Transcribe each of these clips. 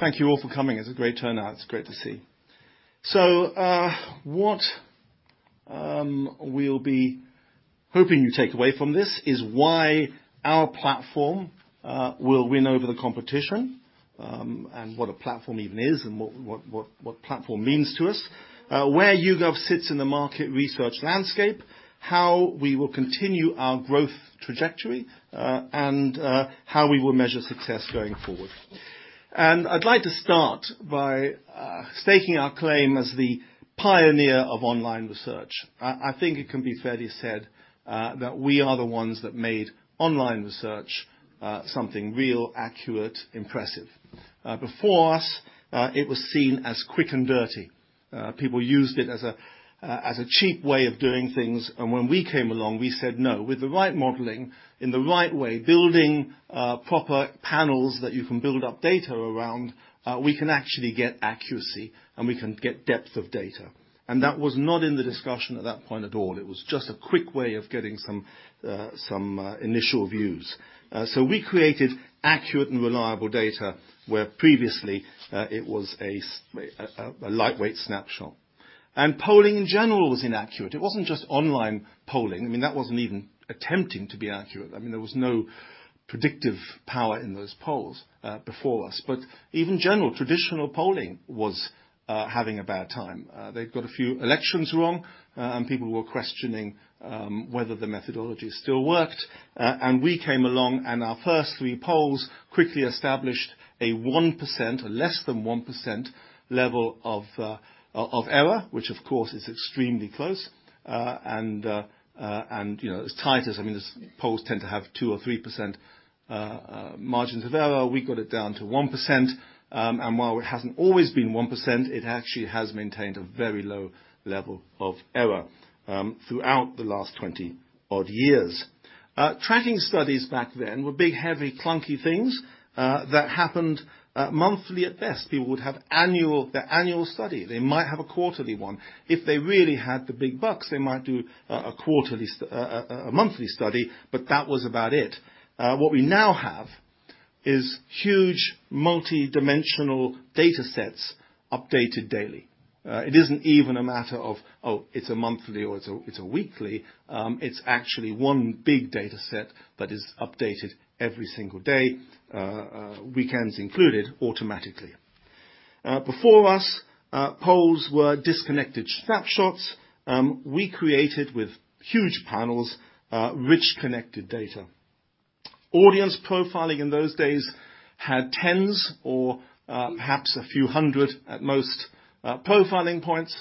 Thank you all for coming. It's a great turnout. It's great to see. What we'll be hoping you take away from this is why our platform will win over the competition, and what a platform even is and what platform means to us, where YouGov sits in the market research landscape, how we will continue our growth trajectory, and how we will measure success going forward. I'd like to start by staking our claim as the pioneer of online research. I think it can be fairly said that we are the ones that made online research something real, accurate, impressive. Before us, it was seen as quick and dirty. People used it as a cheap way of doing things. When we came along, we said, "No. With the right modeling, in the right way, building proper panels that you can build up data around, we can actually get accuracy, and we can get depth of data." That was not in the discussion at that point at all. It was just a quick way of getting some initial views. We created accurate and reliable data where previously, it was a lightweight snapshot. Polling in general was inaccurate. It wasn't just online polling. I mean, that wasn't even attempting to be accurate. I mean, there was no predictive power in those polls before us. Even general traditional polling was having a bad time. They'd got a few elections wrong, and people were questioning whether the methodology still worked. We came along, and our first three polls quickly established a 1%, or less than 1% level of error, which of course is extremely close. You know, I mean, as polls tend to have 2% or 3% margins of error, we got it down to 1%. While it hasn't always been 1%, it actually has maintained a very low level of error throughout the last 20 odd years. Tracking studies back then were big, heavy, clunky things that happened monthly at best. People would have their annual study. They might have a quarterly one. If they really had the big bucks, they might do a monthly study, but that was about it. What we now have is huge multidimensional data sets updated daily. It isn't even a matter of, oh, it's a monthly or it's a weekly, it's actually one big data set that is updated every single day, weekends included, automatically. Before us, polls were disconnected snapshots. We created with huge panels, rich connected data. Audience profiling in those days had tens or perhaps a few hundred at most, profiling points,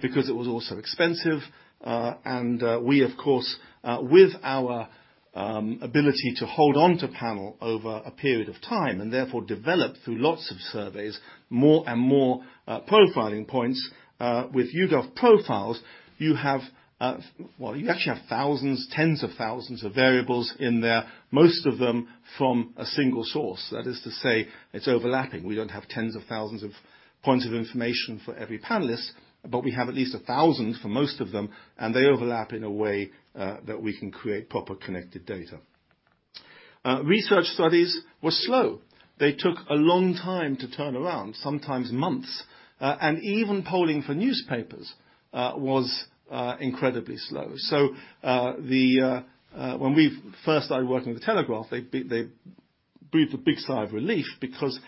because it was all so expensive. We of course, with our ability to hold on to panel over a period of time, and therefore develop through lots of surveys, more and more profiling points, with YouGov Profiles, you have, well, you actually have thousands, tens of thousands of variables in there, most of them from a single source. That is to say, it's overlapping. We don't have tens of thousands of points of information for every panelist, but we have at least 1,000 for most of them, and they overlap in a way that we can create proper connected data. Research studies were slow. They took a long time to turn around, sometimes months. Even polling for newspapers was incredibly slow. When we first started working with The Telegraph, they breathed a big sigh of relief because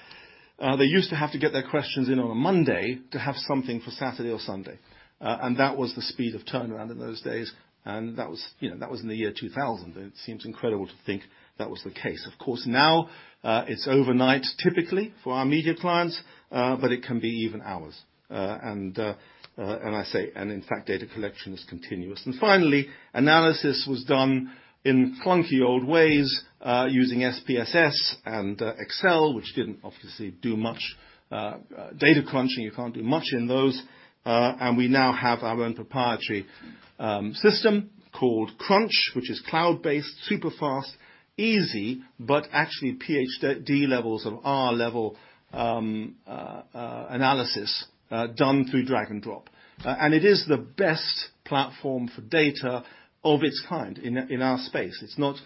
they used to have to get their questions in on a Monday to have something for Saturday or Sunday. That was the speed of turnaround in those days. That was, you know, that was in the year 2000, and it seems incredible to think that was the case. Of course, now, it's overnight, typically, for our media clients, but it can be even hours. I say, and in fact, data collection is continuous. Finally, analysis was done in clunky old ways, using SPSS and Excel, which didn't obviously do much, data crunching. You can't do much in those. We now have our own proprietary system called Crunch, which is cloud-based, super fast, easy, but actually PhD levels of R level analysis, done through drag and drop. It is the best platform for data of its kind in our space. It's not,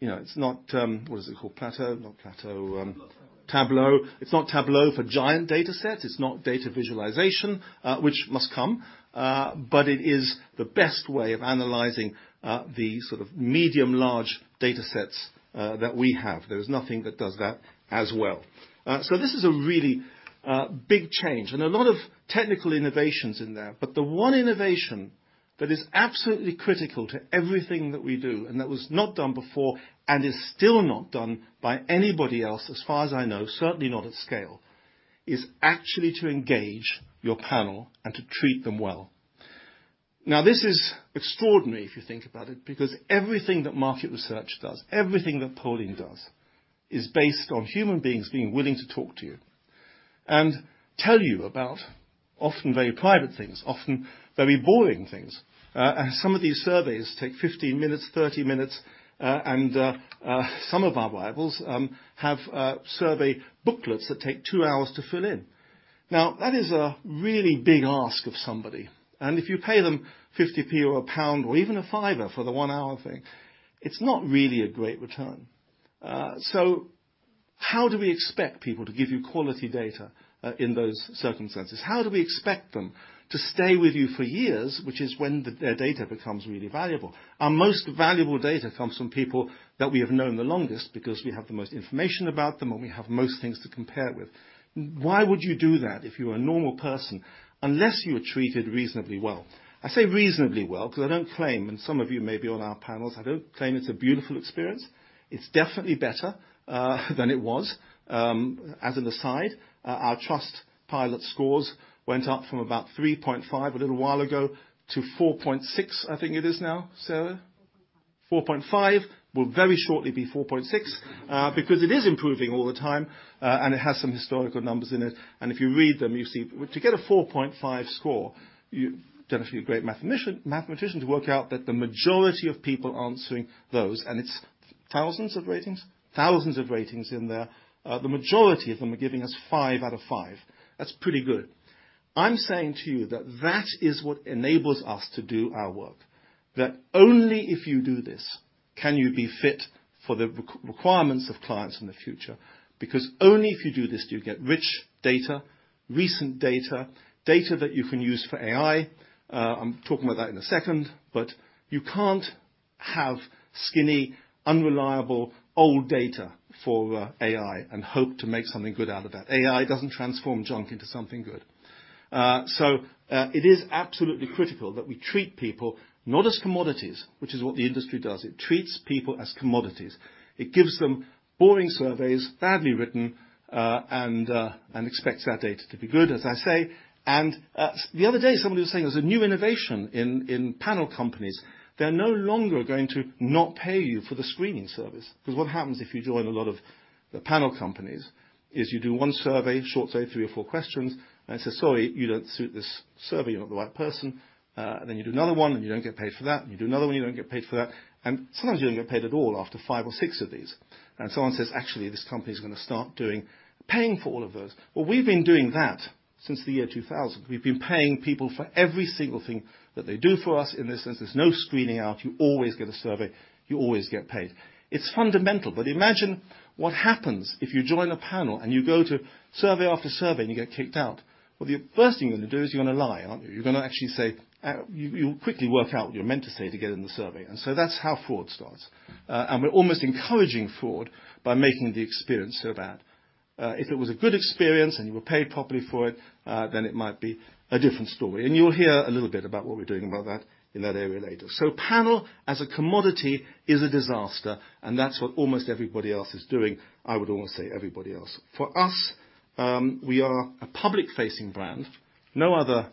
you know, it's not, what is it called? Plateau? Not Plateau, Tableau. Tableau. It's not Tableau for giant datasets. It's not data visualization, which must come. It is the best way of analyzing the sort of medium large datasets that we have. There's nothing that does that as well. This is a really big change, and a lot of technical innovations in there. The one innovation that is absolutely critical to everything that we do, and that was not done before, and is still not done by anybody else, as far as I know, certainly not at scale, is actually to engage your panel and to treat them well. This is extraordinary if you think about it, because everything that market research does, everything that polling does, is based on human beings being willing to talk to you and tell you about often very private things, often very boring things. Some of these surveys take 15 minutes, 30 minutes, some of our rivals have survey booklets that take two hours to fill in. That is a really big ask of somebody. If you pay them 0.50 or GBP 1 or even GBP 5 for the one-hour thing, it's not really a great return. How do we expect people to give you quality data in those circumstances? How do we expect them to stay with you for years, which is when their data becomes really valuable? Our most valuable data comes from people that we have known the longest because we have the most information about them, and we have most things to compare it with. Why would you do that if you were a normal person, unless you were treated reasonably well? I say reasonably well 'cause I don't claim, and some of you may be on our panels, I don't claim it's a beautiful experience. It's definitely better than it was. As an aside, our Trustpilot scores went up from about 3.5 a little while ago to 4.6, I think it is now. Sarah? 4.5. 4.5. Will very shortly be 4.6, because it is improving all the time, and it has some historical numbers in it, and if you read them, you see. To get a 4.5 score, you don't have to be a great mathematician to work out that the majority of people answering those, and it's thousands of ratings? Thousands of ratings in there. The majority of them are giving us five out of five. That's pretty good. I'm saying to you that that is what enables us to do our work. That only if you do this can you be fit for the requirements of clients in the future. Only if you do this do you get rich data, recent data that you can use for AI. t that in a second, but you can't have skinny, unreliable, old data for AI and hope to make something good out of that. AI doesn't transform junk into something good. It is absolutely critical that we treat people not as commodities, which is what the industry does. It treats people as commodities. It gives them boring surveys, badly written, and expects that data to be good, as I say. The other day, somebody was saying there's a new innovation in panel companies. They're no longer going to not pay you for the screening service. 'Cause what happens if you join a lot of the panel companies is you do one survey, short survey, three or four questions, and it says, "Sorry, you don't suit this survey. You're not the right person." You do another one, and you don't get paid for that. You do another one, you don't get paid for that. Sometimes you don't get paid at all after five or six of these. Someone says, "Actually, this company is gonna start paying for all of those." We've been doing that since the year 2000. We've been paying people for every single thing that they do for us. In this sense, there's no screening out. You always get a survey. You always get paid. It's fundamental. Imagine what happens if you join a panel and you go to survey after survey and you get kicked out. The first thing you're gonna do is you're gonna lie, aren't you? You're gonna actually say... You, you'll quickly work out what you're meant to say to get in the survey, that's how fraud starts. We're almost encouraging fraud by making the experience so bad. If it was a good experience and you were paid properly for it, then it might be a different story. You'll hear a little bit about what we're doing about that in that area later. Panel as a commodity is a disaster, and that's what almost everybody else is doing. I would almost say everybody else. For us, we are a public-facing brand. No other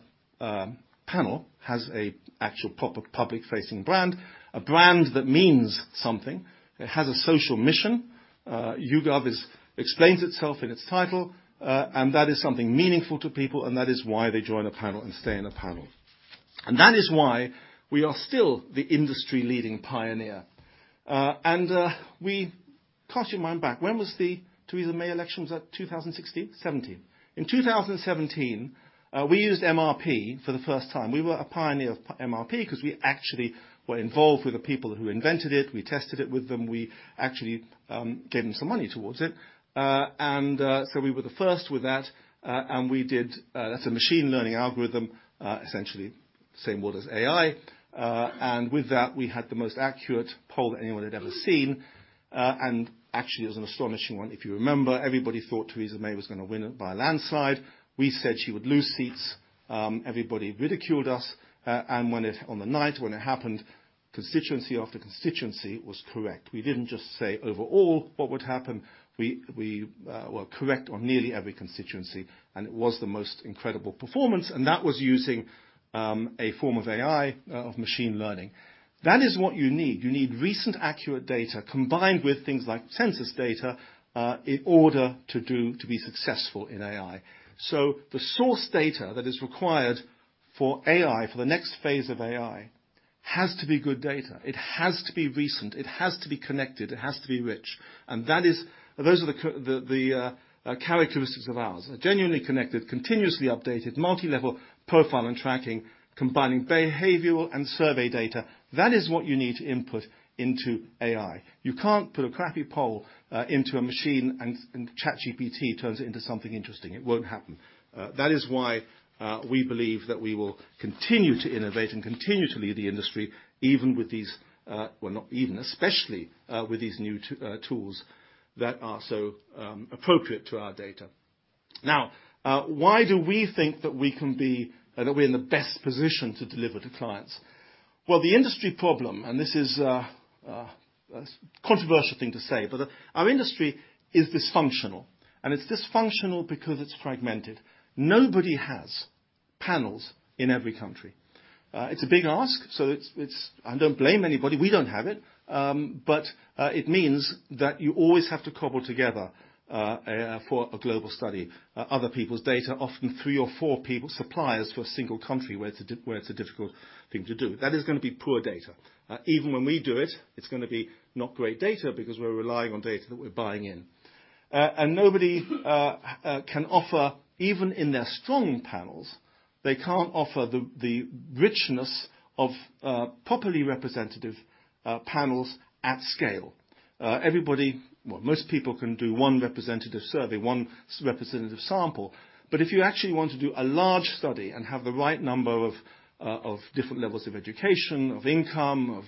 panel has a actual proper public-facing brand. A brand that means something. It has a social mission. YouGov explains itself in its title, and that is something meaningful to people, and that is why they join a panel and stay in a panel. That is why we are still the industry-leading pioneer. Cast your mind back. When was the Theresa May elections? Was that 2016? 2017. In 2017, we used MRP for the first time. We were a pioneer of MRP cause we actually were involved with the people who invented it. We tested it with them. We actually gave them some money towards it. We were the first with that, and we did, that's a machine learning algorithm, essentially same word as AI. With that, we had the most accurate poll that anyone had ever seen, actually, it was an astonishing one. If you remember, everybody thought Theresa May was gonna win it by a landslide. We said she would lose seats. Everybody ridiculed us. On the night when it happened, constituency after constituency was correct. We didn't just say overall what would happen. We were correct on nearly every constituency, and it was the most incredible performance, and that was using a form of AI of machine learning. That is what you need. You need recent accurate data combined with things like census data in order to be successful in AI. The source data that is required for AI, for the next phase of AI, has to be good data. It has to be recent. It has to be connected. It has to be rich. Those are the characteristics of ours. Genuinely connected, continuously updated, multi-level profile and tracking, combining behavioral and survey data. That is what you need to input into AI. You can't put a crappy poll into a machine and ChatGPT turns it into something interesting. It won't happen. That is why we believe that we will continue to innovate and continue to lead the industry, even with these, well, not even, especially, with these new tools that are so appropriate to our data. Now, why do we think that we can be that we're in the best position to deliver to clients? Well, the industry problem, and this is a controversial thing to say, but our industry is dysfunctional, and it's dysfunctional because it's fragmented. Nobody has panels in every country. It's a big ask, so I don't blame anybody. We don't have it. It means that you always have to cobble together for a global study, other people's data, often three or four people, suppliers for a single country, where it's a difficult thing to do. That is gonna be poor data. Even when we do it's gonna be not great data because we're relying on data that we're buying in. Nobody can offer, even in their strong panels. They can't offer the richness of properly representative panels at scale. Well, most people can do one representative survey, one representative sample. If you actually want to do a large study and have the right number of different levels of education, of income,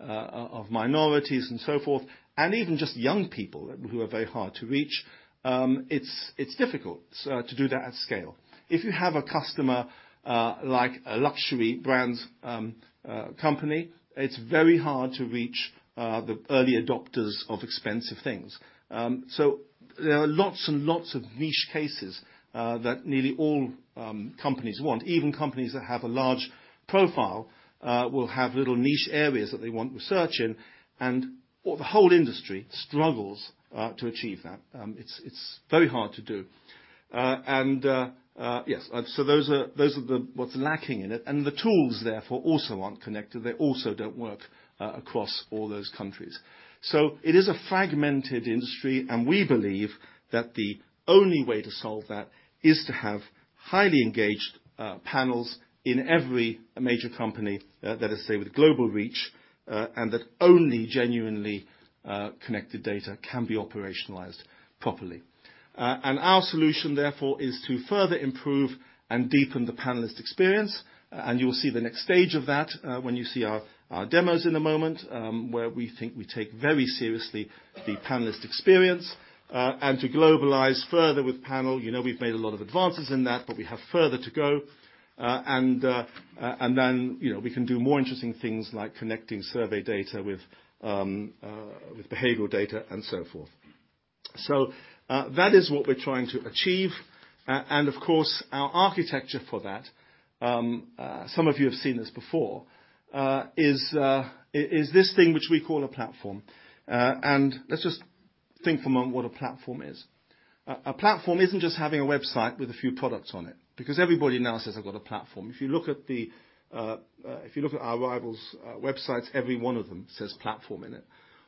of minorities and so forth, and even just young people who are very hard to reach, it's difficult to do that at scale. If you have a customer like a luxury brands company, it's very hard to reach the early adopters of expensive things. There are lots and lots of niche cases that nearly all companies want. Even companies that have a large profile will have little niche areas that they want research in, and, well, the whole industry struggles to achieve that. It's, it's very hard to do. Yes, those are the what's lacking in it. The tools, therefore, also aren't connected. They also don't work across all those countries. It is a fragmented industry, and we believe that the only way to solve that is to have highly engaged panels in every major company, that is to say, with global reach, and that only genuinely connected data can be operationalized properly. Our solution, therefore, is to further improve and deepen the panelist experience. You will see the next stage of that when you see our demos in a moment, where we think we take very seriously the panelist experience, and to globalize further with panel. You know, we've made a lot of advances in that, but we have further to go. You know, we can do more interesting things like connecting survey data with behavioral data and so forth. That is what we're trying to achieve. Of course, our architecture for that, some of you have seen this before, is this thing which we call a platform. Let's just think for a moment what a platform is. A platform isn't just having a website with a few products on it, because everybody now says they've got a platform. If you look at the, if you look at our rivals', websites, every one of them says platform in it.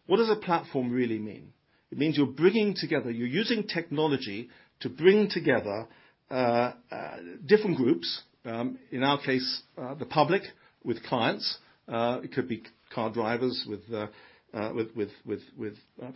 What does a platform really mean? It means you're bringing together, you're using technology to bring together, different groups, in our case, the public with clients. It could be car drivers with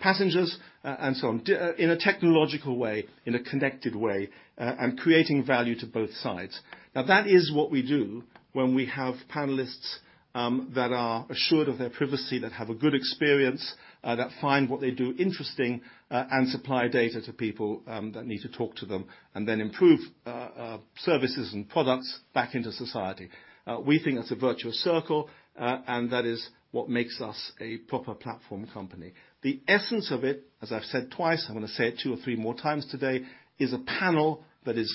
passengers and so on. In a technological way, in a connected way, and creating value to both sides. That is what we do when we have panelists that are assured of their privacy, that have a good experience, that find what they do interesting, and supply data to people that need to talk to them and then improve services and products back into society. We think that's a virtual circle, and that is what makes us a proper platform company. The essence of it, as I've said twice, I'm gonna say it two or three more times today, is a panel that is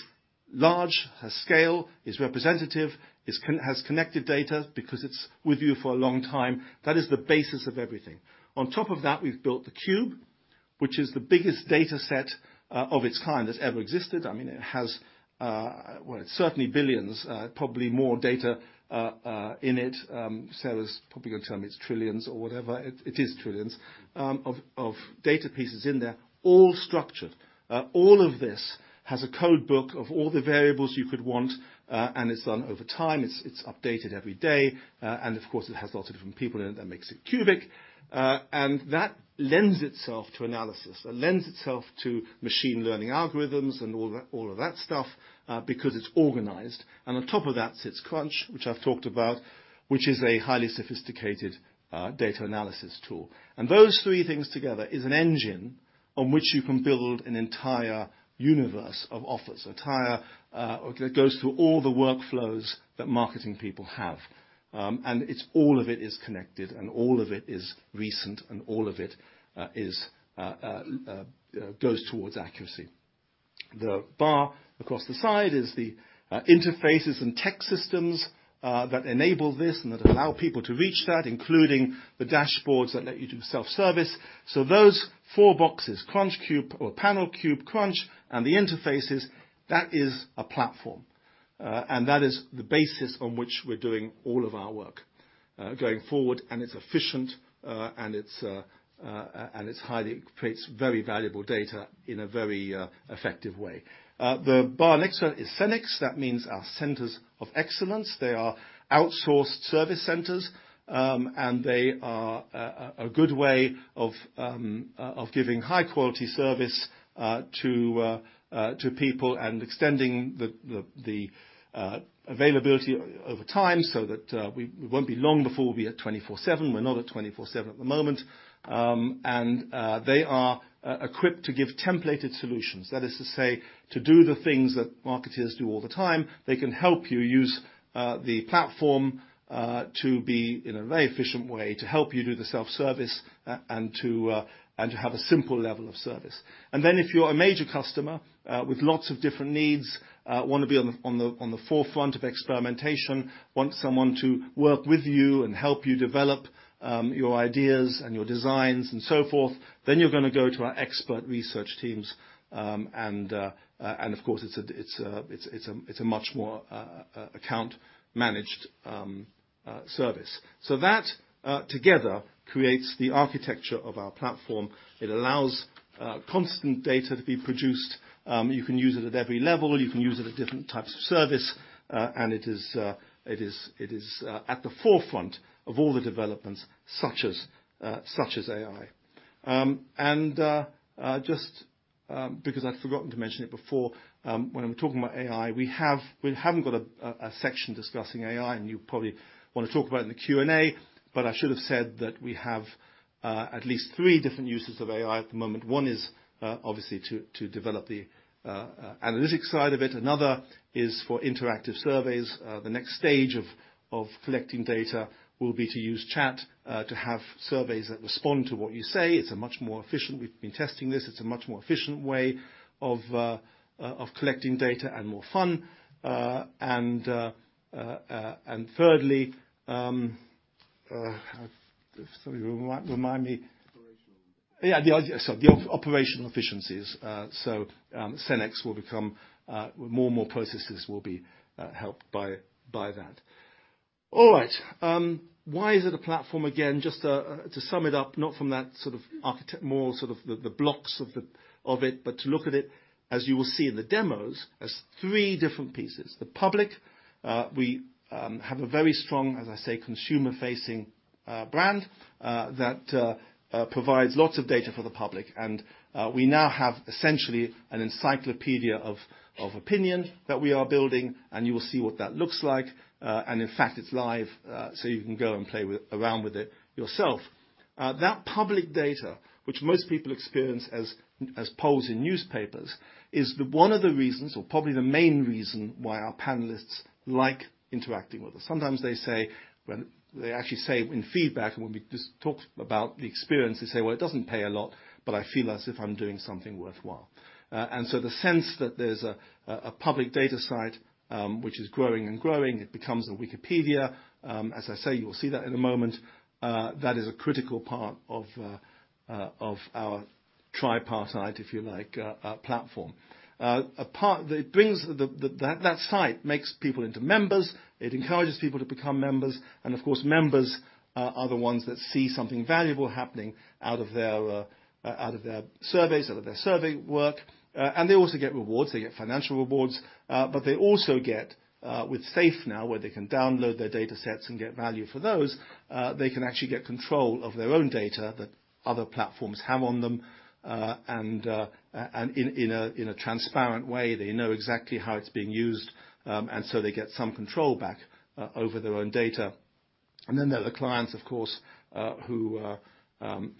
large, has scale, is representative, has connected data because it's with you for a long time. That is the basis of everything. On top of that, we've built the Cube, which is the biggest dataset of its kind that's ever existed. I mean, it has, well, it's certainly billions, probably more data in it. Sarah's probably gonna tell me it's trillions or whatever. It is trillions of data pieces in there, all structured. All of this has a codebook of all the variables you could want, and it's done over time. It's updated every day, and of course, it has lots of different people in it that makes it cubic. That lends itself to analysis. It lends itself to machine learning algorithms and all of that stuff, because it's organized. On top of that sits Crunch, which I've talked about, which is a highly sophisticated data analysis tool. Those three things together is an engine on which you can build an entire universe of offers, entire. That goes through all the workflows that marketing people have. All of it is connected, and all of it is recent, and all of it is goes towards accuracy. The bar across the side is the interfaces and tech systems that enable this and that allow people to reach that, including the dashboards that let you do self-service. Those four boxes, Crunch, Cube, or Panel, Cube, Crunch, and the interfaces, that is a platform. That is the basis on which we're doing all of our work going forward, and it's efficient, and it's highly. It creates very valuable data in a very effective way. The bar next to it is CenX. That means our Centres of Excellence. They are outsourced service centers, and they are a good way of giving high-quality service to people and extending the availability over time so that it won't be long before we'll be at 24/7. We're not at 24/7 at the moment. And they are equipped to give templated solutions. That is to say, to do the things that marketers do all the time. They can help you use the platform to be in a very efficient way, to help you do the self-service and to have a simple level of service. If you're a major customer, with lots of different needs, wanna be on the forefront of experimentation, want someone to work with you and help you develop your ideas and your designs and so forth, then you're gonna go to our Expert Research teams, and of course it's a much more account managed service. That together creates the architecture of our platform. It allows constant data to be produced. You can use it at every level. You can use it at different types of service, and it is at the forefront of all the developments such as AI. Just because I'd forgotten to mention it before, when I'm talking about AI, we haven't got a section discussing AI, and you probably wanna talk about it in the Q&A, but I should have said that we have at least three different uses of AI at the moment. One is, obviously, to develop the analytics side of it. Another is for interactive surveys. The next stage of collecting data will be to use chat, to have surveys that respond to what you say. It's a much more efficient. We've been testing this. It's a much more efficient way of collecting data and more fun. And thirdly, sorry, remind me. Operational. Yeah, the operational efficiencies. CenX will become more and more processes will be helped by that. All right. Why is it a platform? Again, just to sum it up, not from that sort of more sort of the blocks of it, but to look at it, as you will see in the demos, as three different pieces. The public, we have a very strong, as I say, consumer-facing brand that provides lots of data for the public. We now have essentially an encyclopedia of opinion that we are building, and you will see what that looks like. And in fact, it's live, so you can go and play around with it yourself. That public data, which most people experience as polls in newspapers, is the one of the reasons, or probably the main reason, why our panelists like interacting with us. Sometimes they say they actually say in feedback, when we just talked about the experience, they say, "Well, it doesn't pay a lot, but I feel as if I'm doing something worthwhile." The sense that there's a public data site, which is growing and growing, it becomes a Wikipedia. As I say, you will see that in a moment. That is a critical part of our tripartite, if you like, platform. That site makes people into members. It encourages people to become members. Of course, members are the ones that see something valuable happening out of their, out of their surveys, out of their survey work. They also get rewards. They get financial rewards. They also get, with Safe now, where they can download their datasets and get value for those. They can actually get control of their own data that other platforms have on them. In a transparent way, they know exactly how it's being used. They get some control back over their own data. There are the clients, of course,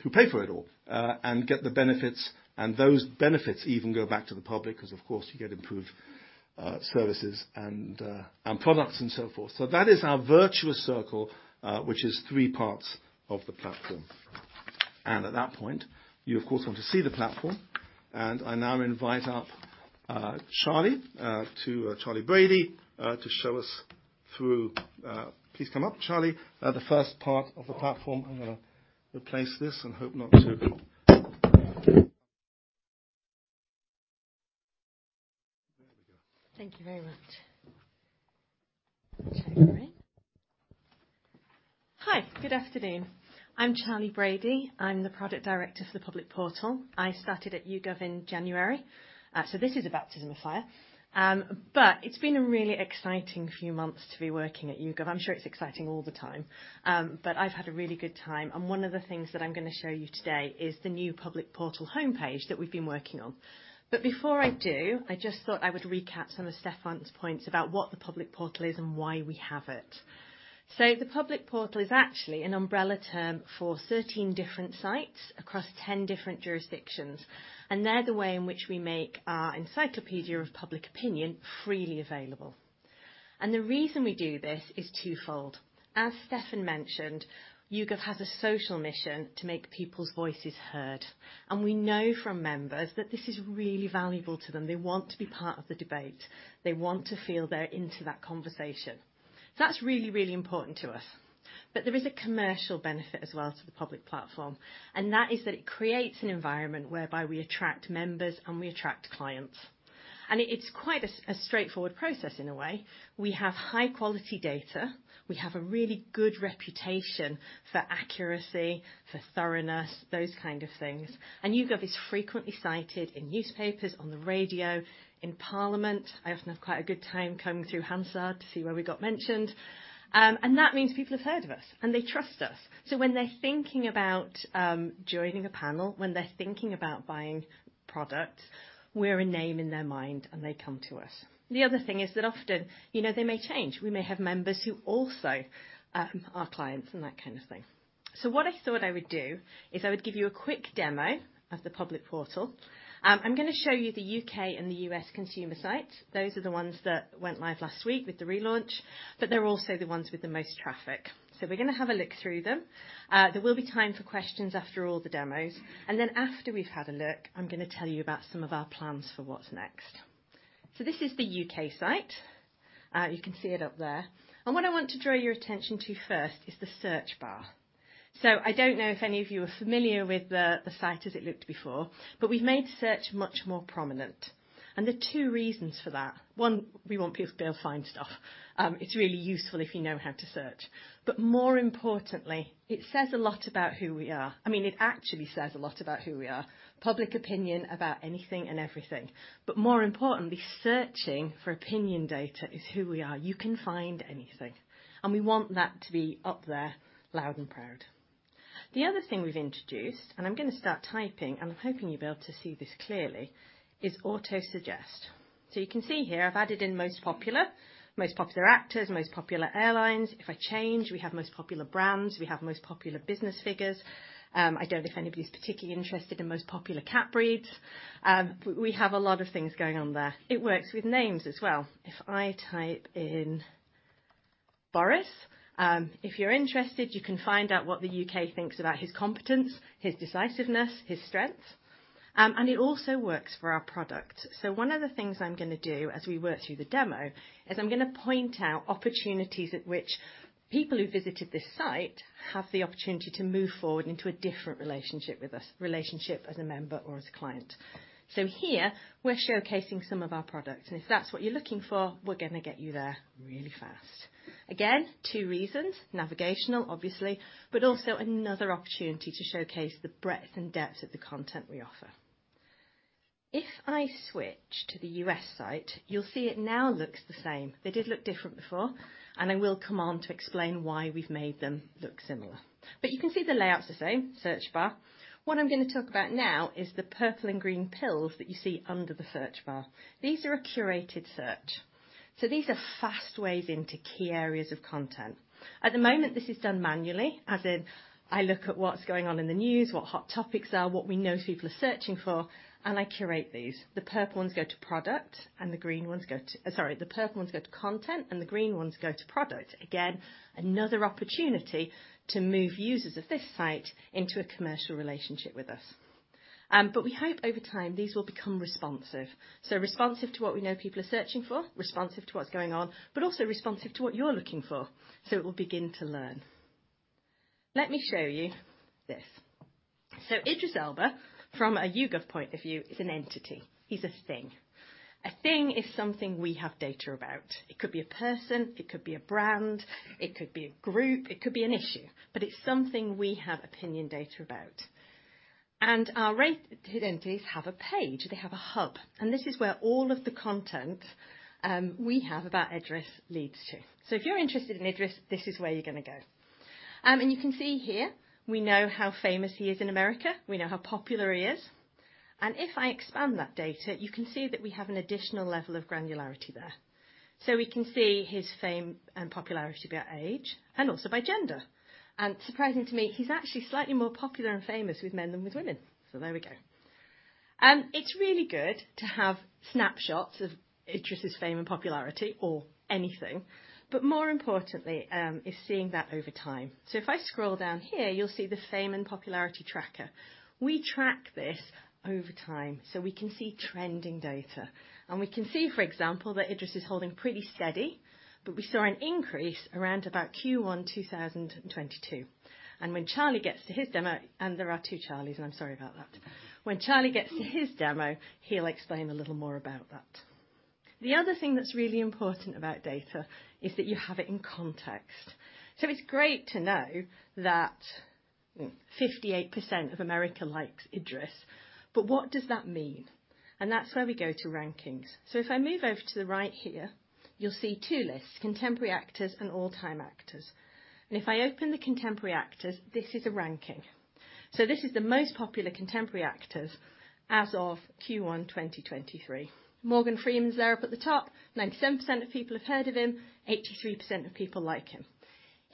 who pay for it all and get the benefits, and those benefits even go back to the public 'cause, of course, you get improved services and products and so forth. That is our virtuous circle, which is three parts of the platform. At that point, you, of course, want to see the platform, and I now invite up Charlie Brady to show us through, please come up, Charlie, the first part of the platform. I'm gonna replace this and hope not to. There we go. Thank you very much. Check we're in. Hi. Good afternoon. I'm Charlie Brady. I'm the Product Director for the Public Portal. I started at YouGov in January. This is a baptism of fire. It's been a really exciting few months to be working at YouGov. I'm sure it's exciting all the time, but I've had a really good time. One of the things that I'm gonna show you today is the new Public Portal homepage that we've been working on. Before I do, I just thought I would recap some of Stephan's points about what the Public Portal is and why we have it. The Public Portal is actually an umbrella term for 13 different sites across 10 different jurisdictions, and they're the way in which we make our encyclopedia of public opinion freely available. The reason we do this is twofold. As Stephan mentioned, YouGov has a social mission to make people's voices heard, and we know from members that this is really valuable to them. They want to be part of the debate. They want to feel they're into that conversation. That's really, really important to us. There is a commercial benefit as well to the public platform, and that is that it creates an environment whereby we attract members and we attract clients. It's quite a straightforward process in a way. We have high-quality data. We have a really good reputation for accuracy, for thoroughness, those kind of things. YouGov is frequently cited in newspapers, on the radio, in Parliament. I often have quite a good time combing through Hansard to see where we got mentioned. And that means people have heard of us, and they trust us. When they're thinking about joining a panel, when they're thinking about buying product, we're a name in their mind, and they come to us. The other thing is that often, you know, they may change. We may have members who also are clients and that kind of thing. What I thought I would do is I would give you a quick demo of the public portal. I'm gonna show you the U.K. and the U.S. consumer sites. Those are the ones that went live last week with the relaunch, but they're also the ones with the most traffic. We're gonna have a look through them. There will be time for questions after all the demos. After we've had a look, I'm gonna tell you about some of our plans for what's next. This is the U.K. site. You can see it up there. What I want to draw your attention to first is the search bar. I don't know if any of you are familiar with the site as it looked before, but we've made search much more prominent. There are two reasons for that. One, we want people to be able to find stuff. It's really useful if you know how to search. More importantly, it says a lot about who we are. I mean, it actually says a lot about who we are. Public opinion about anything and everything. More importantly, searching for opinion data is who we are. You can find anything. We want that to be up there loud and proud. The other thing we've introduced, I'm gonna start typing, I'm hoping you'll be able to see this clearly, is auto-suggest. You can see here I've added in most popular. Most popular actors, most popular airlines. If I change, we have most popular brands. We have most popular business figures. I don't know if anybody's particularly interested in most popular cat breeds. We have a lot of things going on there. It works with names as well. If I type in Boris, if you're interested, you can find out what the U.K. thinks about his competence, his decisiveness, his strengths. It also works for our product. One of the things I'm gonna do as we work through the demo is I'm gonna point out opportunities at which people who visited this site have the opportunity to move forward into a different relationship with us, relationship as a member or as a client. Here, we're showcasing some of our products, and if that's what you're looking for, we're gonna get you there really fast. Again, two reasons: navigational, obviously, but also another opportunity to showcase the breadth and depth of the content we offer. If I switch to the U.S. site, you'll see it now looks the same. They did look different before, and I will come on to explain why we've made them look similar. You can see the layout's the same, search bar. What I'm gonna talk about now is the purple and green pills that you see under the search bar. These are a curated search. These are fast ways into key areas of content. At the moment, this is done manually, as in I look at what's going on in the news, what hot topics are, what we know people are searching for, and I curate these. The purple ones go to product. Sorry, the purple ones go to content, and the green ones go to product. Again, another opportunity to move users of this site into a commercial relationship with us. We hope over time these will become responsive. Responsive to what we know people are searching for, responsive to what's going on, but also responsive to what you're looking for. It will begin to learn. Let me show you this. Idris Elba, from a YouGov point of view, is an entity. He's a thing. A thing is something we have data about. It could be a person, it could be a brand, it could be a group, it could be an issue, but it's something we have opinion data about. Our rated entities have a page. They have a hub, and this is where all of the content we have about Idris leads to. If you're interested in Idris, this is where you're gonna go. You can see here, we know how famous he is in America. We know how popular he is, and if I expand that data, you can see that we have an additional level of granularity there. We can see his fame and popularity by age and also by gender. Surprising to me, he's actually slightly more popular and famous with men than with women. There we go. It's really good to have snapshots of Idris's fame and popularity or anything, but more importantly, is seeing that over time. If I scroll down here, you'll see the fame and popularity tracker. We track this over time, so we can see trending data, and we can see, for example, that Idris is holding pretty steady, but we saw an increase around about Q1 2022. When Charlie gets to his demo, and there are two Charlies, and I'm sorry about that. When Charlie gets to his demo, he'll explain a little more about that. The other thing that's really important about data is that you have it in context. It's great to know that 58% of America likes Idris, but what does that mean? That's where we go to rankings. If I move over to the right here, you'll see two lists, contemporary actors and all-time actors. If I open the contemporary actors, this is a ranking. This is the most popular contemporary actors as of Q1 2023. Morgan Freeman's there up at the top. 97% of people have heard of him. 83% of people like him.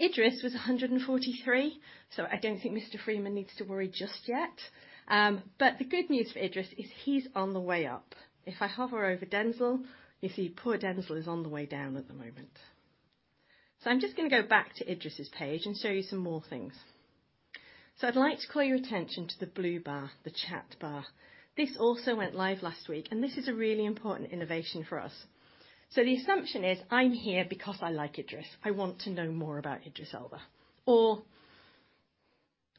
Idris was 143, so I don't think Mr. Freeman needs to worry just yet. The good news for Idris is he's on the way up. If I hover over Denzel, you see poor Denzel is on the way down at the moment. I'm just gonna go back to Idris' page and show you some more things. I'd like to call your attention to the blue bar, the chat bar. This also went live last week. This is a really important innovation for us. The assumption is I'm here because I like Idris. I want to know more about Idris Elba or,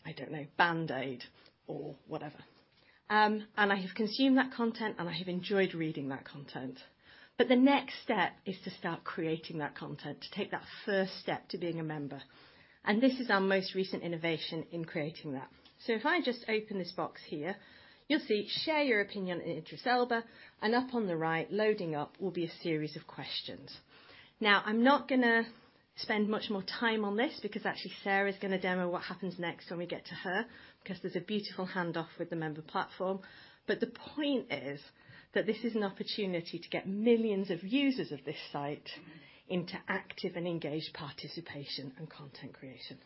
I don't know, BAND-AID or whatever. I have consumed that content, and I have enjoyed reading that content. The next step is to start creating that content, to take that first step to being a member. This is our most recent innovation in creating that. If I just open this box here, you'll see, "Share your opinion on Idris Elba." Up on the right, loading up, will be a series of questions. Now, I'm not gonna spend much more time on this because actually Sarah's gonna demo what happens next when we get to her 'cause there's a beautiful handoff with the member platform. The point is that this is an opportunity to get millions of users of this site into active and engaged participation and content creation.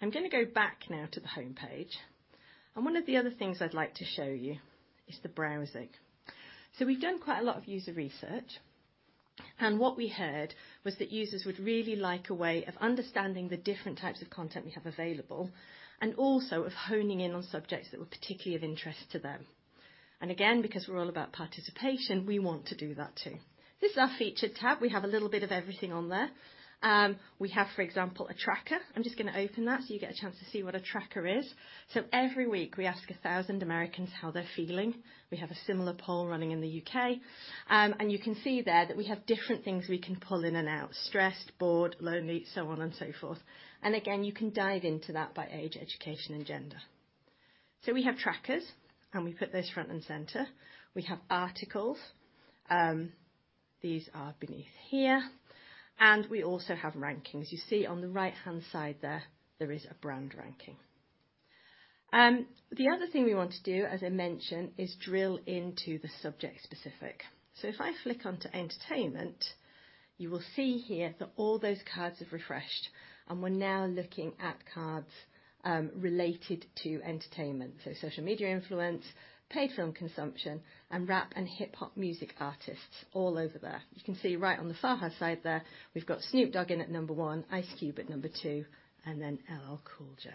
I'm gonna go back now to the homepage, and one of the other things I'd like to show you is the browsing. We've done quite a lot of user research, and what we heard was that users would really like a way of understanding the different types of content we have available and also of honing in on subjects that were particularly of interest to them. Again, because we're all about participation, we want to do that too. This is our featured tab. We have a little bit of everything on there. We have, for example, a tracker. I'm just gonna open that so you get a chance to see what a tracker is. Every week, we ask 1,000 Americans how they're feeling. We have a similar poll running in the U.K. You can see there that we have different things we can pull in and out: stressed, bored, lonely, so on and so forth. Again, you can dive into that by age, education, and gender. We have trackers, and we put those front and center. We have articles, these are beneath here. We also have rankings. You see on the right-hand side there is a brand ranking. The other thing we want to do, as I mentioned, is drill into the subject specific. If I flick onto entertainment, you will see here that all those cards have refreshed, and we're now looking at cards, related to entertainment. Social media influence, paid film consumption, and rap and hip-hop music artists all over there. You can see right on the far right side there, we've got Snoop Dogg in at number one, Ice Cube at number two, and then LL Cool J.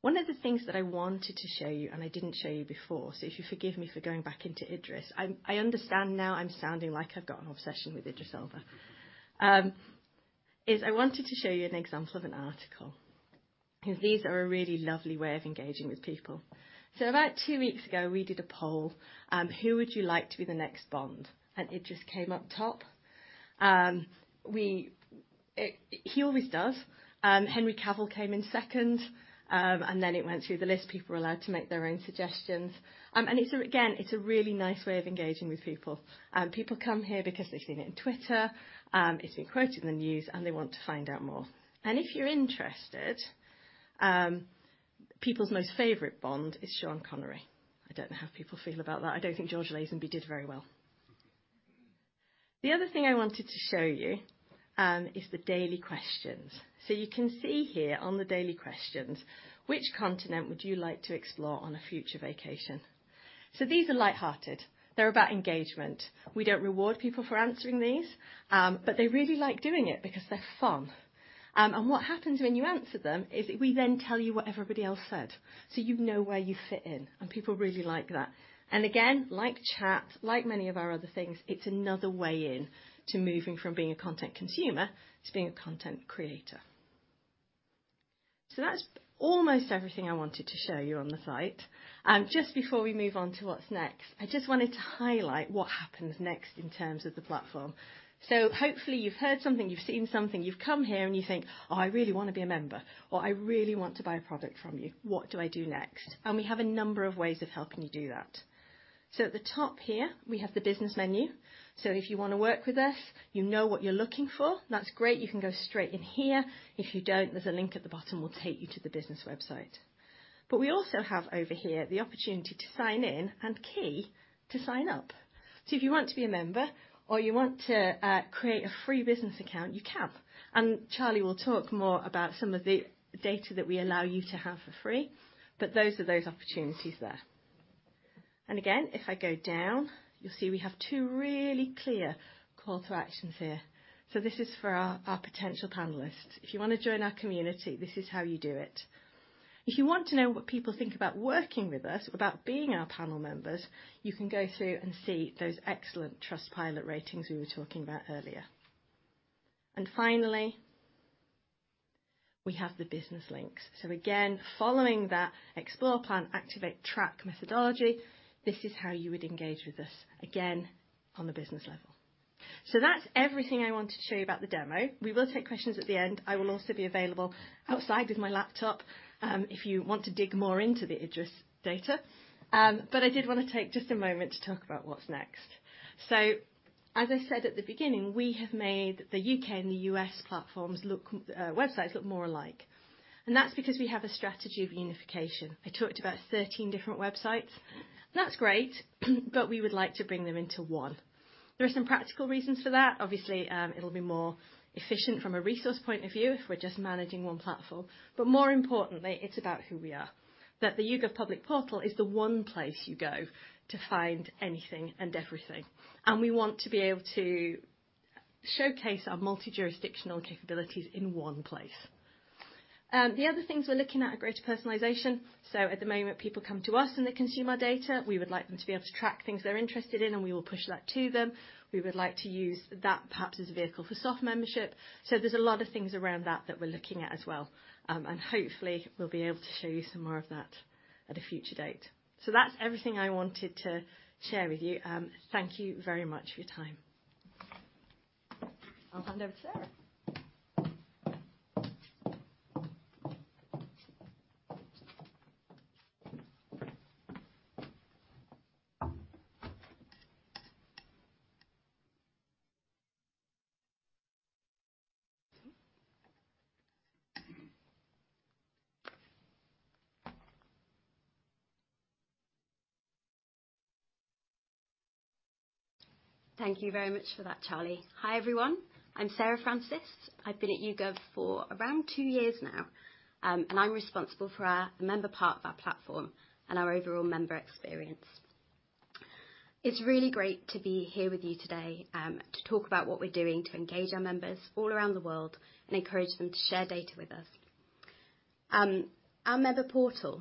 One of the things that I wanted to show you and I didn't show you before, so if you forgive me for going back into Idris, I understand now I'm sounding like I've got an obsession with Idris Elba. I wanted to show you an example of an article. These are a really lovely way of engaging with people. About two weeks ago, we did a poll, who would you like to be the next Bond? Idris came up top. He always does. Henry Cavill came in second. It went through the list. People were allowed to make their own suggestions. Again, it's a really nice way of engaging with people. People come here because they've seen it in Twitter, it's been quoted in the news, and they want to find out more. If you're interested, people's most favorite Bond is Sean Connery. I don't know how people feel about that. I don't think George Lazenby did very well. The other thing I wanted to show you is the daily questions. You can see here on the daily questions: Which continent would you like to explore on a future vacation? These are light-hearted. They're about engagement. We don't reward people for answering these, but they really like doing it because they're fun. What happens when you answer them is we then tell you what everybody else said, so you know where you fit in, and people really like that. Again, like chat, like many of our other things, it's another way in to moving from being a content consumer to being a content creator. That's almost everything I wanted to show you on the site. Just before we move on to what's next, I just wanted to highlight what happens next in terms of the platform. Hopefully you've heard something, you've seen something, you've come here, and you think, "Oh, I really wanna be a member," or, "I really want to buy a product from you. What do I do next?" We have a number of ways of helping you do that. At the top here, we have the business menu. If you wanna work with us, you know what you're looking for, and that's great, you can go straight in here. If you don't, there's a link at the bottom will take you to the business website. We also have over here the opportunity to sign in and key to sign up. If you want to be a member or you want to create a free business account, you can. Charlie will talk more about some of the data that we allow you to have for free, but those are those opportunities there. Again, if I go down, you'll see we have two really clear call to actions here. This is for our potential panelists. If you wanna join our community, this is how you do it. If you want to know what people think about working with us, about being our panel members, you can go through and see those excellent Trustpilot ratings we were talking about earlier. Finally, we have the business links. Again, following that explore, plan, activate, track methodology, this is how you would engage with us, again, on a business level. That's everything I wanted to show you about the demo. We will take questions at the end. I will also be available outside with my laptop, if you want to dig more into the Idris data. I did wanna take just a moment to talk about what's next. As I said at the beginning, we have made the U.K. and the U.S. platforms look, websites look more alike. That's because we have a strategy of unification. I talked about 13 different websites. That's great, but we would like to bring them into one. There are some practical reasons for that. Obviously, it'll be more efficient from a resource point of view if we're just managing one platform. More importantly, it's about who we are. That the YouGov public portal is the one place you go to find anything and everything. We want to be able to showcase our multi-jurisdictional capabilities in one place. The other things we're looking at are greater personalization. At the moment, people come to us and they consume our data. We would like them to be able to track things they're interested in, and we will push that to them. We would like to use that perhaps as a vehicle for soft membership. There's a lot of things around that that we're looking at as well. Hopefully, we'll be able to show you some more of that at a future date. That's everything I wanted to share with you. Thank you very much for your time. I'll hand over to Sarah. Thank you very much for that, Charlie. Hi, everyone. I'm Sarah Francis. I've been at YouGov for around two years now, and I'm responsible for our member part of our platform and our overall member experience. It's really great to be here with you today, to talk about what we're doing to engage our members all around the world and encourage them to share data with us. Our member portal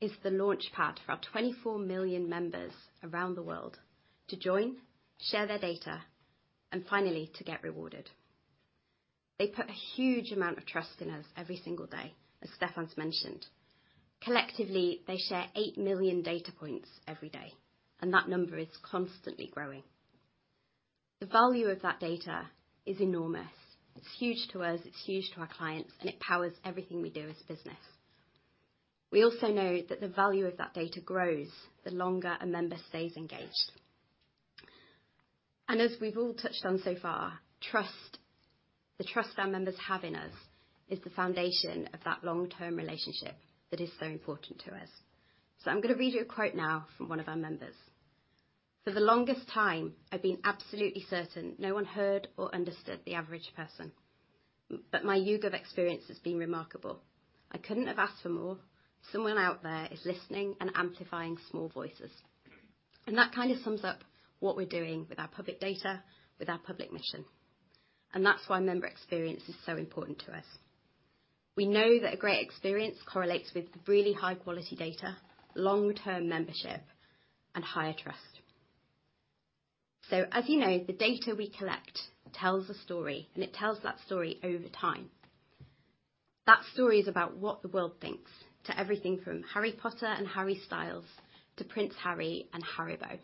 is the launchpad for our 24 million members around the world to join, share their data, and finally to get rewarded. They put a huge amount of trust in us every single day, as Stephan's mentioned. Collectively, they share 8 million data points every day, and that number is constantly growing. The value of that data is enormous. It's huge to us, it's huge to our clients, and it powers everything we do as a business. We also know that the value of that data grows the longer a member stays engaged. As we've all touched on so far, the trust our members have in us is the foundation of that long-term relationship that is so important to us. I'm gonna read you a quote now from one of our members. "For the longest time, I've been absolutely certain no one heard or understood the average person. My YouGov experience has been remarkable. I couldn't have asked for more. Someone out there is listening and amplifying small voices." That kinda sums up what we're doing with our public data, with our public mission, and that's why member experience is so important to us. We know that a great experience correlates with really high-quality data, long-term membership, and higher trust. As you know, the data we collect tells a story, and it tells that story over time. That story is about what the world thinks to everything from Harry Potter and Harry Styles to Prince Harry and HARIBO.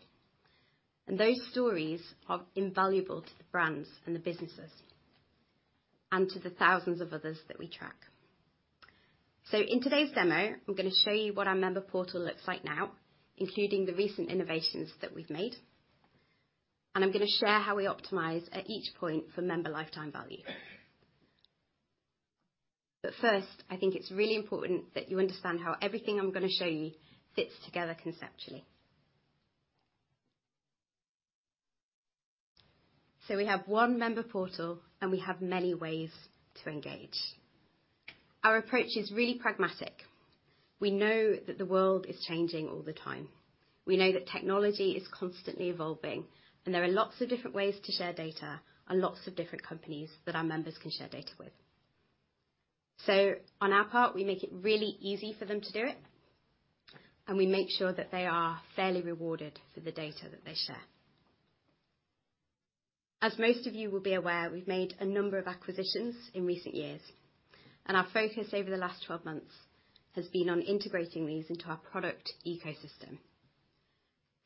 Those stories are invaluable to the brands and the businesses and to the thousands of others that we track. In today's demo, I'm gonna show you what our member portal looks like now, including the recent innovations that we've made, and I'm gonna share how we optimize at each point for member lifetime value. First, I think it's really important that you understand how everything I'm gonna show you fits together conceptually. We have one member portal, and we have many ways to engage. Our approach is really pragmatic. We know that the world is changing all the time. We know that technology is constantly evolving, and there are lots of different ways to share data and lots of different companies that our members can share data with. On our part, we make it really easy for them to do it, and we make sure that they are fairly rewarded for the data that they share. As most of you will be aware, we've made a number of acquisitions in recent years, and our focus over the last 12 months has been on integrating these into our product ecosystem.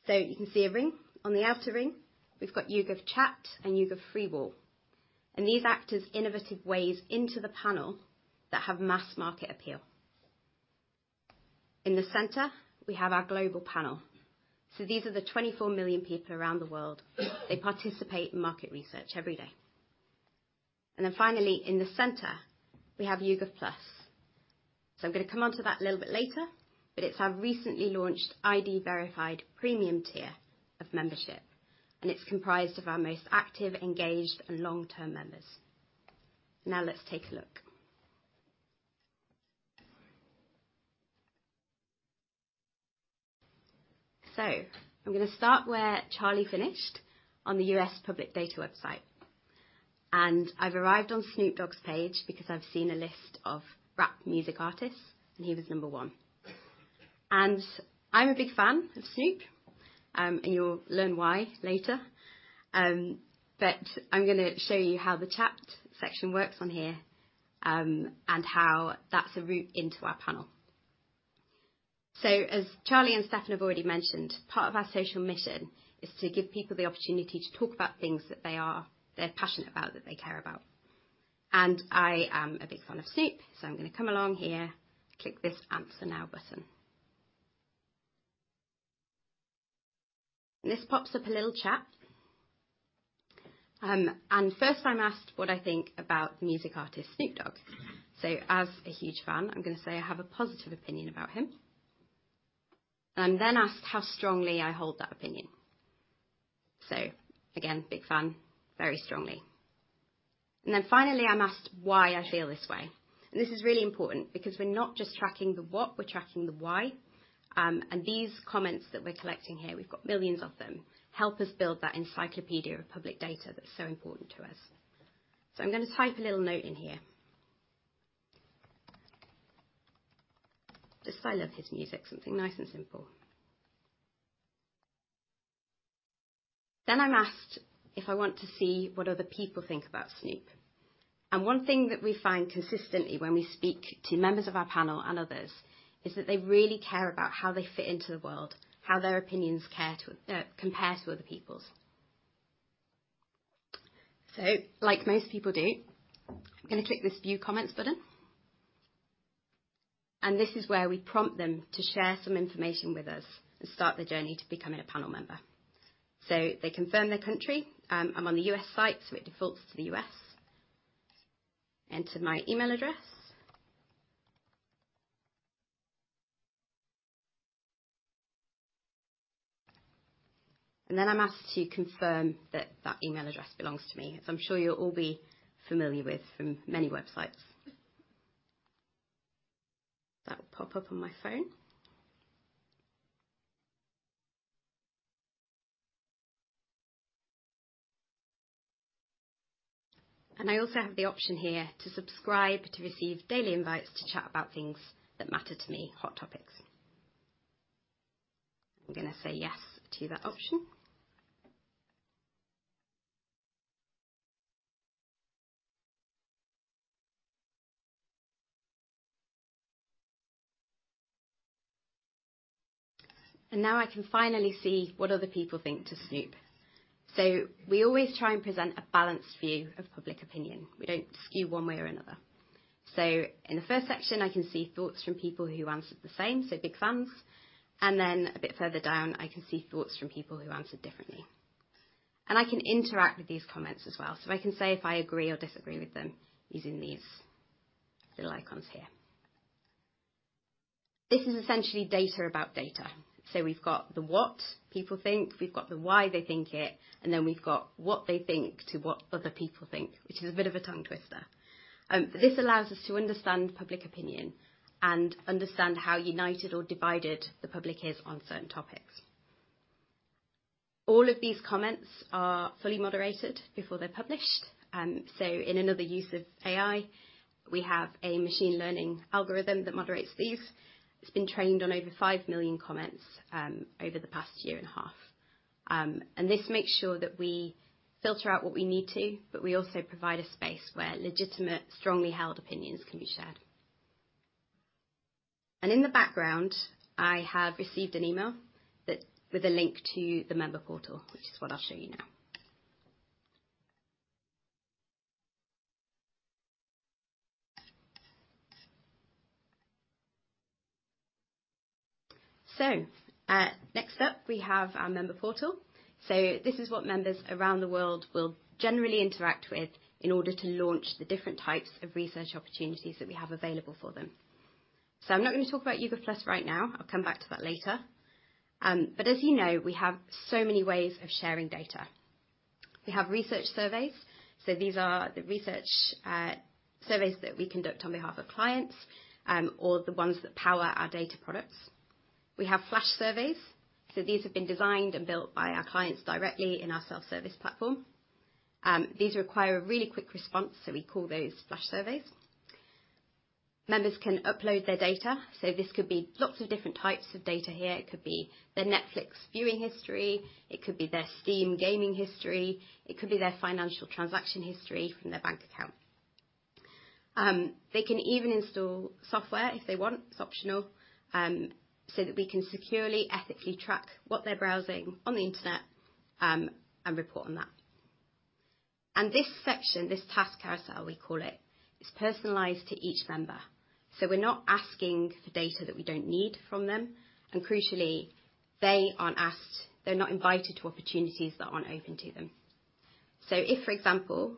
You can see a ring. On the outer ring, we've got YouGov Chat and YouGov FreeWall, and these act as innovative ways into the panel that have mass market appeal. In the center, we have our global panel. These are the 24 million people around the world they participate in market research every day. Finally, in the center, we have YouGov Plus. I'm gonna come on to that a little bit later, but it's our recently launched ID verified premium tier of membership, and it's comprised of our most active, engaged, and long-term members. Let's take a look. I'm gonna start where Charlie finished on the U.S. public data website. I've arrived on Snoop Dogg's page because I've seen a list of rap music artists, and he was number one. I'm a big fan of Snoop, and you'll learn why later. I'm gonna show you how the chat section works on here, and how that's a route into our panel. As Charlie and Stephan have already mentioned, part of our social mission is to give people the opportunity to talk about things that they're passionate about, that they care about. I am a big fan of Snoop, so I'm gonna come along here, click this Answer Now button. This pops up a little chat. First, I'm asked what I think about music artist Snoop Dogg. As a huge fan, I'm gonna say I have a positive opinion about him. I'm then asked how strongly I hold that opinion. Again, big fan, very strongly. Finally, I'm asked why I feel this way. This is really important because we're not just tracking the what, we're tracking the why. These comments that we're collecting here, we've got millions of them, help us build that encyclopedia of public data that's so important to us. I'm gonna type a little note in here. Just I love his music, something nice and simple. I'm asked if I want to see what other people think about Snoop. One thing that we find consistently when we speak to members of our panel and others is that they really care about how they fit into the world, how their opinions compare to other people's. Like most people do, I'm gonna click this View Comments button. This is where we prompt them to share some information with us and start their journey to becoming a panel member. They confirm their country, I'm on the U.S. site, so it defaults to the U.S. Enter my email address. I'm asked to confirm that that email address belongs to me, as I'm sure you'll all be familiar with from many websites. That will pop up on my phone. I also have the option here to subscribe to receive daily invites to chat about things that matter to me, hot topics. I'm gonna say yes to that option. Now I can finally see what other people think to Snoop. We always try and present a balanced view of public opinion. We don't skew one way or another. In the first section, I can see thoughts from people who answered the same, so big fans. A bit further down, I can see thoughts from people who answered differently. I can interact with these comments as well. I can say if I agree or disagree with them using these little icons here. This is essentially data about data. We've got the what people think, we've got the why they think it, and then we've got what they think to what other people think, which is a bit of a tongue twister. This allows us to understand public opinion and understand how united or divided the public is on certain topics. All of these comments are fully moderated before they're published. In another use of AI, we have a machine learning algorithm that moderates these. It's been trained on over five million comments over the past year and a half. This makes sure that we filter out what we need to, but we also provide a space where legitimate, strongly held opinions can be shared. In the background, I have received an email with a link to the member portal, which is what I'll show you now. Next up, we have our member portal. This is what members around the world will generally interact with in order to launch the different types of research opportunities that we have available for them. I'm not gonna talk about YouGov Plus right now. I'll come back to that later. As you know, we have so many ways of sharing data. We have research surveys. These are the research surveys that we conduct on behalf of clients, or the ones that power our data products. We have flash surveys. These have been designed and built by our clients directly in our self-service platform. These require a really quick response, we call those flash surveys. Members can upload their data. This could be lots of different types of data here. It could be their Netflix viewing history, it could be their Steam gaming history, it could be their financial transaction history from their bank account. They can even install software if they want, it's optional, so that we can securely, ethically track what they're browsing on the internet and report on that. This section, this task carousel, we call it, is personalized to each member. We're not asking for data that we don't need from them. Crucially, they're not invited to opportunities that aren't open to them. If, for example,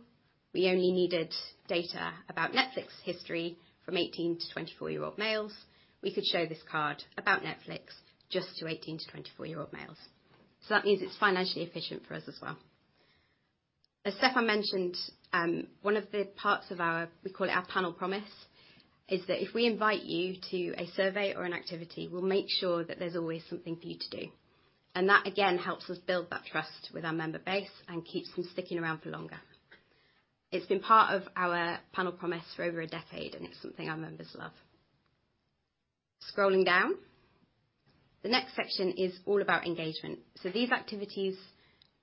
we only needed data about Netflix history from 18 to 24-year-old males, we could show this card about Netflix just to 18 to 24-year-old males. That means it's financially efficient for us as well. As Stephan mentioned, one of the parts of our, we call it our panel promise, is that if we invite you to a survey or an activity, we'll make sure that there's always something for you to do. That, again, helps us build that trust with our member base and keeps them sticking around for longer. It's been part of our panel promise for over a decade, and it's something our members love. Scrolling down. The next section is all about engagement. These activities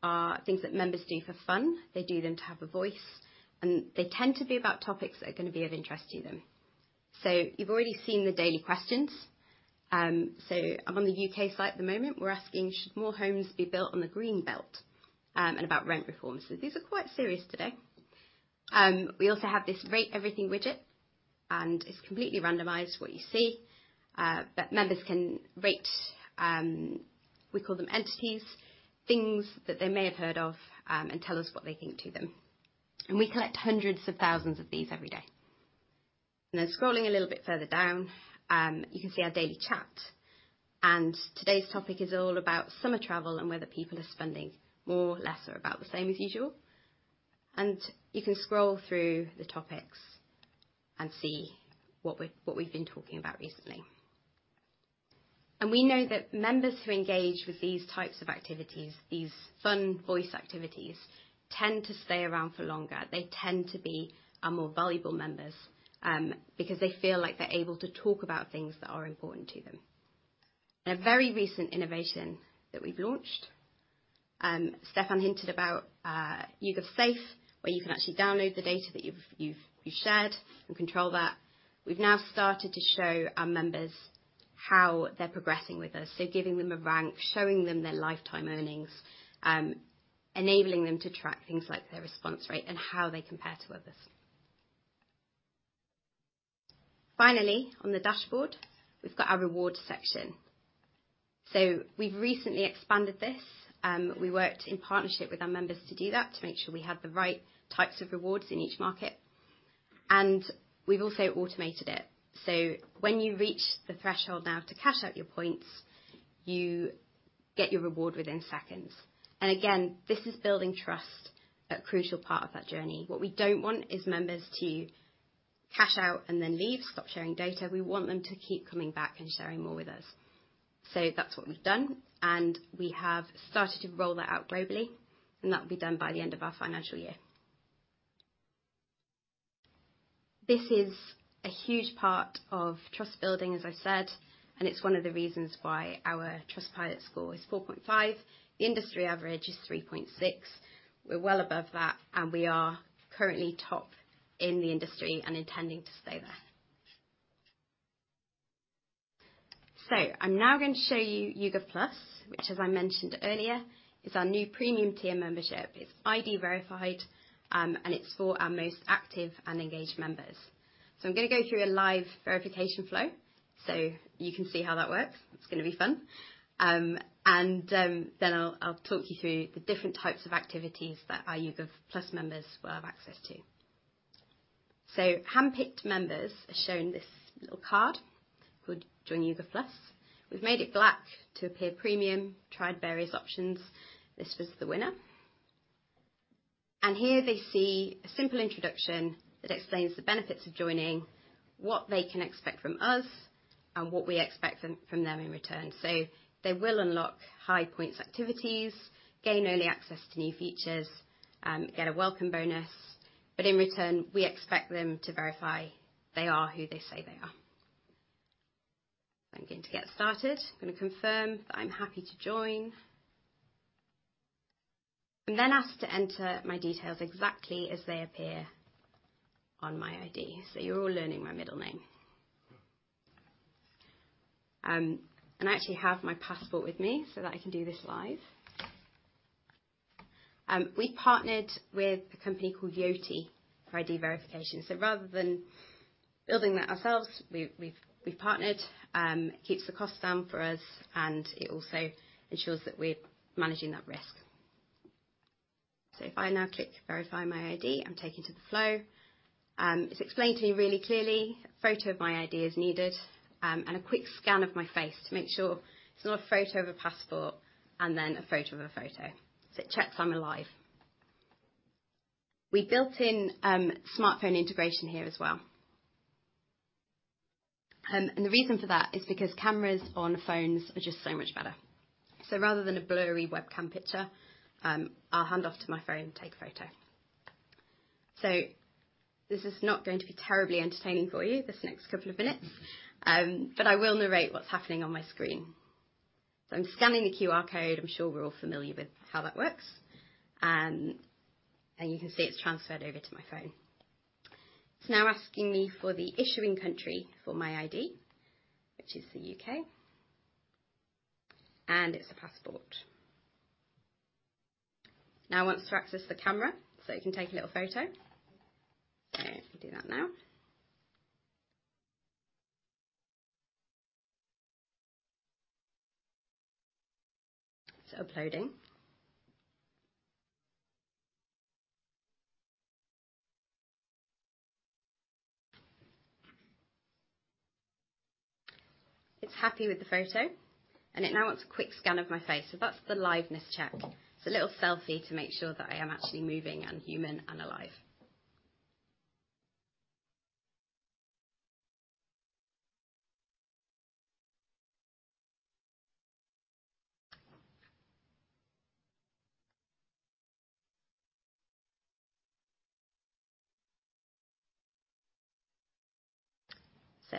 are things that members do for fun. They do them to have a voice, and they tend to be about topics that are gonna be of interest to them. You've already seen the daily questions. I'm on the U.K. site at the moment. We're asking, "Should more homes be built on the green belt?" and about rent reforms. These are quite serious today. We also have this rate everything widget, and it's completely randomized what you see. But members can rate, we call them entities, things that they may have heard of, and tell us what they think to them. We collect hundreds of thousands of these every day. Then scrolling a little bit further down, you can see our daily chat. Today's topic is all about summer travel and whether people are spending more, less or about the same as usual. You can scroll through the topics and see what we've been talking about recently. We know that members who engage with these types of activities, these fun voice activities, tend to stay around for longer. They tend to be our more valuable members, because they feel like they're able to talk about things that are important to them. A very recent innovation that we've launched, Stephan hinted about YouGov Safe, where you can actually download the data that you've shared and control that. We've now started to show our members how they're progressing with us. Giving them a rank, showing them their lifetime earnings, enabling them to track things like their response rate and how they compare to others. Finally, on the dashboard, we've got our reward section. We've recently expanded this. We worked in partnership with our members to do that, to make sure we have the right types of rewards in each market. We've also automated it. When you reach the threshold now to cash out your points, you get your reward within seconds. Again, this is building trust, a crucial part of that journey. What we don't want is members to cash out and then leave, stop sharing data. We want them to keep coming back and sharing more with us. That's what we've done, and we have started to roll that out globally, and that'll be done by the end of our financial year. This is a huge part of trust building, as I said, and it's one of the reasons why our Trustpilot score is 4.5. The industry average is 3.6. We're well above that, and we are currently top in the industry and intending to stay there. I'm now going to show you YouGov Plus, which, as I mentioned earlier, is our new premium tier membership. It's ID-verified, and it's for our most active and engaged members. I'm gonna go through a live verification flow, so you can see how that works. It's gonna be fun. I'll talk you through the different types of activities that our YouGov Plus members will have access to. Handpicked members are shown this little card who join YouGov Plus. We've made it black to appear premium. Tried various options. This was the winner. Here they see a simple introduction that explains the benefits of joining, what they can expect from us, and what we expect from them in return. They will unlock high points activities, gain early access to new features, get a welcome bonus, but in return, we expect them to verify they are who they say they are. I'm going to get started. I'm gonna confirm that I'm happy to join. I'm then asked to enter my details exactly as they appear on my ID. You're all learning my middle name. I actually have my passport with me so that I can do this live. We partnered with a company called Yoti for ID verification, rather than building that ourselves, we've partnered. It keeps the cost down for us, and it also ensures that we're managing that risk. If I now click Verify my ID, I'm taken to the flow. It's explained to me really clearly. A photo of my ID is needed, and a quick scan of my face to make sure it's not a photo of a passport and then a photo of a photo. It checks I'm alive. We built in smartphone integration here as well. The reason for that is because cameras on phones are just so much better. Rather than a blurry webcam picture, I'll hand off to my phone to take a photo. This is not going to be terribly entertaining for you, this next couple of minutes, but I will narrate what's happening on my screen. I'm scanning the QR code. I'm sure we're all familiar with how that works. You can see it's transferred over to my phone. It's now asking me for the issuing country for my ID, which is the U.K., and it's a passport. It wants to access the camera, so it can take a little photo. I can do that now. It's uploading. It's happy with the photo, and it now wants a quick scan of my face. That's the liveness check. It's a little selfie to make sure that I am actually moving and human and alive.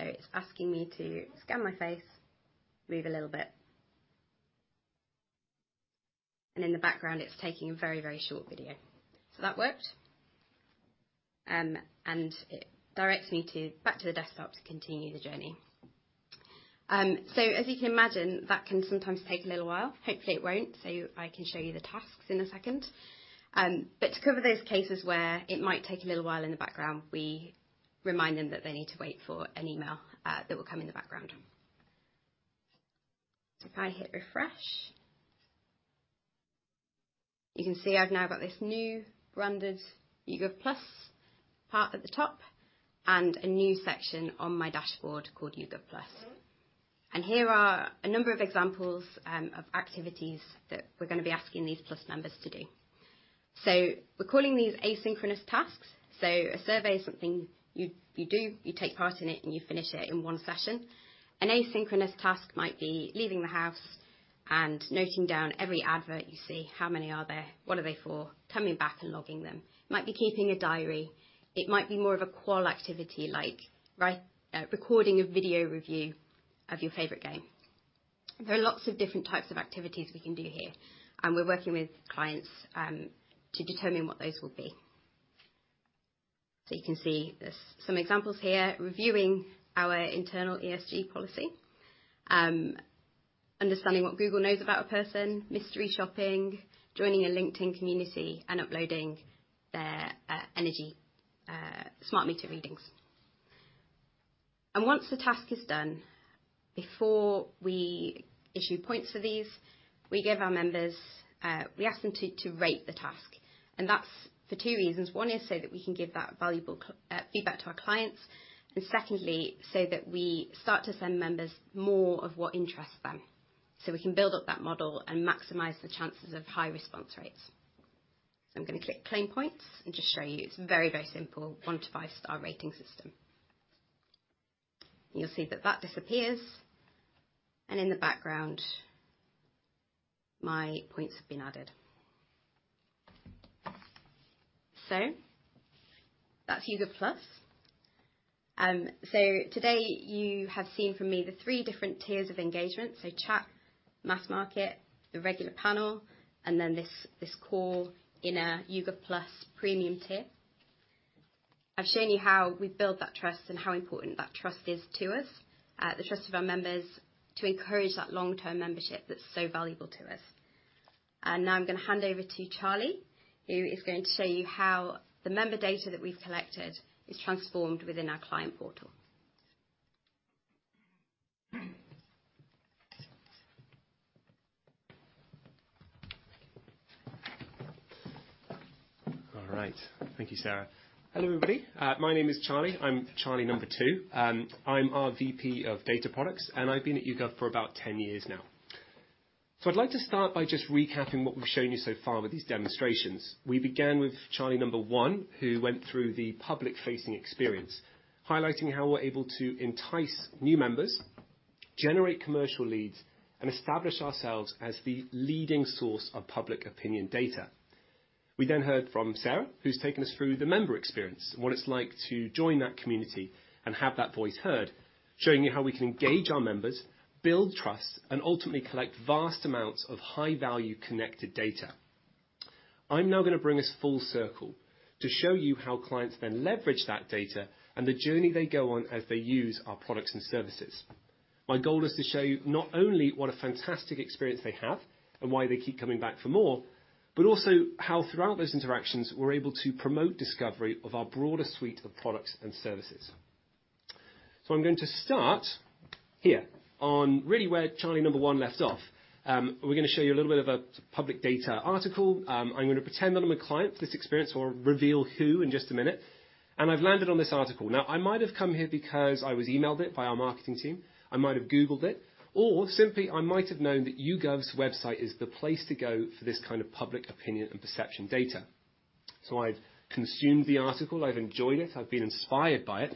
It's asking me to scan my face, move a little bit. In the background, it's taking a very, very short video. That worked. It directs me back to the desktop to continue the journey. As you can imagine, that can sometimes take a little while. Hopefully, it won't. I can show you the tasks in a second. To cover those cases where it might take a little while in the background, we remind them that they need to wait for an email that will come in the background. If I hit refresh, you can see I've now got this new branded YouGov Plus part at the top and a new section on my dashboard called YouGov Plus. Here are a number of examples of activities that we're gonna be asking these Plus members to do. We're calling these asynchronous tasks. A survey is something you do, you take part in it, and you finish it in one session. An asynchronous task might be leaving the house and noting down every advert you see, how many are there, what are they for? Coming back and logging them. It might be keeping a diary. It might be more of a qual activity, like recording a video review of your favorite game. There are lots of different types of activities we can do here, and we're working with clients to determine what those will be. You can see there's some examples here. Reviewing our internal ESG policy, understanding what Google knows about a person, mystery shopping, joining a LinkedIn community, and uploading their energy smart meter readings. Once the task is done, before we issue points for these, we ask them to rate the task, and that's for two reasons. One is so that we can give that valuable feedback to our clients, and secondly, so that we start to send members more of what interests them. We can build up that model and maximize the chances of high response rates. I'm gonna click Claim points and just show you it's very, very simple one to five star rating system. You'll see that that disappears, and in the background, my points have been added. That's YouGov Plus. Today you have seen from me the three different tiers of engagement. Chat, mass market, the regular panel, and then this core inner YouGov Plus premium tier. I've shown you how we build that trust and how important that trust is to us, the trust of our members to encourage that long-term membership that's so valuable to us. Now I'm gonna hand over to Charlie, who is going to show you how the member data that we've collected is transformed within our client portal. All right. Thank you, Sarah. Hello, everybody. My name is Charlie. I'm Charlie number two. I'm our VP of Data Products. I've been at YouGov for about 10 years now. I'd like to start by just recapping what we've shown you so far with these demonstrations. We began with Charlie number one, who went through the public-facing experience, highlighting how we're able to entice new members, generate commercial leads, and establish ourselves as the leading source of public opinion data. We heard from Sarah, who's taken us through the member experience, what it's like to join that community and have that voice heard, showing you how we can engage our members, build trust, and ultimately collect vast amounts of high-value connected data. I'm now gonna bring us full circle to show you how clients then leverage that data and the journey they go on as they use our products and services. My goal is to show you not only what a fantastic experience they have and why they keep coming back for more, but also how throughout those interactions, we're able to promote discovery of our broader suite of products and services. I'm going to start here on really where Charlie number one left off. We're gonna show you a little bit of a public data article. I'm gonna pretend that I'm a client for this experience. We'll reveal who in just a minute. I've landed on this article. I might have come here because I was emailed it by our marketing team. I might have Googled it, or simply, I might have known that YouGov's website is the place to go for this kind of public opinion and perception data. I've consumed the article, I've enjoyed it, I've been inspired by it,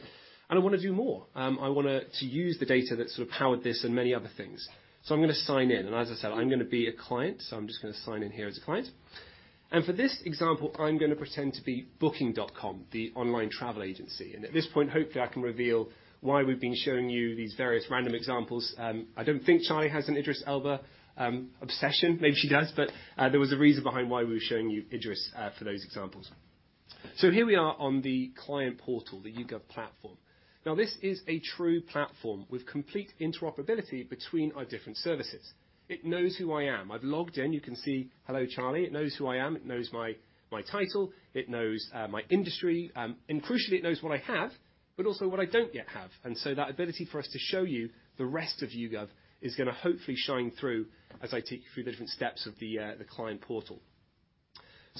and I wanna do more. I wanna to use the data that sort of powered this and many other things. I'm gonna sign in, and as I said, I'm gonna be a client, I'm just gonna sign in here as a client. For this example, I'm gonna pretend to be Booking.com, the online travel agency, and at this point, hopefully, I can reveal why we've been showing you these various random examples. I don't think Charlie has an Idris Elba obsession. Maybe she does, there was a reason behind why we were showing you Idris for those examples. Here we are on the client portal, the YouGov platform. This is a true platform with complete interoperability between our different services. It knows who I am. I've logged in. You can see, "Hello, Charlie." It knows who I am. It knows my title. It knows my industry, and crucially, it knows what I have, but also what I don't yet have. That ability for us to show you the rest of YouGov is gonna hopefully shine through as I take you through the different steps of the client portal.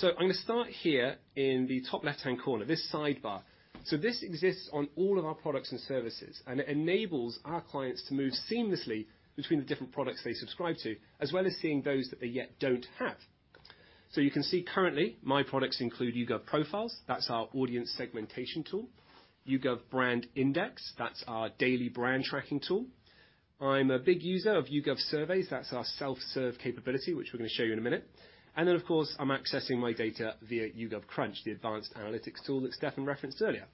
I'm gonna start here in the top left-hand corner, this sidebar. This exists on all of our products and services, and it enables our clients to move seamlessly between the different products they subscribe to, as well as seeing those that they yet don't have. You can see currently, my products include YouGov Profiles. That's our audience segmentation tool. YouGov BrandIndex, that's our daily brand tracking tool. I'm a big user of YouGov Surveys. That's our self-serve capability, which we're gonna show you in a minute. Of course, I'm accessing my data via YouGov Crunch, the advanced analytics tool that Stephan referenced earlier.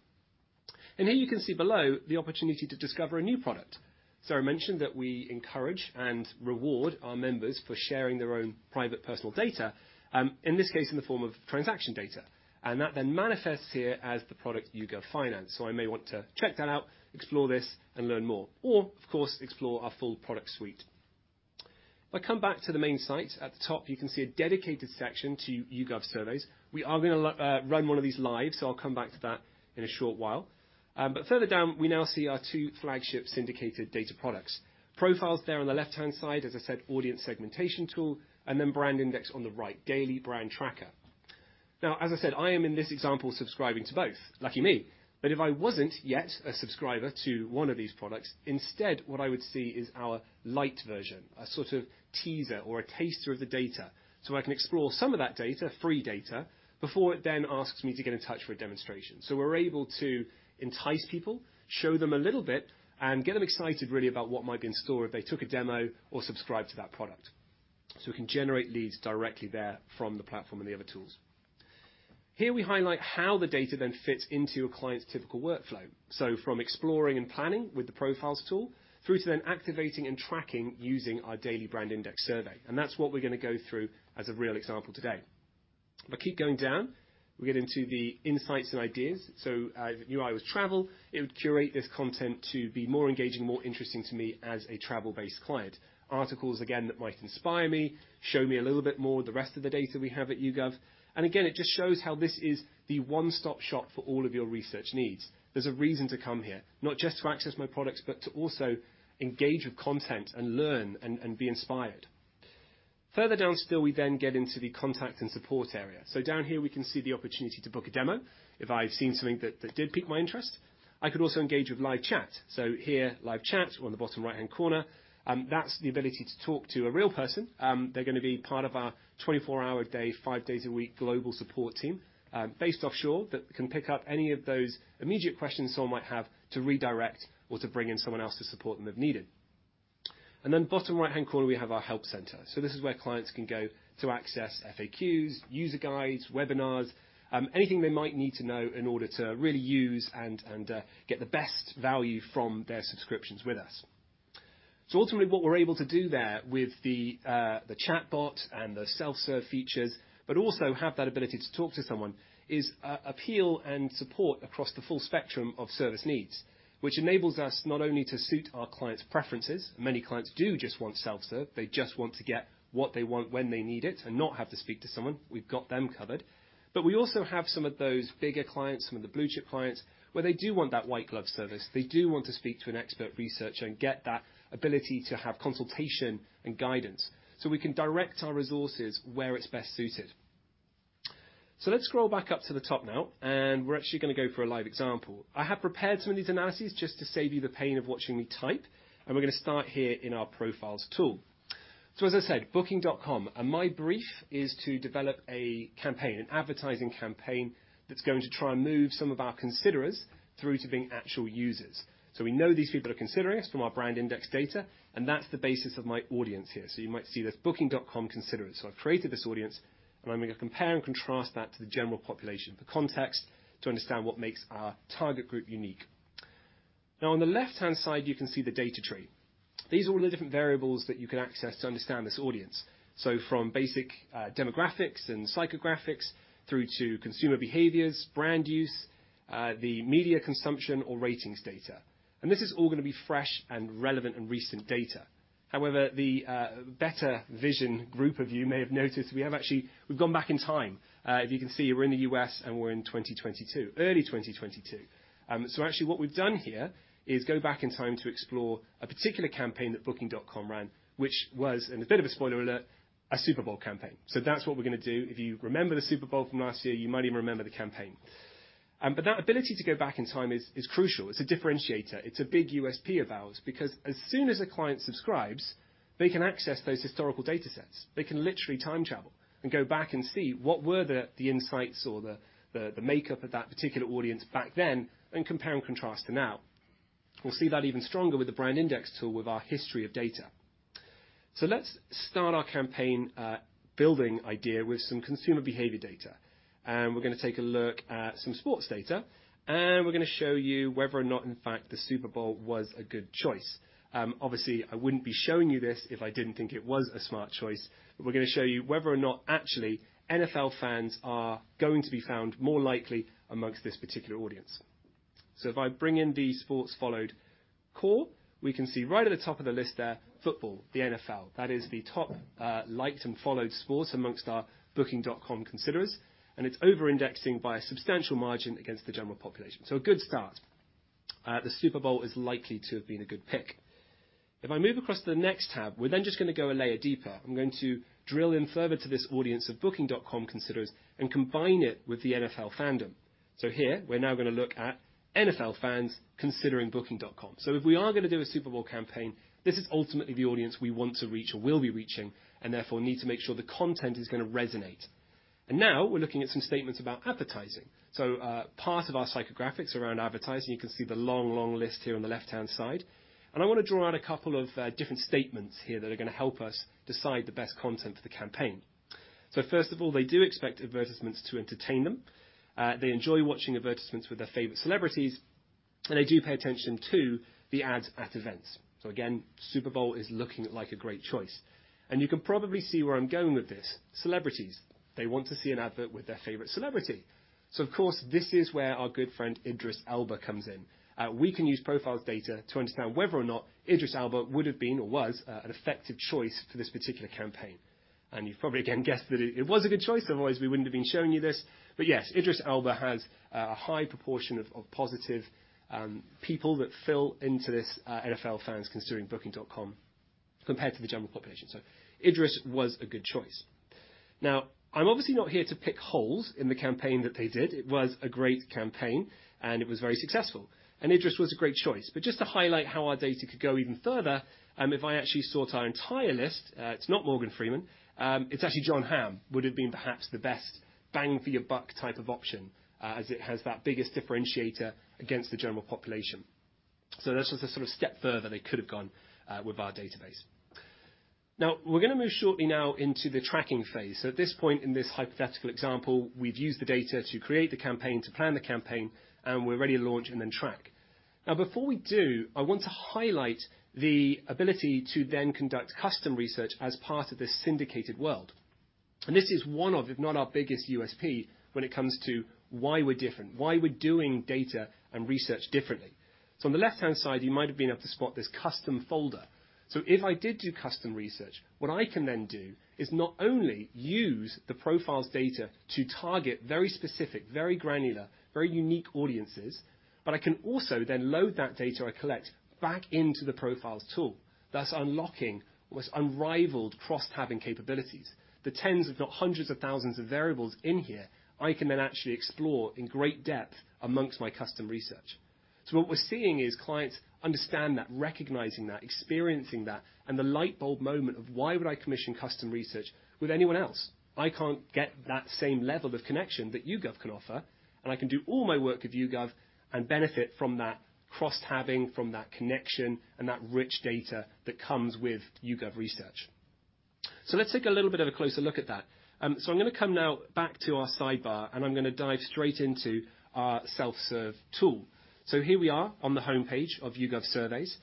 Here you can see below the opportunity to discover a new product. Sarah mentioned that we encourage and reward our members for sharing their own private personal data, in this case, in the form of transaction data, and that then manifests here as the product YouGov Finance. I may want to check that out, explore this and learn more or, of course, explore our full product suite. If I come back to the main site, at the top, you can see a dedicated section to YouGov Surveys. We are gonna run one of these live. I'll come back to that in a short while. Further down, we now see our two flagship syndicated data products. Profiles there on the left-hand side, as I said, audience segmentation tool. BrandIndex on the right, daily brand tracker. As I said, I am in this example subscribing to both. Lucky me. If I wasn't yet a subscriber to one of these products, instead, what I would see is our lite version, a sort of teaser or a taster of the data. I can explore some of that data, free data, before it then asks me to get in touch for a demonstration. We're able to entice people, show them a little bit, and get them excited really about what might be in store if they took a demo or subscribed to that product. We can generate leads directly there from the platform and the other tools. Here we highlight how the data then fits into a client's typical workflow. From exploring and planning with the Profiles tool through to then activating and tracking using our daily BrandIndex survey. That's what we're gonna go through as a real example today. If I keep going down, we get into the insights and ideas. It knew I was travel. It would curate this content to be more engaging, more interesting to me as a travel-based client. Articles, again, that might inspire me, show me a little bit more of the rest of the data we have at YouGov. Again, it just shows how this is the one-stop shop for all of your research needs. There's a reason to come here, not just to access my products, but to also engage with content and learn and be inspired. Further down still, we then get into the contact and support area. Down here we can see the opportunity to book a demo if I've seen something that did pique my interest. I could also engage with live chat. Here, Live Chat on the bottom right-hand corner, that's the ability to talk to a real person. They're gonna be part of our 24 hour a day, five days a week global support team, based offshore that can pick up any of those immediate questions someone might have to redirect or to bring in someone else to support them if needed. Bottom right-hand corner, we have our help center. This is where clients can go to access FAQs, user guides, webinars, anything they might need to know in order to really use and, get the best value from their subscriptions with us. Ultimately, what we're able to do there with the chatbot and the self-serve features, but also have that ability to talk to someone, is appeal and support across the full spectrum of service needs, which enables us not only to suit our clients' preferences. Many clients do just want self-serve. They just want to get what they want when they need it and not have to speak to someone. We've got them covered. We also have some of those bigger clients, some of the blue-chip clients, where they do want that white glove service. They do want to speak to an expert researcher and get that ability to have consultation and guidance. We can direct our resources where it's best suited. Let's scroll back up to the top now, and we're actually going to go for a live example. I have prepared some of these analyses just to save you the pain of watching me type, and we're going to start here in our Profiles tool. As I said, Booking.com, and my brief is to develop a campaign, an advertising campaign that's going to try and move some of our considerers through to being actual users. We know these people are considering us from our BrandIndex data, and that's the basis of my audience here. You might see this Booking.com considerers. I've created this audience, and I'm gonna compare and contrast that to the general population for context to understand what makes our target group unique. Now on the left-hand side, you can see the data tree. These are all the different variables that you can access to understand this audience. From basic demographics and psychographics through to consumer behaviors, brand use, the media consumption or ratings data, and this is all gonna be fresh and relevant and recent data. However, the better vision group of you may have noticed we have actually, we've gone back in time. If you can see we're in the U.S., and we're in 2022, early 2022. Actually what we've done here is go back in time to explore a particular campaign that Booking.com ran, which was, and a bit of a spoiler alert, a Super Bowl campaign. That's what we're gonna do. If you remember the Super Bowl from last year, you might even remember the campaign. That ability to go back in time is crucial. It's a differentiator. It's a big USP of ours because as soon as a client subscribes, they can access those historical datasets. They can literally time travel and go back and see what were the insights or the makeup of that particular audience back then and compare and contrast to now. We'll see that even stronger with the BrandIndex tool with our history of data. Let's start our campaign building idea with some consumer behavior data, and we're gonna take a look at some sports data, and we're gonna show you whether or not, in fact, the Super Bowl was a good choice. Obviously, I wouldn't be showing you this if I didn't think it was a smart choice. We're gonna show you whether or not actually NFL fans are going to be found more likely amongst this particular audience. If I bring in the sports followed core, we can see right at the top of the list there, football, the NFL, that is the top liked and followed sports amongst our Booking.com considerers, and it's over-indexing by a substantial margin against the general population. A good start. The Super Bowl is likely to have been a good pick. I move across to the next tab, we're then just gonna go a layer deeper. I'm going to drill in further to this audience of Booking.com considerers and combine it with the NFL fandom. Here we're now gonna look at NFL fans considering Booking.com. If we are gonna do a Super Bowl campaign, this is ultimately the audience we want to reach or will be reaching and therefore need to make sure the content is gonna resonate. Now we're looking at some statements about advertising. Part of our psychographics around advertising, you can see the long, long list here on the left-hand side, and I wanna draw out a couple of different statements here that are gonna help us decide the best content for the campaign. First of all, they do expect advertisements to entertain them. They enjoy watching advertisements with their favorite celebrities, and they do pay attention to the ads at events. Again, Super Bowl is looking like a great choice. You can probably see where I'm going with this. Celebrities, they want to see an advert with their favorite celebrity. Of course, this is where our good friend Idris Elba comes in. We can use Profiles data to understand whether or not Idris Elba would've been or was an effective choice for this particular campaign. You've probably, again, guessed that it was a good choice otherwise we wouldn't have been showing you this. Yes, Idris Elba has a high proportion of positive people that fill into this NFL fans considering Booking.com compared to the general population. Idris was a good choice. I'm obviously not here to pick holes in the campaign that they did. It was a great campaign, and it was very successful, and Idris was a great choice. Just to highlight how our data could go even further, if I actually sort our entire list, it's not Morgan Freeman, it's actually Jon Hamm would've been perhaps the best bang for your buck type of option, as it has that biggest differentiator against the general population. That's just a sort of step further they could have gone with our database. We're gonna move shortly now into the tracking phase. At this point in this hypothetical example, we've used the data to create the campaign, to plan the campaign, and we're ready to launch and then track. Before we do, I want to highlight the ability to then conduct custom research as part of this syndicated world. This is one of, if not our biggest USP when it comes to why we're different, why we're doing data and research differently. On the left-hand side, you might have been able to spot this custom folder. If I did do custom research, what I can then do is not only use the Profiles data to target very specific, very granular, very unique audiences, but I can also then load that data I collect back into the Profiles tool, thus unlocking what's unrivaled cross-tabbing capabilities. The tens of the hundreds of thousands of variables in here, I can then actually explore in great depth amongst my custom research. What we're seeing is clients understand that, recognizing that, experiencing that, and the light bulb moment of why would I commission custom research with anyone else? I can't get that same level of connection that YouGov can offer, and I can do all my work with YouGov and benefit from that cross-tabbing, from that connection and that rich data that comes with YouGov research. Let's take a little bit of a closer look at that. I'm gonna come now back to our sidebar, and I'm gonna dive straight into our self-serve tool. Here we are on the homepage of YouGov Surveys.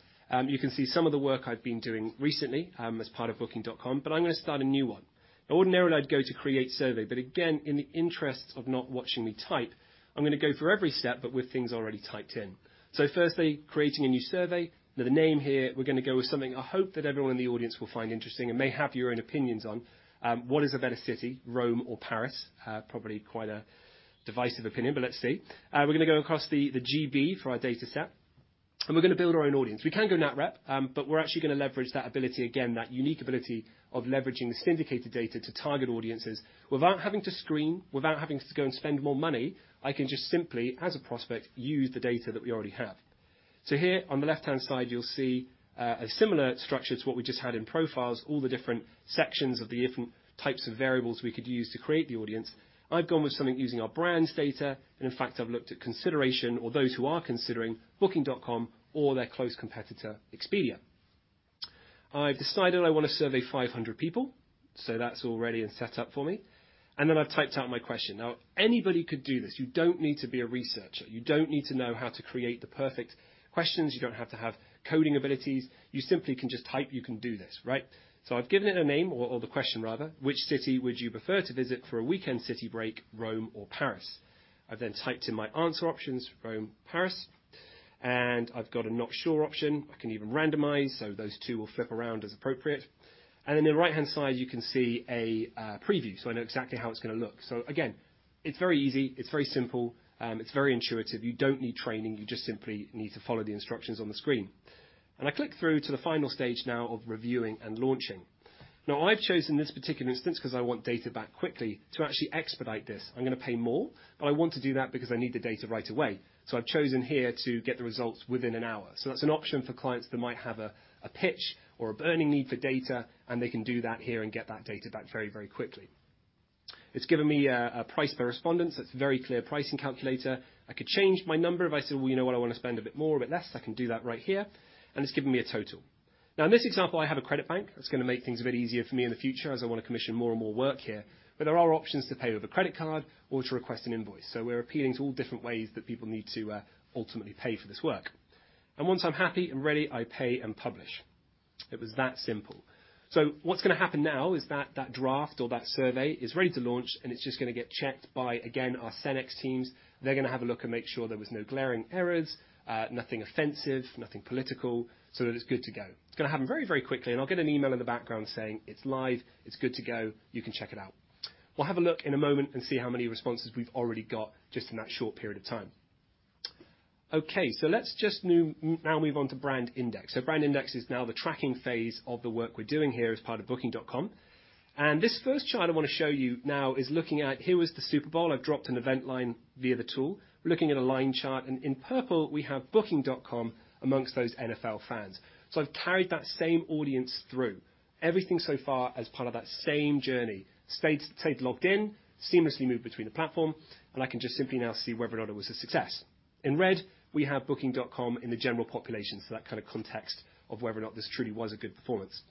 You can see some of the work I've been doing recently, as part of Booking.com, but I'm gonna start a new one. Ordinarily, I'd go to Create Survey, but again, in the interest of not watching me type, I'm gonna go through every step, but with things already typed in. Firstly, creating a new survey. The name here, we're gonna go with something I hope that everyone in the audience will find interesting and may have your own opinions on, what is a better city, Rome or Paris? Probably quite a divisive opinion, but let's see. We're gonna go across the GB for our data set, and we're gonna build our own audience. We can go nat rep, but we're actually gonna leverage that ability again, that unique ability of leveraging the syndicated data to target audiences without having to screen, without having to go and spend more money, I can just simply, as a prospect, use the data that we already have. Here on the left-hand side, you'll see a similar structure to what we just had in YouGov Profiles, all the different sections of the different types of variables we could use to create the audience. I've gone with something using our brands data, and in fact, I've looked at consideration or those who are considering Booking.com or their close competitor, Expedia. I've decided I wanna survey 500 people, so that's all ready and set up for me. I've typed out my question. Now anybody could do this. You don't need to be a researcher. You don't need to know how to create the perfect questions. You don't have to have coding abilities. You simply can just type. You can do this, right? I've given it a name or the question rather. Which city would you prefer to visit for a weekend city break, Rome or Paris? I've typed in my answer options, Rome, Paris, and I've got a not sure option. I can even randomize, those two will flip around as appropriate. In the right-hand side, you can see a preview, so I know exactly how it's gonna look. Again, it's very easy. It's very simple. It's very intuitive. You don't need training. You just simply need to follow the instructions on the screen. I click through to the final stage now of reviewing and launching. I've chosen this particular instance 'cause I want data back quickly. To actually expedite this, I'm gonna pay more, but I want to do that because I need the data right away. I've chosen here to get the results within an hour. That's an option for clients that might have a pitch or a burning need for data, and they can do that here and get that data back very, very quickly. It's given me a price per respondent, so it's a very clear pricing calculator. I could change my number if I said, "Well, you know what? I wanna spend a bit more, a bit less." I can do that right here, and it's given me a total. Now in this example, I have a credit bank. That's gonna make things a bit easier for me in the future as I wanna commission more and more work here. There are options to pay with a credit card or to request an invoice. We're appealing to all different ways that people need to ultimately pay for this work. Once I'm happy and ready, I pay and publish. It was that simple. What's gonna happen now is that that draft or that survey is ready to launch, and it's just gonna get checked by, again, our CenX teams. They're gonna have a look and make sure there was no glaring errors, nothing offensive, nothing political, so that it's good to go. It's gonna happen very, very quickly, and I'll get an email in the background saying, "It's live. It's good to go. You can check it out." We'll have a look in a moment and see how many responses we've already got just in that short period of time. Let's just now move on to BrandIndex. BrandIndex is now the tracking phase of the work we're doing here as part of Booking.com. This first chart I wanna show you now is looking at. Here was the Super Bowl. I've dropped an event line via the tool. We're looking at a line chart, and in purple we have Booking.com amongst those NFL fans. I've carried that same audience through everything so far as part of that same journey. Stayed logged in, seamlessly moved between the platform, and I can just simply now see whether or not it was a success. In red, we have Booking.com in the general population, so that kind of context of whether or not this truly was a good performance.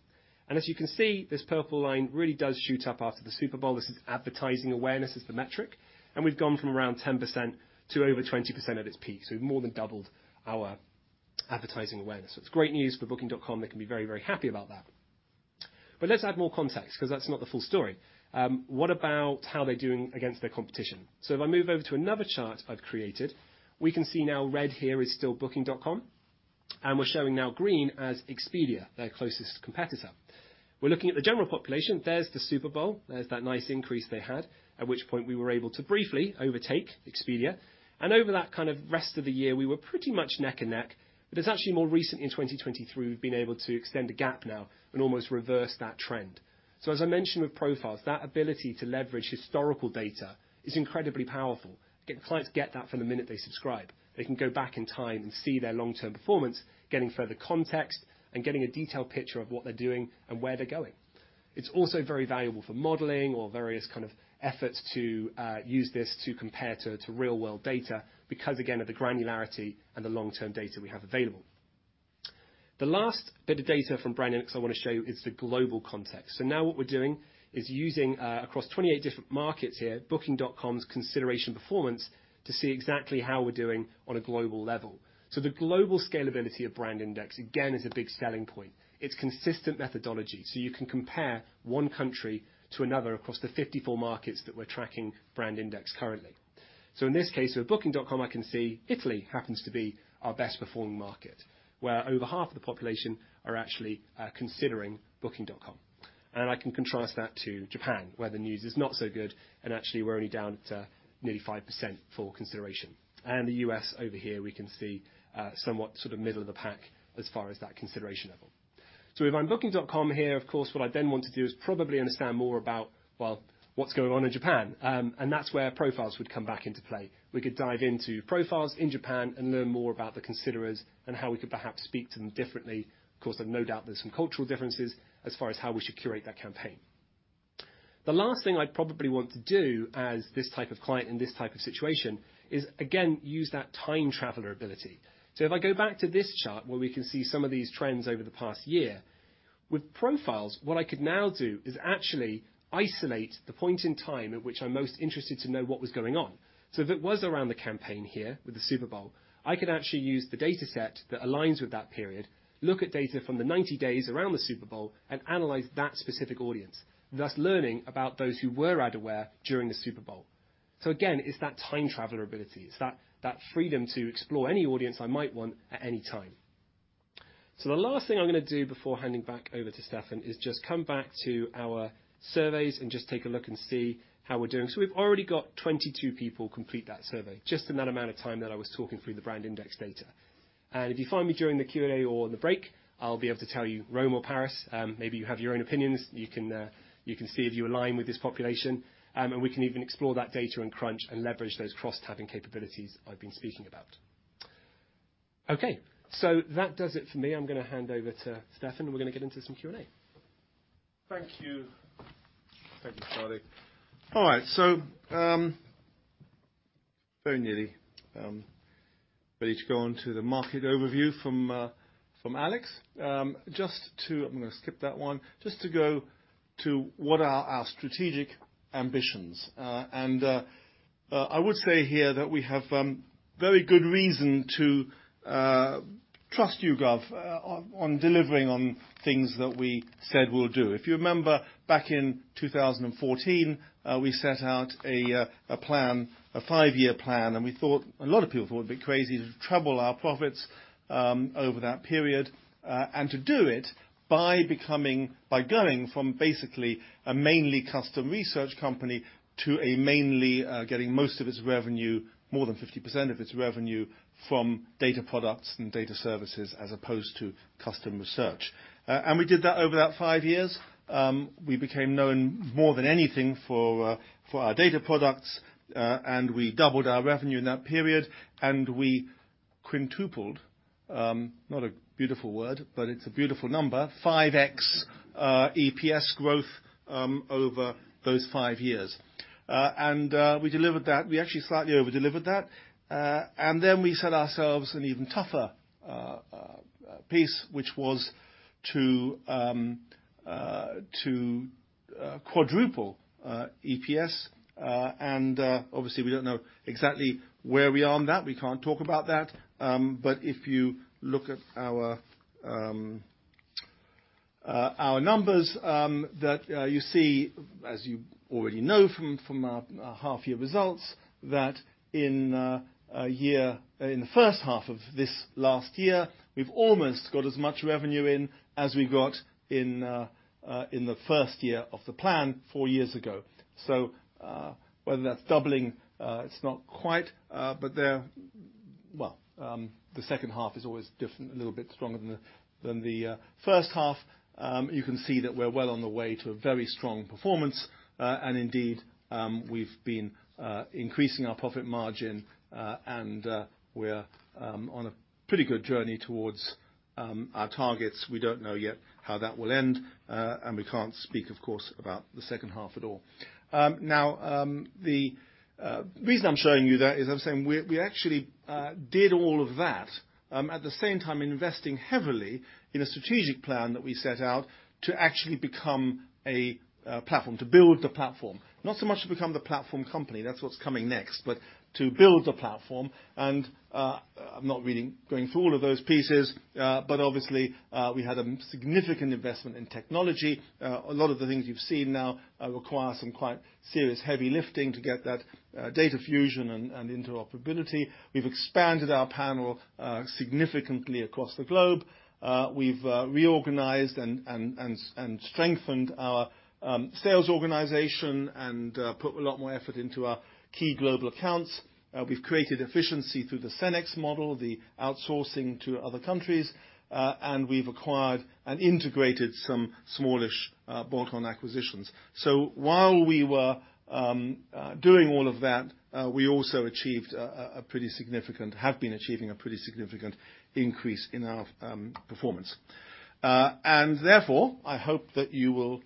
As you can see, this purple line really does shoot up after the Super Bowl. This is advertising awareness as the metric, and we've gone from around 10% to over 20% at its peak, so we've more than doubled our advertising awareness. It's great news for Booking.com. They can be very, very happy about that. Let's add more context 'cause that's not the full story. What about how they're doing against their competition? If I move over to another chart I've created, we can see now red here is still Booking.com, and we're showing now green as Expedia, their closest competitor. We're looking at the general population. There's the Super Bowl. There's that nice increase they had, at which point we were able to briefly overtake Expedia, and over that kind of rest of the year, we were pretty much neck and neck. It's actually more recently in 2023 we've been able to extend a gap now and almost reverse that trend. As I mentioned with Profiles, that ability to leverage historical data is incredibly powerful. Clients get that from the minute they subscribe. They can go back in time and see their long-term performance, getting further context and getting a detailed picture of what they're doing and where they're going. It's also very valuable for modeling or various kind of efforts to use this to compare to real world data because, again, of the granularity and the long-term data we have available. The last bit of data from BrandIndex I wanna show you is the global context. Now what we're doing is using across 28 different markets here, Booking.com's consideration performance to see exactly how we're doing on a global level. The global scalability of BrandIndex, again, is a big selling point. It's consistent methodology, so you can compare one country to another across the 54 markets that we're tracking BrandIndex currently. In this case with Booking.com, I can see Italy happens to be our best performing market, where over half of the population are actually, considering Booking.com. I can contrast that to Japan, where the news is not so good, and actually we're only down to nearly 5% for consideration. The U.S. over here, we can see, somewhat sort of middle of the pack as far as that consideration level. If I'm Booking.com here, of course, what I then want to do is probably understand more about, well, what's going on in Japan. That's where Profiles would come back into play. We could dive into Profiles in Japan and learn more about the considerers and how we could perhaps speak to them differently. Of course, there's no doubt there's some cultural differences as far as how we should curate that campaign. The last thing I'd probably want to do as this type of client in this type of situation is again, use that time traveler ability. If I go back to this chart where we can see some of these trends over the past year, with profiles, what I could now do is actually isolate the point in time at which I'm most interested to know what was going on. If it was around the campaign here with the Super Bowl, I could actually use the dataset that aligns with that period, look at data from the 90 days around the Super Bowl, and analyze that specific audience, thus learning about those who were ad aware during the Super Bowl. Again, it's that time traveler ability. It's that freedom to explore any audience I might want at any time. The last thing I'm gonna do before handing back over to Stephan is just come back to our surveys and just take a look and see how we're doing. We've already got 22 people complete that survey just in that amount of time that I was talking through the BrandIndex data. If you find me during the Q&A or the break, I'll be able to tell you Rome or Paris, maybe you have your own opinions. You can, you can see if you align with this population, and we can even explore that data and Crunch and leverage those cross-tabbing capabilities I've been speaking about. That does it for me. I'm gonna hand over to Stephan, and we're gonna get into some Q&A. Thank you. Thank you, Charlie. All right, very nearly ready to go on to the market overview from Alex. Just to skip that one, just to go to what are our strategic ambitions. I would say here that we have very good reason to trust YouGov on delivering on things that we said we'll do. If you remember back in 2014, we set out a plan, a five-year plan, and we thought, a lot of people thought it'd be crazy to treble our profits over that period and to do it by becoming, by going from basically a mainly custom research company to a mainly getting most of its revenue, more than 50% of its revenue from data products and data services as opposed to custom research. We did that over that five years. We became known more than anything for our data products, and we doubled our revenue in that period, and we quintupled, not a beautiful word, but it's a beautiful number, 5x EPS growth over those five years. We delivered that. We actually slightly over-delivered that. Then we set ourselves an even tougher piece, which was to quadruple EPS. Obviously we don't know exactly where we are on that. We can't talk about that. If you look at our numbers, that you see, as you already know from our half year results, that in a year, in the first half of this last year, we've almost got as much revenue in as we got in the first year of the plan four years ago. Whether that's doubling, it's not quite, but they're... The second half is always different, a little bit stronger than the first half. You can see that we're well on the way to a very strong performance, and indeed, we've been increasing our profit margin, and we're on a pretty good journey towards our targets. We don't know yet how that will end. We can't speak of course about the second half at all. Now, the reason I'm showing you that is I'm saying we actually did all of that at the same time investing heavily in a strategic plan that we set out to actually become a platform, to build the platform. Not so much to become the platform company, that's what's coming next, but to build the platform. I'm not really going through all of those pieces, obviously, we had a significant investment in technology. A lot of the things you've seen now require some quite serious heavy lifting to get that data fusion and interoperability. We've expanded our panel significantly across the globe. We've reorganized and strengthened our sales organization and put a lot more effort into our key global accounts. We've created efficiency through the CenX model, the outsourcing to other countries, and we've acquired and integrated some smallish bolt-on acquisitions. While we were doing all of that, we also achieved a pretty significant increase in our performance. Therefore, I hope that you will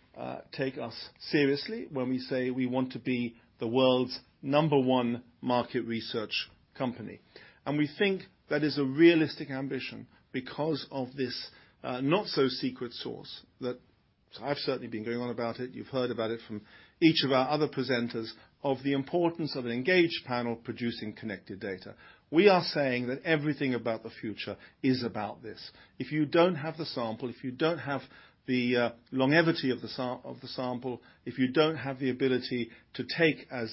take us seriously when we say we want to be the world's number one market research company. We think that is a realistic ambition because of this not so secret source that I've certainly been going on about it. You've heard about it from each of our other presenters of the importance of an engaged panel producing connected data. We are saying that everything about the future is about this. If you don't have the sample, if you don't have the longevity of the sample, if you don't have the ability to take, as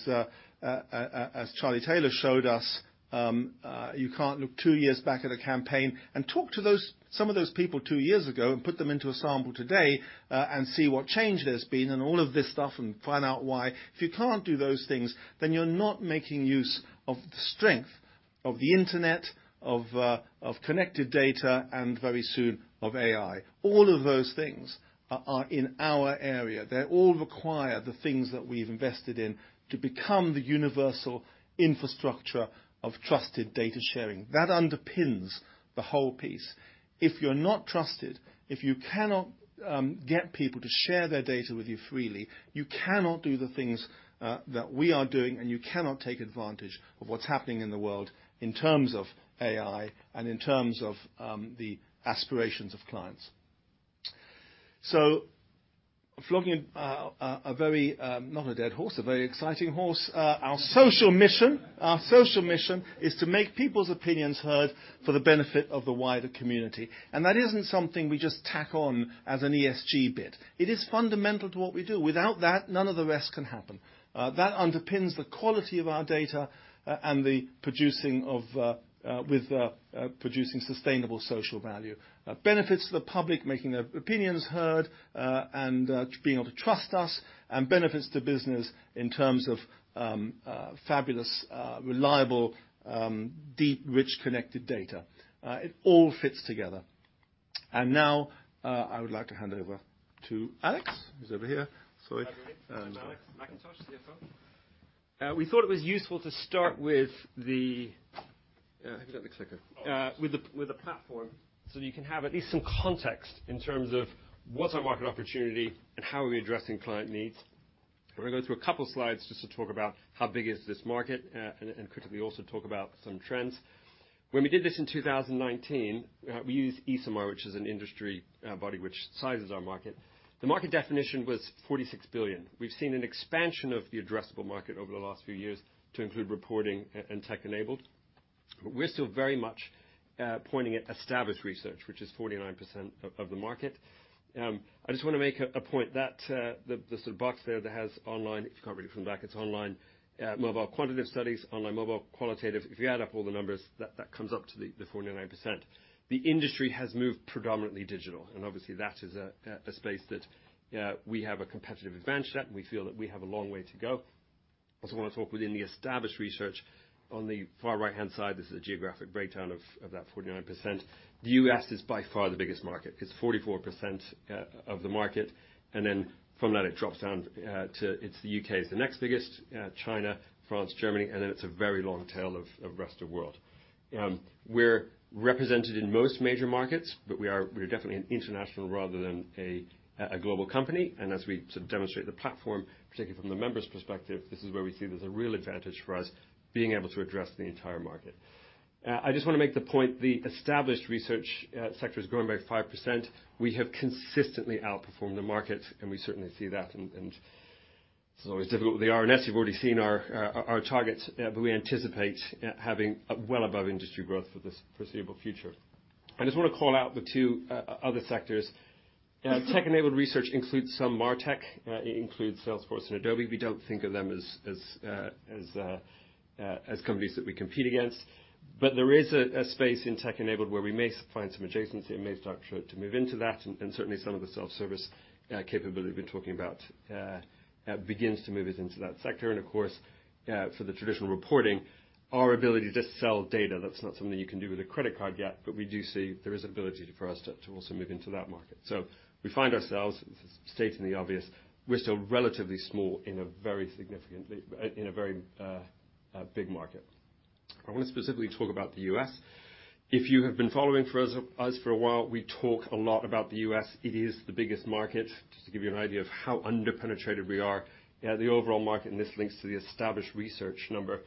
Charlie Taylor showed us, you can't look two years back at a campaign and talk to those, some of those people two years ago and put them into a sample today, and see what change there's been and all of this stuff and find out why. If you can't do those things, then you're not making use of the strength of the Internet, of connected data, and very soon of AI. All of those things are in our area. They all require the things that we've invested in to become the universal infrastructure of trusted data sharing. That underpins the whole piece. If you're not trusted, if you cannot get people to share their data with you freely, you cannot do the things that we are doing, and you cannot take advantage of what's happening in the world in terms of AI and in terms of the aspirations of clients. Flogging a very not a dead horse, a very exciting horse. Our social mission, our social mission is to make people's opinions heard for the benefit of the wider community. That isn't something we just tack on as an ESG bit. It is fundamental to what we do. Without that, none of the rest can happen. That underpins the quality of our data, and the producing of with the producing sustainable social value. Benefits to the public, making their opinions heard, being able to trust us, and benefits to business in terms of, fabulous, reliable, deep, rich, connected data. It all fits together. I would like to hand over to Alex, who's over here. Sorry. Hi, everybody. Alex McIntosh, CFO. We thought it was useful to start with the... Have you got the clicker? Oh. With the platform, so you can have at least some context in terms of what's our market opportunity and how are we addressing client needs. We're gonna go through a couple of slides just to talk about how big is this market, and critically also talk about some trends. When we did this in 2019, we used ESOMAR, which is an industry body which sizes our market. The market definition was 46 billion. We've seen an expansion of the addressable market over the last few years to include reporting and tech-enabled. We're still very much pointing at established research, which is 49% of the market. I just wanna make a point that the sort of box there that has online, if you can't read it from the back, it's online, mobile quantitative studies, online mobile qualitative. If you add up all the numbers, that comes up to 49%. The industry has moved predominantly digital, obviously that is a space that we have a competitive advantage at, and we feel that we have a long way to go. I also wanna talk within the established research. On the far right-hand side, this is a geographic breakdown of that 49%. The U.S. is by far the biggest market. It's 44% of the market, from that, it drops down to... It's the U.K. is the next biggest, China, France, Germany, and then it's a very long tail of rest of world. We're represented in most major markets, but we're definitely an international rather than a global company. As we sort of demonstrate the platform, particularly from the members' perspective, this is where we see there's a real advantage for us being able to address the entire market. I just wanna make the point, the established research sector is growing by 5%. We have consistently outperformed the market, and we certainly see that and it's always difficult with the RNS. You've already seen our targets, but we anticipate having a well above industry growth for the foreseeable future. I just wanna call out the two other sectors. Tech-enabled research includes some MarTech. It includes Salesforce and Adobe. We don't think of them as, as companies that we compete against. There is a space in tech-enabled where we may find some adjacency and may start to move into that, and certainly some of the self-service capability we've been talking about begins to move us into that sector. Of course, for the traditional reporting, our ability to sell data, that's not something you can do with a credit card yet, but we do see there is ability for us to also move into that market. We find ourselves, stating the obvious, we're still relatively small in a very big market. I wanna specifically talk about the U.S. If you have been following us for a while, we talk a lot about the U.S. It is the biggest market. Just to give you an idea of how under-penetrated we are. The overall market, and this links to the established research number,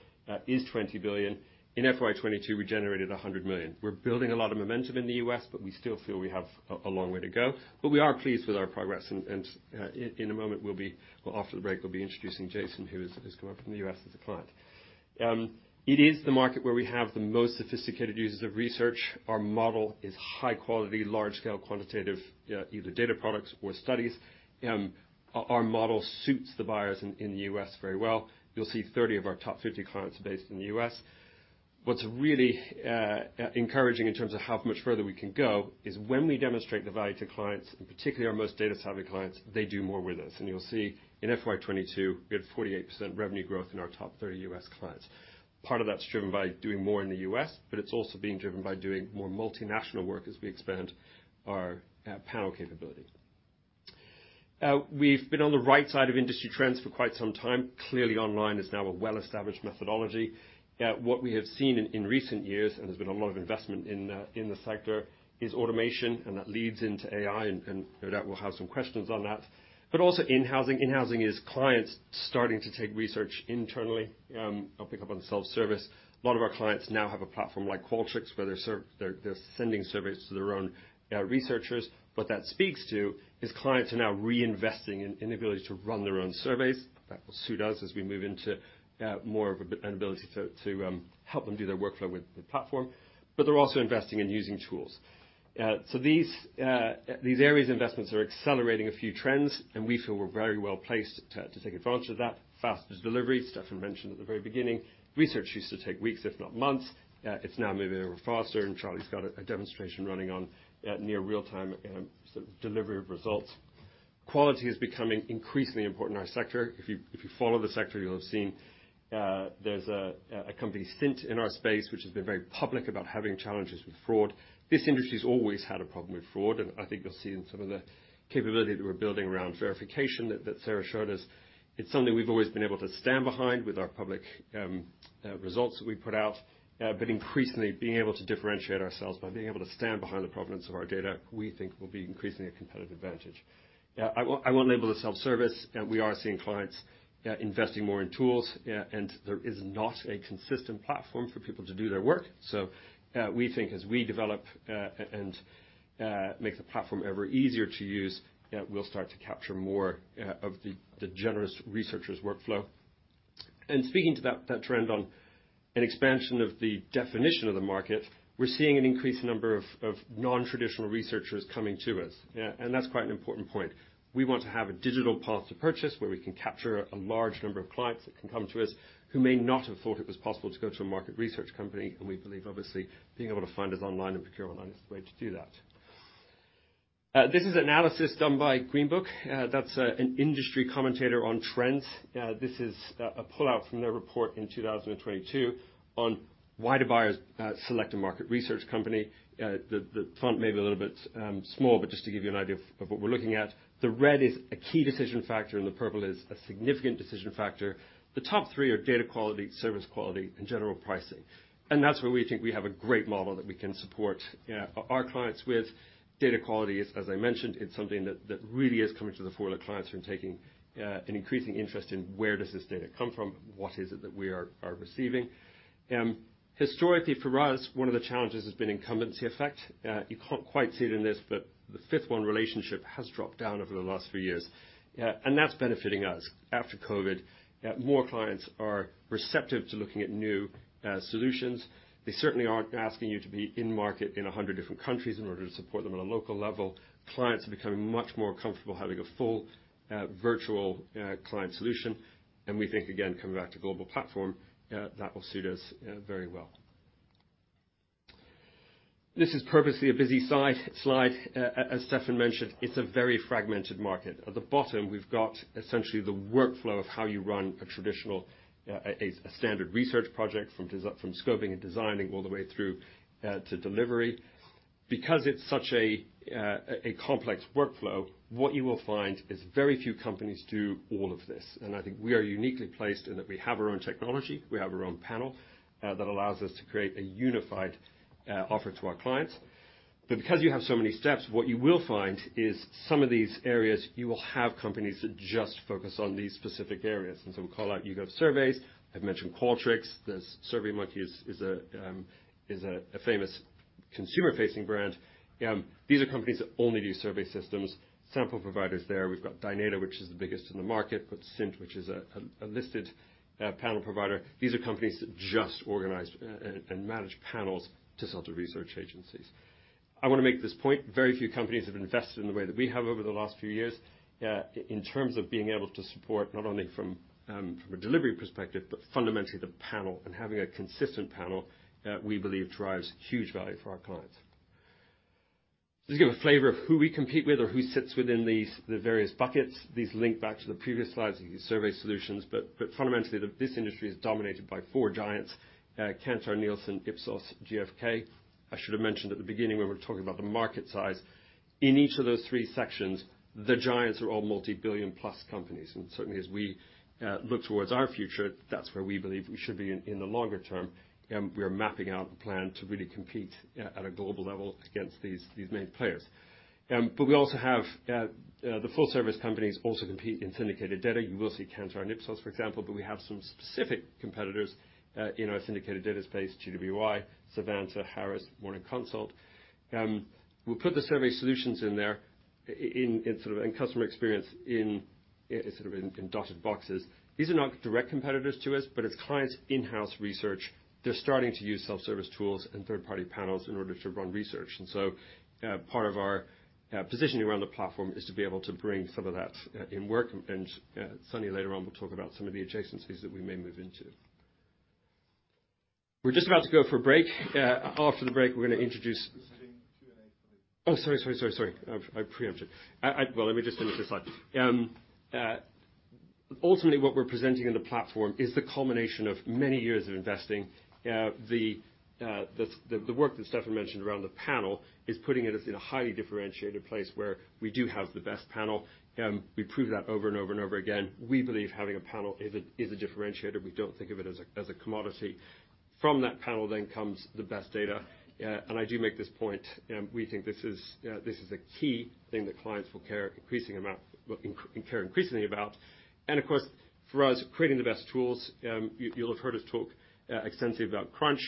is $20 billion. In FY 2022, we generated $100 million. We're building a lot of momentum in the U.S., but we still feel we have a long way to go. We are pleased with our progress, and in a moment, well, after the break, we'll be introducing Jason, who's come up from the U.S. with a client. It is the market where we have the most sophisticated users of research. Our model is high quality, large scale quantitative, either data products or studies. Our model suits the buyers in the U.S. very well. You'll see 30 of our top 50 clients are based in the U.S. What's really encouraging in terms of how much further we can go is when we demonstrate the value to clients, and particularly our most data-savvy clients, they do more with us. You'll see in FY 2022, we had 48% revenue growth in our top 30 U.S. clients. Part of that's driven by doing more in the U.S., but it's also being driven by doing more multinational work as we expand our panel capability. We've been on the right side of industry trends for quite some time. Clearly, online is now a well-established methodology. What we have seen in recent years, and there's been a lot of investment in the sector, is automation, and that leads into AI, and no doubt we'll have some questions on that. Also in-housing. In-housing is clients starting to take research internally. I'll pick up on the self-service. A lot of our clients now have a platform like Qualtrics, where they're sending surveys to their own researchers. What that speaks to is clients are now reinvesting in the ability to run their own surveys. That will suit us as we move into more of an ability to help them do their workflow with the platform. They're also investing in using tools. These areas of investments are accelerating a few trends, and we feel we're very well placed to take advantage of that. Faster delivery, Stephan mentioned at the very beginning. Research used to take weeks, if not months. It's now moving a little faster, and Charlie's got a demonstration running on near real time sort of delivery of results. Quality is becoming increasingly important in our sector. If you follow the sector, you'll have seen there's a company, Cint, in our space, which has been very public about having challenges with fraud. This industry's always had a problem with fraud, and I think you'll see in some of the capability that we're building around verification that Sarah showed us. It's something we've always been able to stand behind with our public results that we put out. Increasingly, being able to differentiate ourselves by being able to stand behind the provenance of our data, we think will be increasingly a competitive advantage. I won't label it self-service. We are seeing clients investing more in tools. There is not a consistent platform for people to do their work. We think as we develop and make the platform ever easier to use, we'll start to capture more of the generous researchers workflow. Speaking to that trend on an expansion of the definition of the market, we're seeing an increased number of non-traditional researchers coming to us. That's quite an important point. We want to have a digital path to purchase where we can capture a large number of clients that can come to us, who may not have thought it was possible to go to a market research company, and we believe, obviously, being able to find us online and procure online is the way to do that. This is analysis done by Greenbook. That's an industry commentator on trends. This is a pull out from their report in 2022 on why do buyers select a market research company. The font may be a little bit small, but just to give you an idea of what we're looking at. The red is a key decision factor, and the purple is a significant decision factor. The top three are data quality, service quality, and general pricing. That's where we think we have a great model that we can support our clients with. Data quality is, as I mentioned, it's something that really is coming to the fore, that clients are taking an increasing interest in where does this data come from? What is it that we are receiving? Historically, for us, one of the challenges has been incumbency effect. You can't quite see it in this, but the fifth one, relationship, has dropped down over the last few years. That's benefiting us. After COVID, more clients are receptive to looking at new solutions. They certainly aren't asking you to be in market in 100 different countries in order to support them on a local level. Clients are becoming much more comfortable having a full virtual client solution. We think, again, coming back to global platform, that will suit us very well. This is purposely a busy slide. As Stephan mentioned, it's a very fragmented market. At the bottom, we've got essentially the workflow of how you run a traditional, a standard research project from scoping and designing all the way through to delivery. Because it's such a complex workflow, what you will find is very few companies do all of this. I think we are uniquely placed in that we have our own technology, we have our own panel, that allows us to create a unified offer to our clients. Because you have so many steps, what you will find is some of these areas, you will have companies that just focus on these specific areas. We call out, you've got surveys. I've mentioned Qualtrics. SurveyMonkey is a famous consumer-facing brand. These are companies that only do survey systems. Sample providers there, we've got Dynata, which is the biggest in the market. We've got Cint, which is a listed panel provider. These are companies that just organize and manage panels to sell to research agencies. I wanna make this point. Very few companies have invested in the way that we have over the last few years, in terms of being able to support, not only from a delivery perspective, but fundamentally the panel. Having a consistent panel, we believe drives huge value for our clients. Just give a flavor of who we compete with or who sits within these, the various buckets. These link back to the previous slides, these survey solutions. fundamentally, this industry is dominated by four giants, Kantar, Nielsen, Ipsos, GfK. I should have mentioned at the beginning when we were talking about the market size, in each of those three sections, the giants are all multi-billion-plus companies. Certainly, as we look towards our future, that's where we believe we should be in the longer term, and we are mapping out the plan to really compete at a global level against these main players. We also have the full service companies also compete in syndicated data. You will see Kantar and Ipsos, for example, we have some specific competitors in our syndicated data space, GWI, Savanta, Harris, Morning Consult. We'll put the survey solutions in there. Customer experience in dotted boxes. These are not direct competitors to us, but it's clients' in-house research. They're starting to use self-service tools and third-party panels in order to run research. Part of our positioning around the platform is to be able to bring some of that in work. Sunny later on will talk about some of the adjacencies that we may move into. We're just about to go for a break. After the break, we're gonna introduce- There's been Q&A for. Sorry, sorry, sorry. I preempted. Well, let me just finish this slide. Ultimately, what we're presenting in the platform is the culmination of many years of investing. The work that Stephan mentioned around the panel is putting us in a highly differentiated place where we do have the best panel. We prove that over and over and over again. We believe having a panel is a differentiator. We don't think of it as a commodity. From that panel then comes the best data. I do make this point. We think this is a key thing that clients will care increasingly about. Of course, for us, creating the best tools, you'll have heard us talk extensively about Crunch.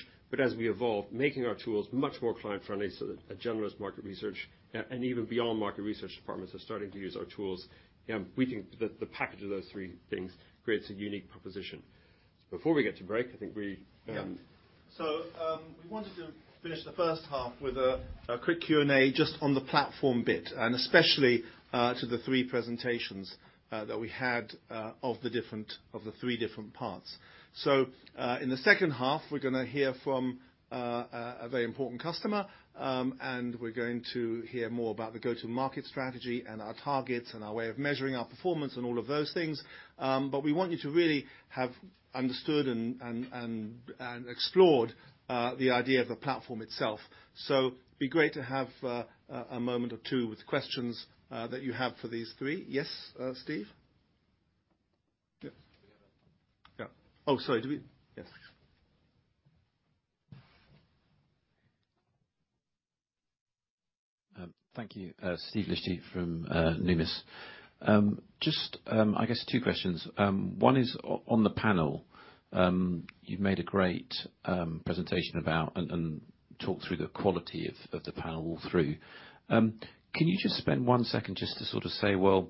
As we evolve, making our tools much more client-friendly, so that a generalist market research, and even beyond market research departments are starting to use our tools. We think that the package of those three things creates a unique proposition. Before we get to break, I think we. Yeah. We wanted to finish the first half with a quick Q&A just on the platform bit, and especially to the three presentations that we had of the three different parts. In the second half, we're gonna hear from a very important customer. We're going to hear more about the go-to-market strategy and our targets and our way of measuring our performance and all of those things. We want you to really have understood and explored the idea of the platform itself. It'd be great to have a moment or two with questions that you have for these three. Yes, Steve? Yeah. Also, do we? Yeah. Thank you. Steve Liechti from Numis. Just I guess two questions. One is on the panel. You've made a great presentation about and talked through the quality of the panel all through. Can you just spend one second just to sort of say, "Well,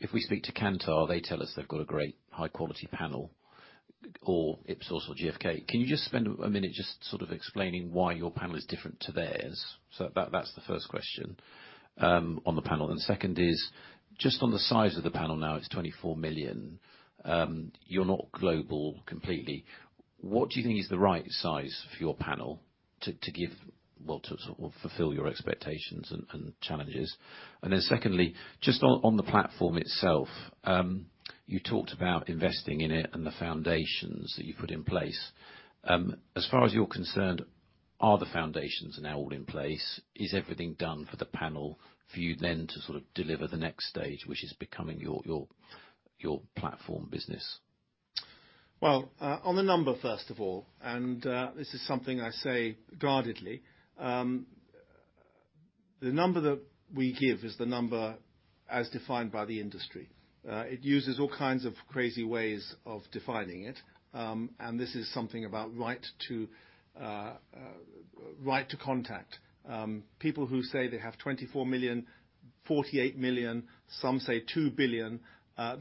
if we speak to Kantar, they tell us they've got a great high-quality panel or Ipsos or GfK." Can you just spend a minute just sort of explaining why your panel is different to theirs? That's the first question on the panel. Second is, just on the size of the panel now, it's 24 million. You're not global completely. What do you think is the right size for your panel to give... Well, to sort of fulfill your expectations and challenges? Secondly, just on the platform itself, you talked about investing in it and the foundations that you've put in place. As far as you're concerned, are the foundations now all in place? Is everything done for the panel for you then to sort of deliver the next stage, which is becoming your platform business? On the number first of all, this is something I say guardedly. The number that we give is the number as defined by the industry. It uses all kinds of crazy ways of defining it. This is something about right to right to contact. People who say they have 24 million, 48 million, some say 2 billion,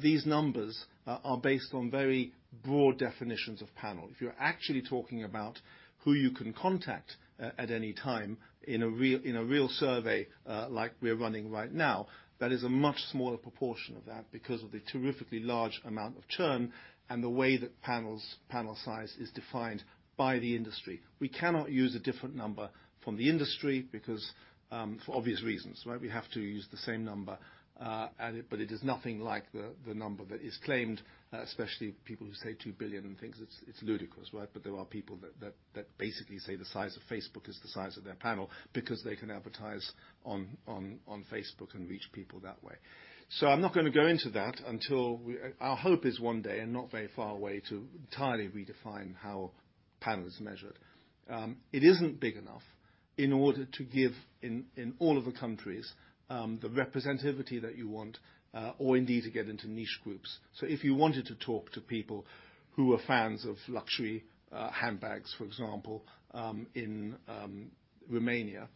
these numbers are based on very broad definitions of panel. If you're actually talking about who you can contact at any time in a real survey, like we're running right now, that is a much smaller proportion of that because of the terrifically large amount of churn and the way that panel size is defined by the industry. We cannot use a different number from the industry because for obvious reasons, right? We have to use the same number. It is nothing like the number that is claimed, especially people who say 2 billion and things. It's ludicrous, right? There are people that basically say the size of Facebook is the size of their panel because they can advertise on Facebook and reach people that way. I'm not gonna go into that until we. Our hope is one day, and not very far away, to entirely redefine how panel is measured. It isn't big enough in order to give in all of the countries the representativity that you want or indeed to get into niche groups. If you wanted to talk to people who are fans of luxury handbags, for example, in Romania,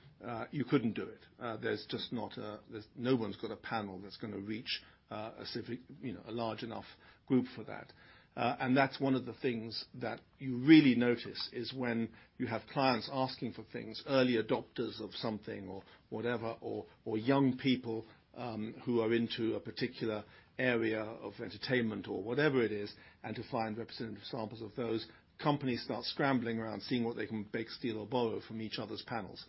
you couldn't do it. There's just not a. No one's got a panel that's gonna reach a civic, you know, a large enough group for that. That's one of the things that you really notice is when you have clients asking for things, early adopters of something or whatever, or young people who are into a particular area of entertainment or whatever it is, and to find representative samples of those, companies start scrambling around seeing what they can beg, steal, or borrow from each other's panels.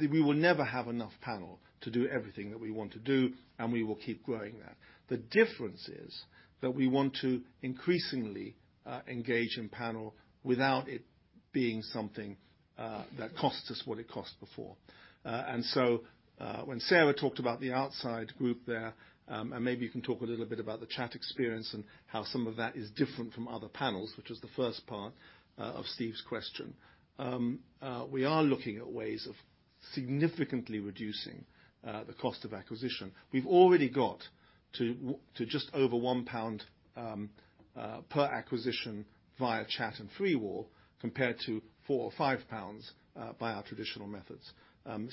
We will never have enough panel to do everything that we want to do, and we will keep growing that. The difference is that we want to increasingly engage in panel without it being something that costs us what it cost before. When Sarah talked about the outside group there, and maybe you can talk a little bit about the Chat experience and how some of that is different from other panels, which was the first part of Steve's question. We are looking at ways of significantly reducing the cost of acquisition. We've already got to just over 1 pound per acquisition via Chat and FreeWall, compared to 4 or 5 pounds by our traditional methods.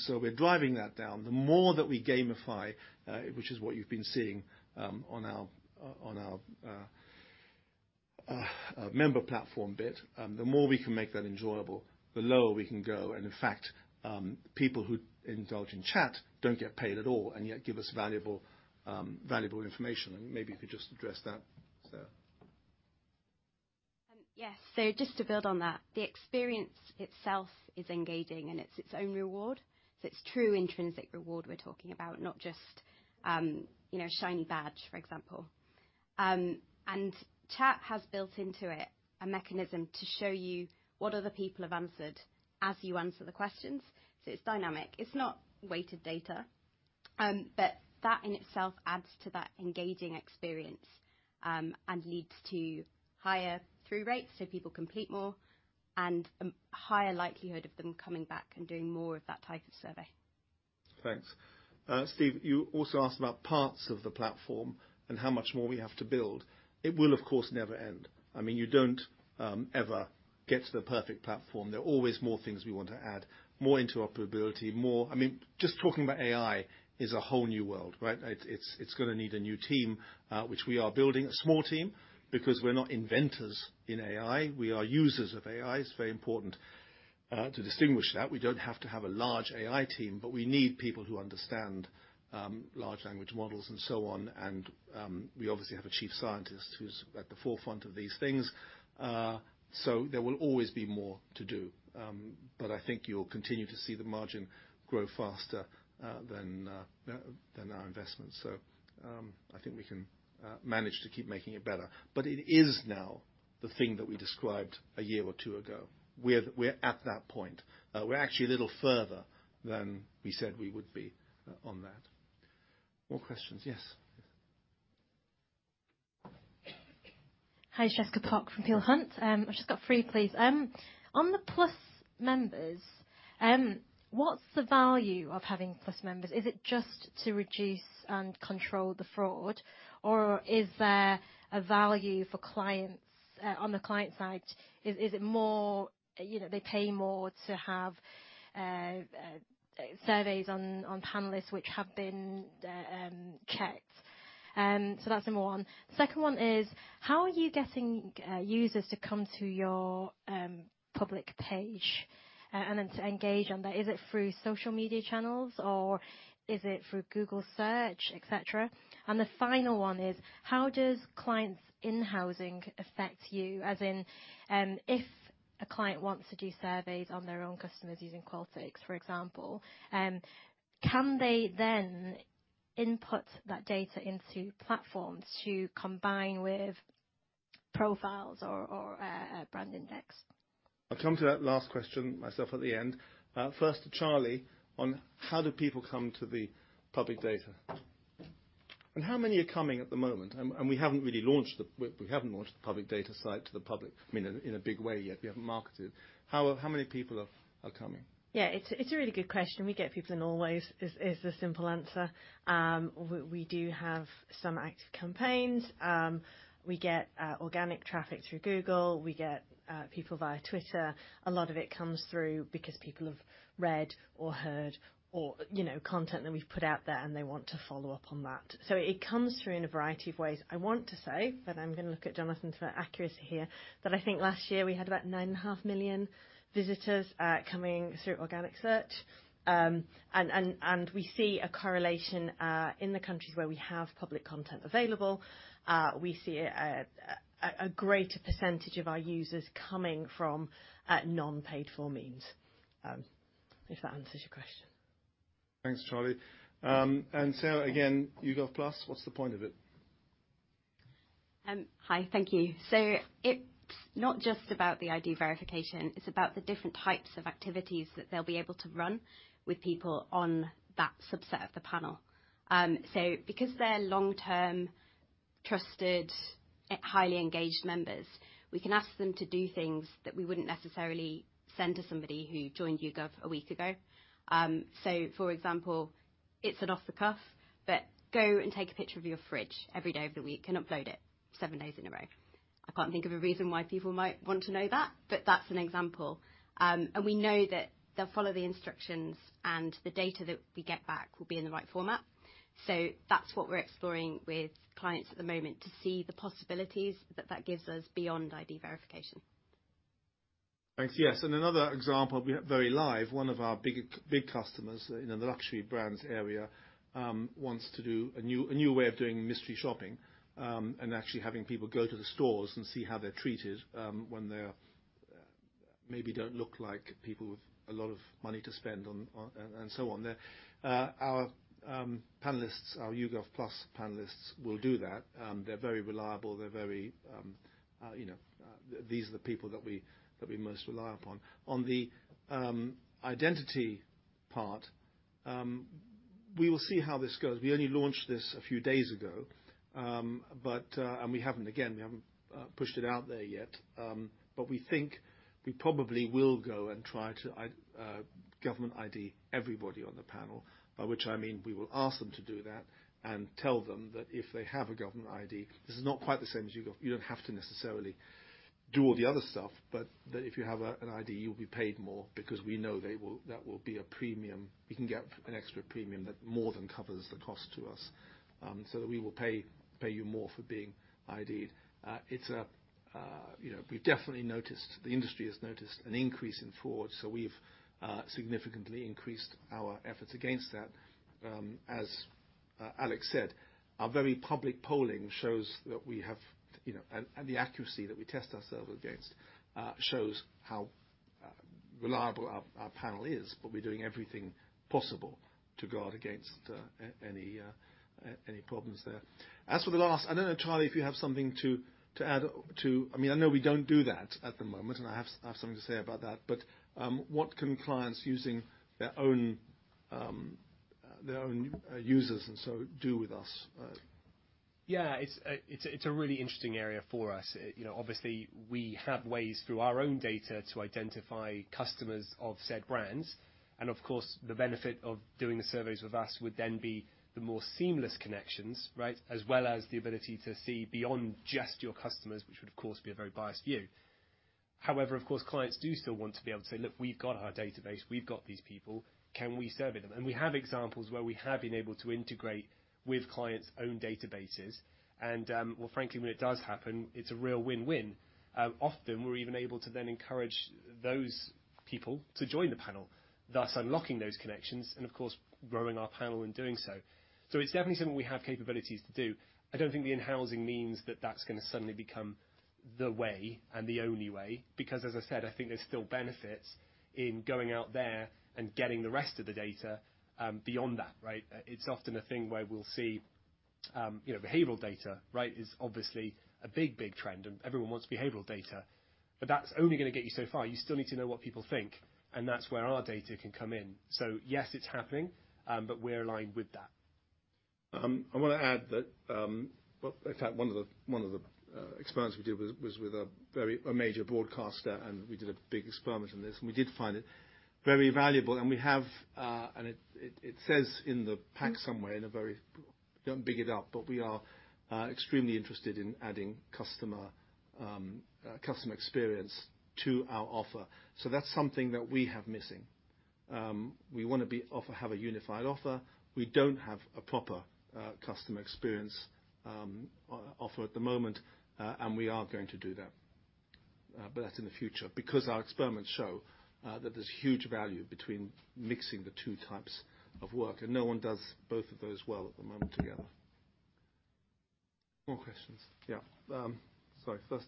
We're driving that down. The more that we gamify, which is what you've been seeing, on our member platform bit, the more we can make that enjoyable, the lower we can go. In fact, people who indulge in Chat don't get paid at all and yet give us valuable information. Maybe you could just address that, Sarah. Yes. Just to build on that. The experience itself is engaging, and it's its own reward. It's true intrinsic reward we're talking about, not just, you know, shiny badge, for example. Chat has built into it a mechanism to show you what other people have answered as you answer the questions. It's dynamic. It's not weighted data. That in itself adds to that engaging experience, and leads to higher through rates, so people complete more, and a higher likelihood of them coming back and doing more of that type of survey. Thanks. Steve, you also asked about parts of the platform and how much more we have to build. It will, of course, never end. I mean, you don't ever get to the perfect platform. There are always more things we want to add, more interoperability, more... I mean, just talking about AI is a whole new world, right? It's, it's gonna need a new team, which we are building. A small team, because we're not inventors in AI, we are users of AI. It's very important to distinguish that. We don't have to have a large AI team, but we need people who understand large language models and so on. We obviously have a chief scientist who's at the forefront of these things. There will always be more to do. I think you'll continue to see the margin grow faster than our investments. I think we can manage to keep making it better. It is now the thing that we described a year or two ago. We're at that point. We're actually a little further than we said we would be on that. More questions? Yes. Hi, it's Jessica Pok from Peel Hunt. I've just got three, please. On the Plus members, what's the value of having Plus members? Is it just to reduce and control the fraud, or is there a value for clients on the client side? Is it more, you know, they pay more to have surveys on panelists which have been checked? That's number one. Second one is, how are you getting users to come to your public page to engage on that? Is it through social media channels, or is it through Google Search, et cetera? The final one is, how does clients in-housing affect you? As in, if a client wants to do surveys on their own customers using Qualtrics, for example, can they then input that data into platforms to combine with profiles or a BrandIndex? I'll come to that last question myself at the end. First to Charlie on how do people come to the public data. How many are coming at the moment? We haven't launched the public data site to the public, I mean, in a big way yet. We haven't marketed. How many people are coming? Yeah, it's a really good question. We get people in all ways, is the simple answer. We do have some active campaigns. We get organic traffic through Google. We get people via Twitter. A lot of it comes through because people have read or heard or, you know, content that we've put out there, they want to follow up on that. It comes through in a variety of ways. I want to say, I'm gonna look at Jonathan for accuracy here, that I think last year we had about 9.5 million visitors coming through organic search. And we see a correlation in the countries where we have public content available, we see a greater percentage of our users coming from non-paid for means. If that answers your question. Thanks, Charlie. Sarah, again, YouGov Plus, what's the point of it? Hi. Thank you. It's not just about the ID verification, it's about the different types of activities that they'll be able to run with people on that subset of the panel. Because they're long-term, trusted, highly engaged members, we can ask them to do things that we wouldn't necessarily send to somebody who joined YouGov a week ago. For example, it's an off-the-cuff, but go and take a picture of your fridge every day of the week and upload it seven days in a row. I can't think of a reason why people might want to know that, but that's an example. We know that they'll follow the instructions, and the data that we get back will be in the right format. That's what we're exploring with clients at the moment, to see the possibilities that that gives us beyond ID verification. Thanks. Yes, another example, we have Verylive, one of our big customers in the luxury brands area, wants to do a new way of doing mystery shopping, and actually having people go to the stores and see how they're treated, when they're maybe don't look like people with a lot of money to spend on and so on. Our YouGov Plus panelists will do that. They're very reliable. They're very, you know, these are the people that we most rely upon. On the identity part, we will see how this goes. We only launched this a few days ago. We haven't pushed it out there yet. We think we probably will go and try to ID government ID everybody on the panel. By which I mean, we will ask them to do that and tell them that if they have a government ID, this is not quite the same as YouGov. You don't have to necessarily do all the other stuff, but that if you have an ID, you'll be paid more because we know that will be a premium. We can get an extra premium that more than covers the cost to us. That we will pay you more for being ID'd. It's a, you know, we've definitely noticed, the industry has noticed an increase in fraud. We've significantly increased our efforts against that. Alex said, our very public polling shows that we have, you know, and the accuracy that we test ourselves against shows how reliable our panel is. We're doing everything possible to guard against any problems there. As for the last, I don't know, Charlie, if you have something to add to. I mean, I know we don't do that at the moment, and I have something to say about that. What can clients using their own, their own users and so do with us? Yeah, it's a really interesting area for us. You know, obviously we have ways through our own data to identify customers of said brands, and of course, the benefit of doing the surveys with us would then be the more seamless connections, right? As well as the ability to see beyond just your customers, which would of course be a very biased view. However, of course, clients do still want to be able to say, "Look, we've got our database. We've got these people. Can we survey them?" We have examples where we have been able to integrate with clients' own databases and, well, frankly, when it does happen, it's a real win-win. Often we're even able to then encourage those people to join the panel, thus unlocking those connections and of course, growing our panel in doing so. It's definitely something we have capabilities to do. I don't think the in-housing means that that's gonna suddenly become the way and the only way, because as I said, I think there's still benefits in going out there and getting the rest of the data beyond that, right? It's often a thing where we'll see, you know, behavioral data, right? Is obviously a big, big trend, and everyone wants behavioral data. That's only gonna get you so far. You still need to know what people think, and that's where our data can come in. Yes, it's happening, but we're aligned with that. I wanna add that, well, in fact one of the experiments we did was with a very a major broadcaster, and we did a big experiment on this, and we did find it very valuable. We have, and it says in the pack somewhere in a very don't big it up, but we are extremely interested in adding customer experience to our offer. That's something that we have missing. We wanna have a unified offer. We don't have a proper, customer experience, offer at the moment. We are going to do that. That's in the future. Our experiments show, that there's huge value between mixing the two types of work, and no one does both of those well at the moment together. More questions? Yeah. Sorry. First. Yeah. Okay.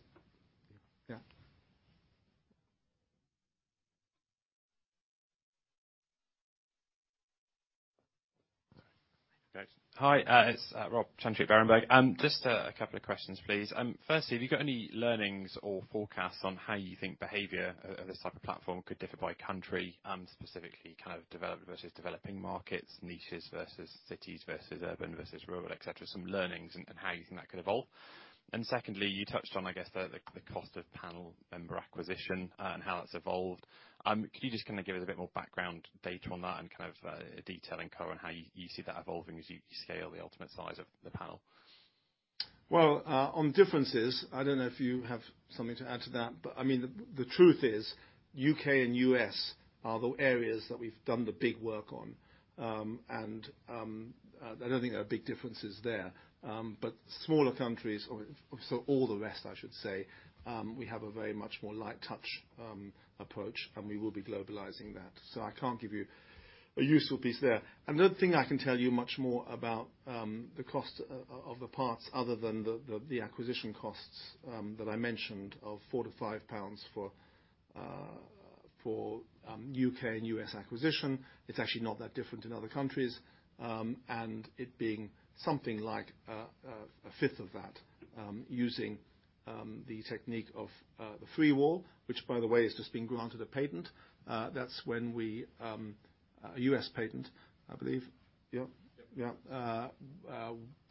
Hi, it's Rob Chantry, Berenberg. Just a couple of questions, please. Firstly, have you got any learnings or forecasts on how you think behavior of this type of platform could differ by country and specifically kind of developed versus developing markets, niches versus cities versus urban versus rural, et cetera? Some learnings and how you think that could evolve. Secondly, you touched on, I guess the cost of panel member acquisition and how that's evolved. Can you just kind of give us a bit more background data on that and kind of detail on current how you see that evolving as you scale the ultimate size of the panel? Well, on differences, I don't know if you have something to add to that, but I mean, the truth is U.K. and U.S. are the areas that we've done the big work on. I don't think there are big differences there. Smaller countries or so all the rest I should say, we have a very much more light touch approach, and we will be globalizing that. I can't give you a useful piece there. Another thing I can tell you much more about the cost of the parts other than the acquisition costs that I mentioned of 4-5 pounds for U.K. and U.S. acquisition. It's actually not that different in other countries. It being something like a fifth of that, using the technique of the FreeWall, which by the way, has just been granted a patent. That's when we. A U.S. patent, I believe. Yeah? Yep. Yeah.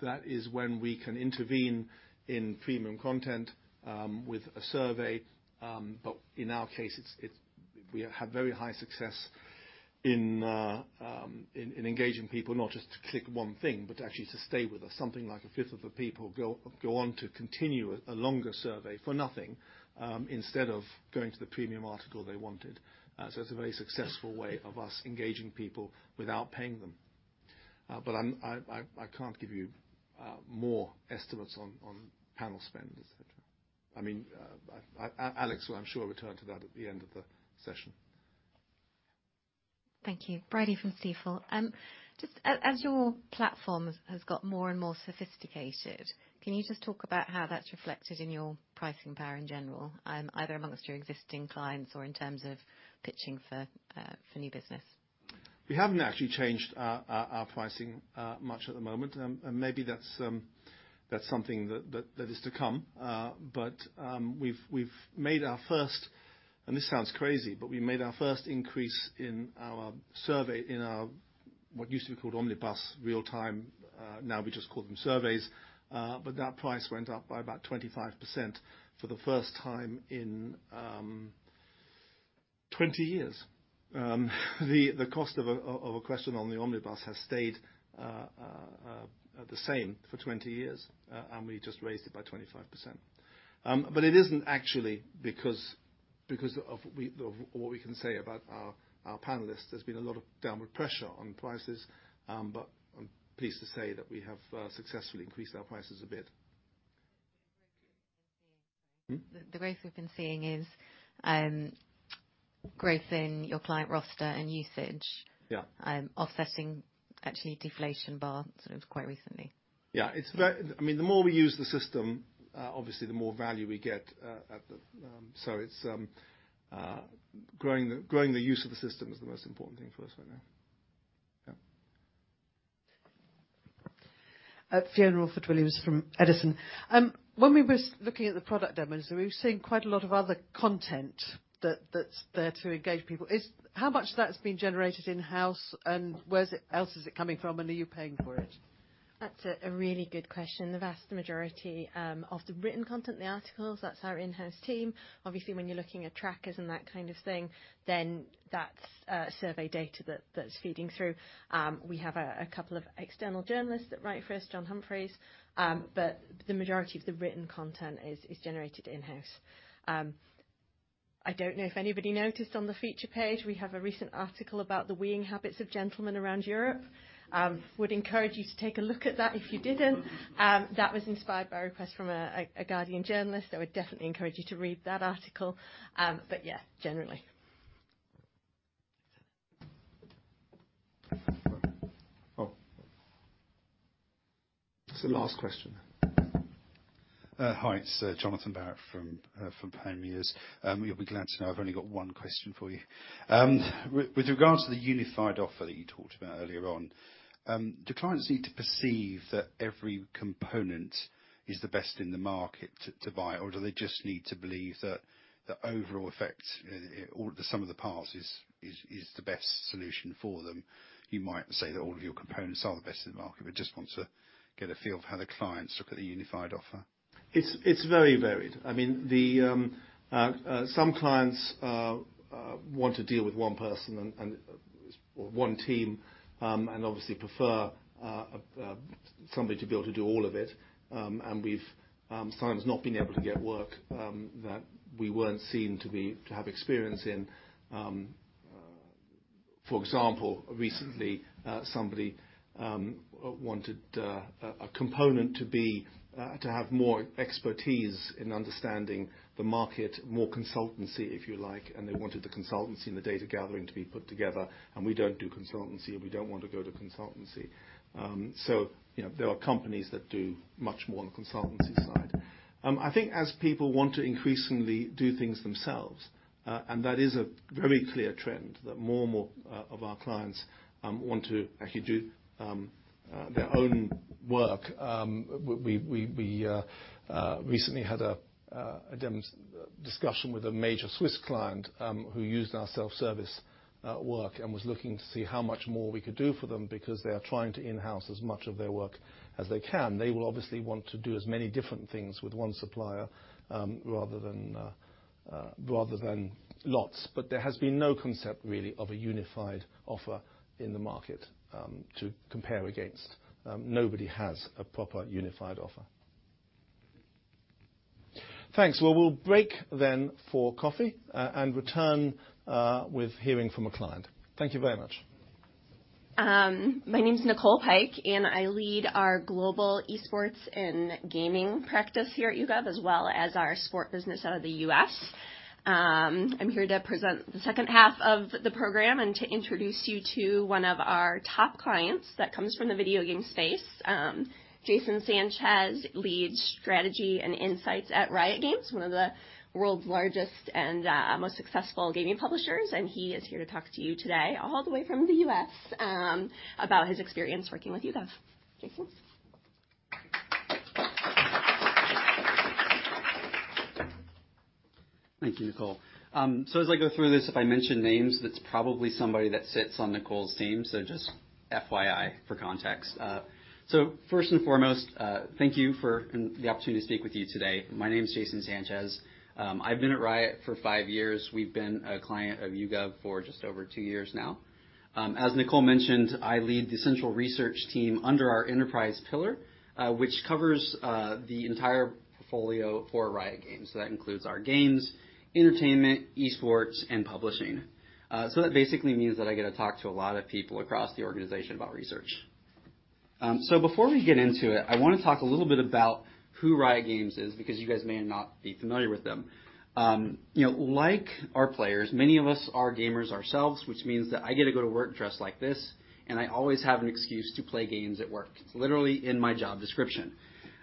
That is when we can intervene in premium content with a survey. In our case, it's, we have very high success in engaging people, not just to click one thing, but actually to stay with us. Something like a fifth of the people go on to continue a longer survey for nothing instead of going to the premium article they wanted. It's a very successful way of us engaging people without paying them. But I can't give you more estimates on panel spend, et cetera. I mean, Alex will I'm sure return to that at the end of the session. Thank you. Bridie from Stifel. just as your platform has got more and more sophisticated, can you just talk about how that's reflected in your pricing power in general, either amongst your existing clients or in terms of pitching for new business? We haven't actually changed our pricing much at the moment. Maybe that's something that is to come. This sounds crazy, but we made our first increase in our survey in what used to be called Omnibus real-time, now we just call them surveys. That price went up by about 25% for the first time in 20 years. The cost of a question on the Omnibus has stayed the same for 20 years, we just raised it by 25%. It isn't actually because of what we can say about our panelists. There's been a lot of downward pressure on prices, but I'm pleased to say that we have successfully increased our prices a bit. The growth we've been seeing, sorry. Hmm? The growth we've been seeing is growth in your client roster and usage. Yeah.... offsetting actually deflation bar sort of quite recently. Yeah. It's very... I mean, the more we use the system, obviously the more value we get. It's growing the use of the system is the most important thing for us right now. Yeah. Fiona Orford-Williams from Edison. When we were looking at the product demos, we were seeing quite a lot of other content that's there to engage people. How much of that's been generated in-house, and where is it, else is it coming from, and are you paying for it? That's a really good question. The vast majority of the written content, the articles, that's our in-house team. Obviously, when you're looking at trackers and that kind of thing, then that's survey data that's feeding through. We have a couple of external journalists that write for us, John Humphrys, but the majority of the written content is generated in-house. I don't know if anybody noticed on the feature page, we have a recent article about the weaning habits of gentlemen around Europe. Would encourage you to take a look at that if you didn't. That was inspired by a request from a Guardian journalist. I would definitely encourage you to read that article. Yeah, generally. Oh, that's the last question. Hi, it's Johnathan Barrett from Panmure. You'll be glad to know I've only got one question for you. With regards to the unified offer that you talked about earlier on, do clients need to perceive that every component is the best in the market to buy, or do they just need to believe that the overall effect or the sum of the parts is the best solution for them? You might say that all of your components are the best in the market, but just want to get a feel of how the clients look at the unified offer. It's, it's very varied. I mean, the some clients want to deal with one person and or one team and obviously prefer somebody to be able to do all of it. We've sometimes not been able to get work that we weren't seen to have experience in. For example, recently, somebody wanted a component to be to have more expertise in understanding the market, more consultancy, if you like, and they wanted the consultancy and the data gathering to be put together, and we don't do consultancy and we don't want to go to consultancy. You know, there are companies that do much more on the consultancy side. I think as people want to increasingly do things themselves, that is a very clear trend, that more and more of our clients want to actually do their own work. We recently had a discussion with a major Swiss client, who used our self-service work and was looking to see how much more we could do for them because they are trying to in-house as much of their work as they can. They will obviously want to do as many different things with one supplier, rather than rather than lots. There has been no concept really of a unified offer in the market, to compare against. Nobody has a proper unified offer. Thanks. Well, we'll break then for coffee, and return with hearing from a client. Thank you very much. My name's Nicole Pike, and I lead our global esports and gaming practice here at YouGov, as well as our sport business out of the U.S. I'm here to present the second half of the program and to introduce you to one of our top clients that comes from the video game space. Jason Sanchez leads strategy and insights at Riot Games, one of the world's largest and most successful gaming publishers. He is here to talk to you today all the way from the U.S., about his experience working with YouGov. Jason. Thank you, Nicole. As I go through this, if I mention names, that's probably somebody that sits on Nicole's team, so just FYI for context. First and foremost, thank you for the opportunity to speak with you today. My name's Jason Sanchez. I've been at Riot for five years. We've been a client of YouGov for just over two years now. As Nicole mentioned, I lead the central research team under our enterprise pillar, which covers the entire portfolio for Riot Games. That includes our games, entertainment, esports, and publishing. That basically means that I get to talk to a lot of people across the organization about research. Before we get into it, I wanna talk a little bit about who Riot Games is because you guys may not be familiar with them. You know, like our players, many of us are gamers ourselves, which means that I get to go to work dressed like this, and I always have an excuse to play games at work. It's literally in my job description.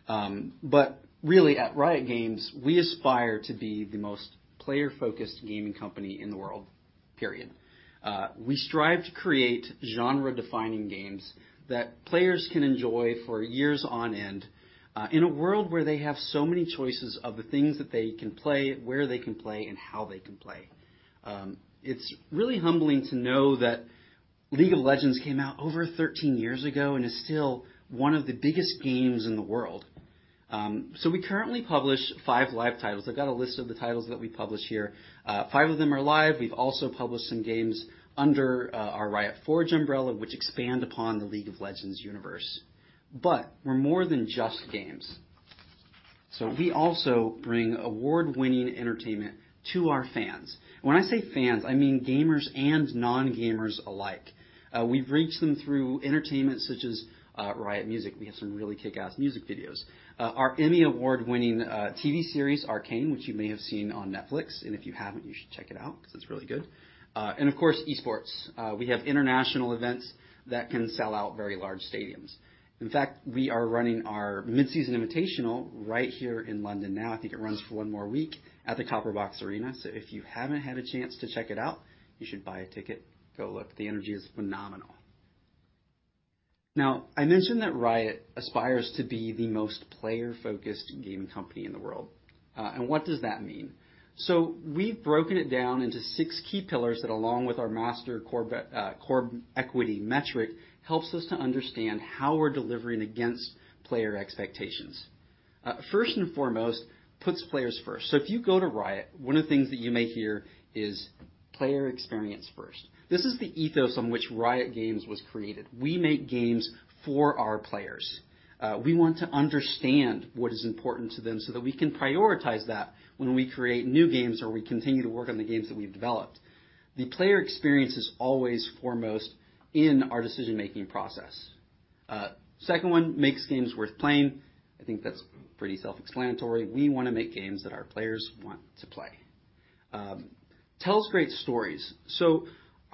At Riot Games, we aspire to be the most player-focused gaming company in the world, period. We strive to create genre-defining games that players can enjoy for years on end, in a world where they have so many choices of the things that they can play, where they can play, and how they can play. It's really humbling to know that League of Legends came out over 13 years ago and is still one of the biggest games in the world. We currently publish five live titles. I've got a list of the titles that we publish here. Five of them are live. We've also published some games under our Riot Forge umbrella, which expand upon the League of Legends universe. We're more than just games. We also bring award-winning entertainment to our fans. When I say fans, I mean gamers and non-gamers alike. We've reached them through entertainment such as Riot Music. We have some really kickass music videos. Our Emmy Award-winning TV series, Arcane, which you may have seen on Netflix, and if you haven't, you should check it out 'cause it's really good. Of course, esports. We have international events that can sell out very large stadiums. In fact, we are running our Mid-Season Invitational right here in London now, I think it runs for one more week, at the Copper Box Arena. If you haven't had a chance to check it out, you should buy a ticket. Go look. The energy is phenomenal. Now, I mentioned that Riot aspires to be the most player-focused gaming company in the world. What does that mean? We've broken it down into six key pillars that, along with our master core equity metric, helps us to understand how we're delivering against player expectations. First and foremost, puts players first. If you go to Riot, one of the things that you may hear is player experience first. This is the ethos on which Riot Games was created. We make games for our players. We want to understand what is important to them so that we can prioritize that when we create new games or we continue to work on the games that we've developed. The player experience is always foremost in our decision-making process. Second one, makes games worth playing. I think that's pretty self-explanatory. We wanna make games that our players want to play. Tells great stories.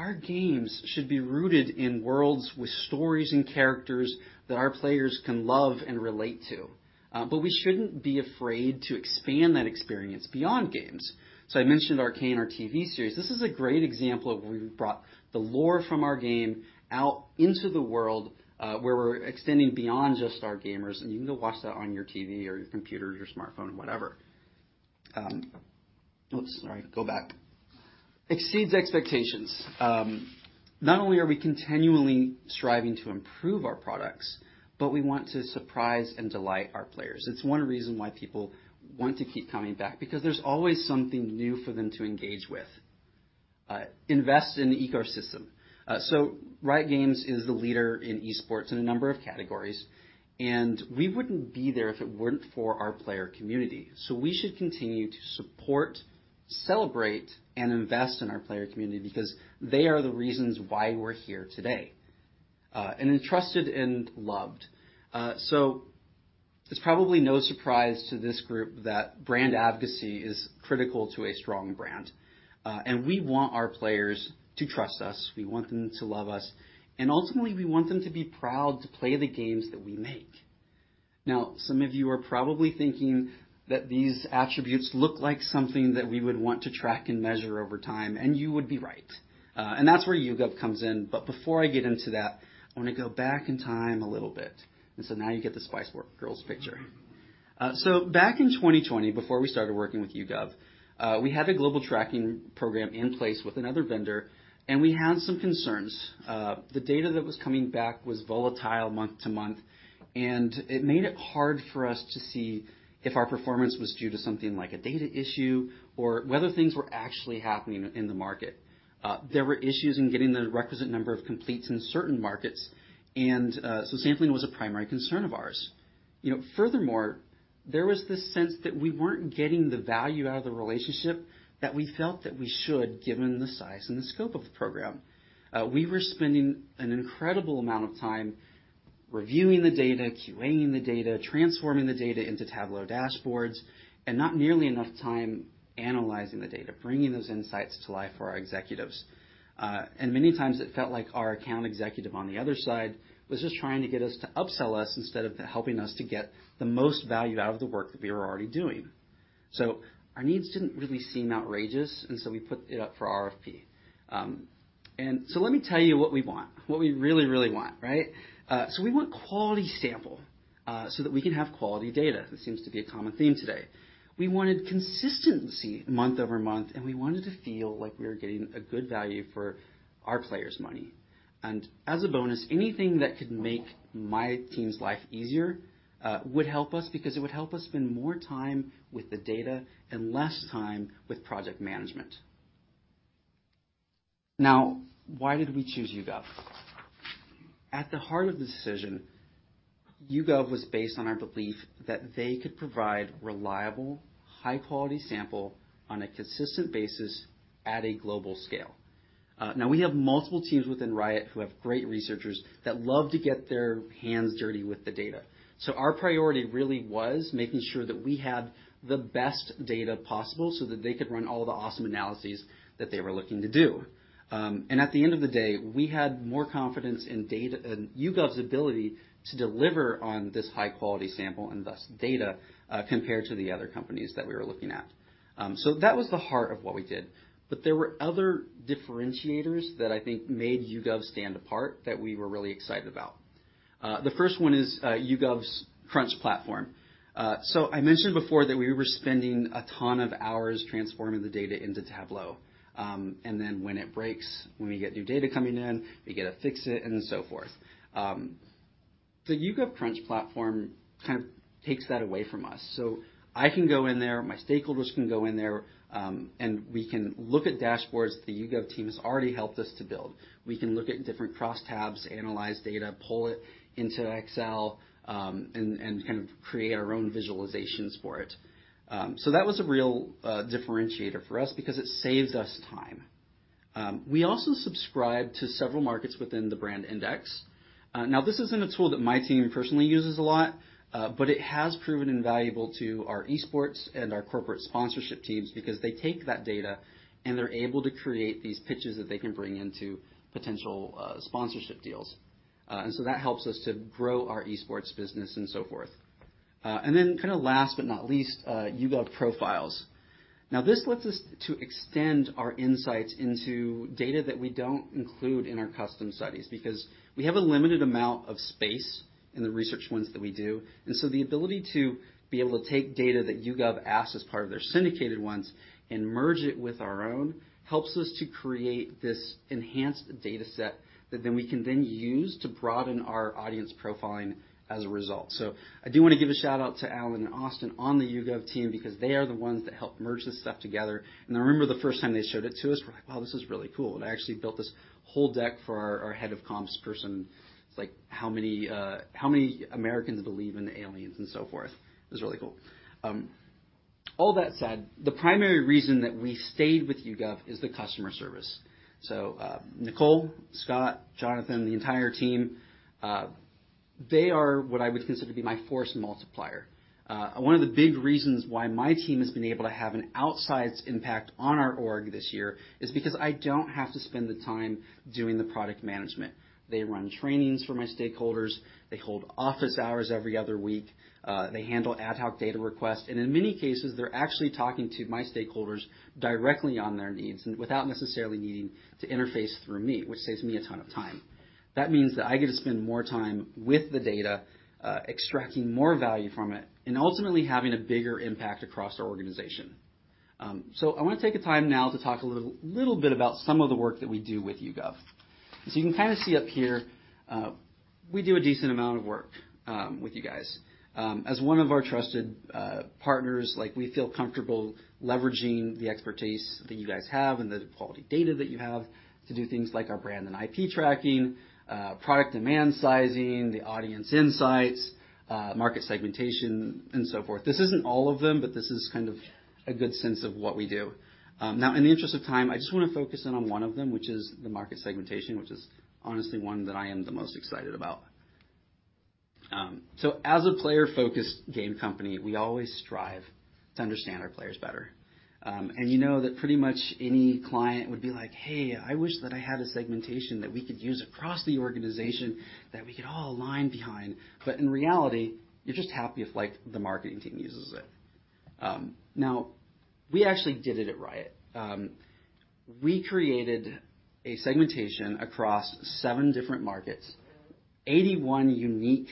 Our games should be rooted in worlds with stories and characters that our players can love and relate to. But we shouldn't be afraid to expand that experience beyond games. I mentioned Arcane, our TV series. This is a great example of where we've brought the lore from our game out into the world, where we're extending beyond just our gamers, and you can go watch that on your TV or your computer, your smartphone, whatever. Oops, sorry, go back. Exceeds expectations. Not only are we continually striving to improve our products, but we want to surprise and delight our players. It's one reason why people want to keep coming back because there's always something new for them to engage with. Invest in the ecosystem. Riot Games is the leader in esports in a number of categories, and we wouldn't be there if it weren't for our player community. We should continue to support, celebrate, and invest in our player community because they are the reasons why we're here today. Entrusted and loved. It's probably no surprise to this group that brand advocacy is critical to a strong brand. We want our players to trust us. We want them to love us. Ultimately, we want them to be proud to play the games that we make. Some of you are probably thinking that these attributes look like something that we would want to track and measure over time, and you would be right. That's where YouGov comes in. Before I get into that, I wanna go back in time a little bit. Now you get the Spice Girls picture. Back in 2020, before we started working with YouGov, we had a global tracking program in place with another vendor, and we had some concerns. The data that was coming back was volatile month to month, and it made it hard for us to see if our performance was due to something like a data issue or whether things were actually happening in the market. There were issues in getting the requisite number of completes in certain markets, and, so sampling was a primary concern of ours. You know, furthermore, there was this sense that we weren't getting the value out of the relationship that we felt that we should, given the size and the scope of the program. We were spending an incredible amount of time reviewing the data, QA-ing the data, transforming the data into Tableau dashboards, and not nearly enough time analyzing the data, bringing those insights to life for our executives. Many times it felt like our account executive on the other side was just trying to get us to upsell us instead of helping us to get the most value out of the work that we were already doing. Our needs didn't really seem outrageous, and so we put it up for RFP. Let me tell you what we want, what we really, really want, right. We want quality sample so that we can have quality data. That seems to be a common theme today. We wanted consistency month-over-month, and we wanted to feel like we were getting a good value for our players' money. As a bonus, anything that could make my team's life easier would help us because it would help us spend more time with the data and less time with project management. Why did we choose YouGov? At the heart of the decision, YouGov was based on our belief that they could provide reliable, high-quality sample on a consistent basis at a global scale. We have multiple teams within Riot who have great researchers that love to get their hands dirty with the data. Our priority really was making sure that we had the best data possible so that they could run all the awesome analyses that they were looking to do. At the end of the day, we had more confidence in YouGov's ability to deliver on this high-quality sample, and thus data, compared to the other companies that we were looking at. That was the heart of what we did. There were other differentiators that I think made YouGov stand apart that we were really excited about. The first one is YouGov's Crunch platform. I mentioned before that we were spending a ton of hours transforming the data into Tableau. When it breaks, when we get new data coming in, we gotta fix it, and then so forth. The YouGov Crunch platform kind of takes that away from us. I can go in there, my stakeholders can go in there, and we can look at dashboards the YouGov team has already helped us to build. We can look at different crosstabs, analyze data, pull it into Excel, and kind of create our own visualizations for it. That was a real differentiator for us because it saves us time. We also subscribe to several markets within the BrandIndex. This isn't a tool that my team personally uses a lot, but it has proven invaluable to our esports and our corporate sponsorship teams because they take that data, and they're able to create these pitches that they can bring into potential, sponsorship deals. That helps us to grow our esports business and so forth. Kinda last but not least, YouGov Profiles. Now, this lets us to extend our insights into data that we don't include in our custom studies because we have a limited amount of space in the research ones that we do. The ability to be able to take data that YouGov asks as part of their syndicated ones and merge it with our own helps us to create this enhanced data set that then we can then use to broaden our audience profiling as a result. I do wanna give a shout-out to Alan and Austin on the YouGov team because they are the ones that help merge this stuff together. I remember the first time they showed it to us, we're like, "Wow, this is really cool." I actually built this whole deck for our head of comps person. It's like, how many Americans believe in aliens and so forth. It was really cool. All that said, the primary reason that we stayed with YouGov is the customer service. Nicole, Scott, Jonathan, the entire team. They are what I would consider to be my force multiplier. One of the big reasons why my team has been able to have an outsized impact on our org this year is because I don't have to spend the time doing the product management. They run trainings for my stakeholders. They hold office hours every other week. They handle ad hoc data requests, and in many cases, they're actually talking to my stakeholders directly on their needs and without necessarily needing to interface through me, which saves me a ton of time. That means that I get to spend more time with the data, extracting more value from it and ultimately having a bigger impact across our organization. I wanna take the time now to talk a little bit about some of the work that we do with YouGov. You can kind of see up here, we do a decent amount of work with you guys. As one of our trusted partners, we feel comfortable leveraging the expertise that you guys have and the quality data that you have to do things like our brand and IP tracking, product demand sizing, the audience insights, market segmentation, and so forth. This isn't all of them, but this is kind of a good sense of what we do. Now in the interest of time, I just wanna focus in on one of them, which is the market segmentation, which is honestly one that I am the most excited about. As a player-focused game company, we always strive to understand our players better. You know that pretty much any client would be like, "Hey, I wish that I had a segmentation that we could use across the organization that we could all align behind." In reality, you're just happy if, like, the marketing team uses it. We actually did it at Riot. We created a segmentation across seven different markets, 81 unique,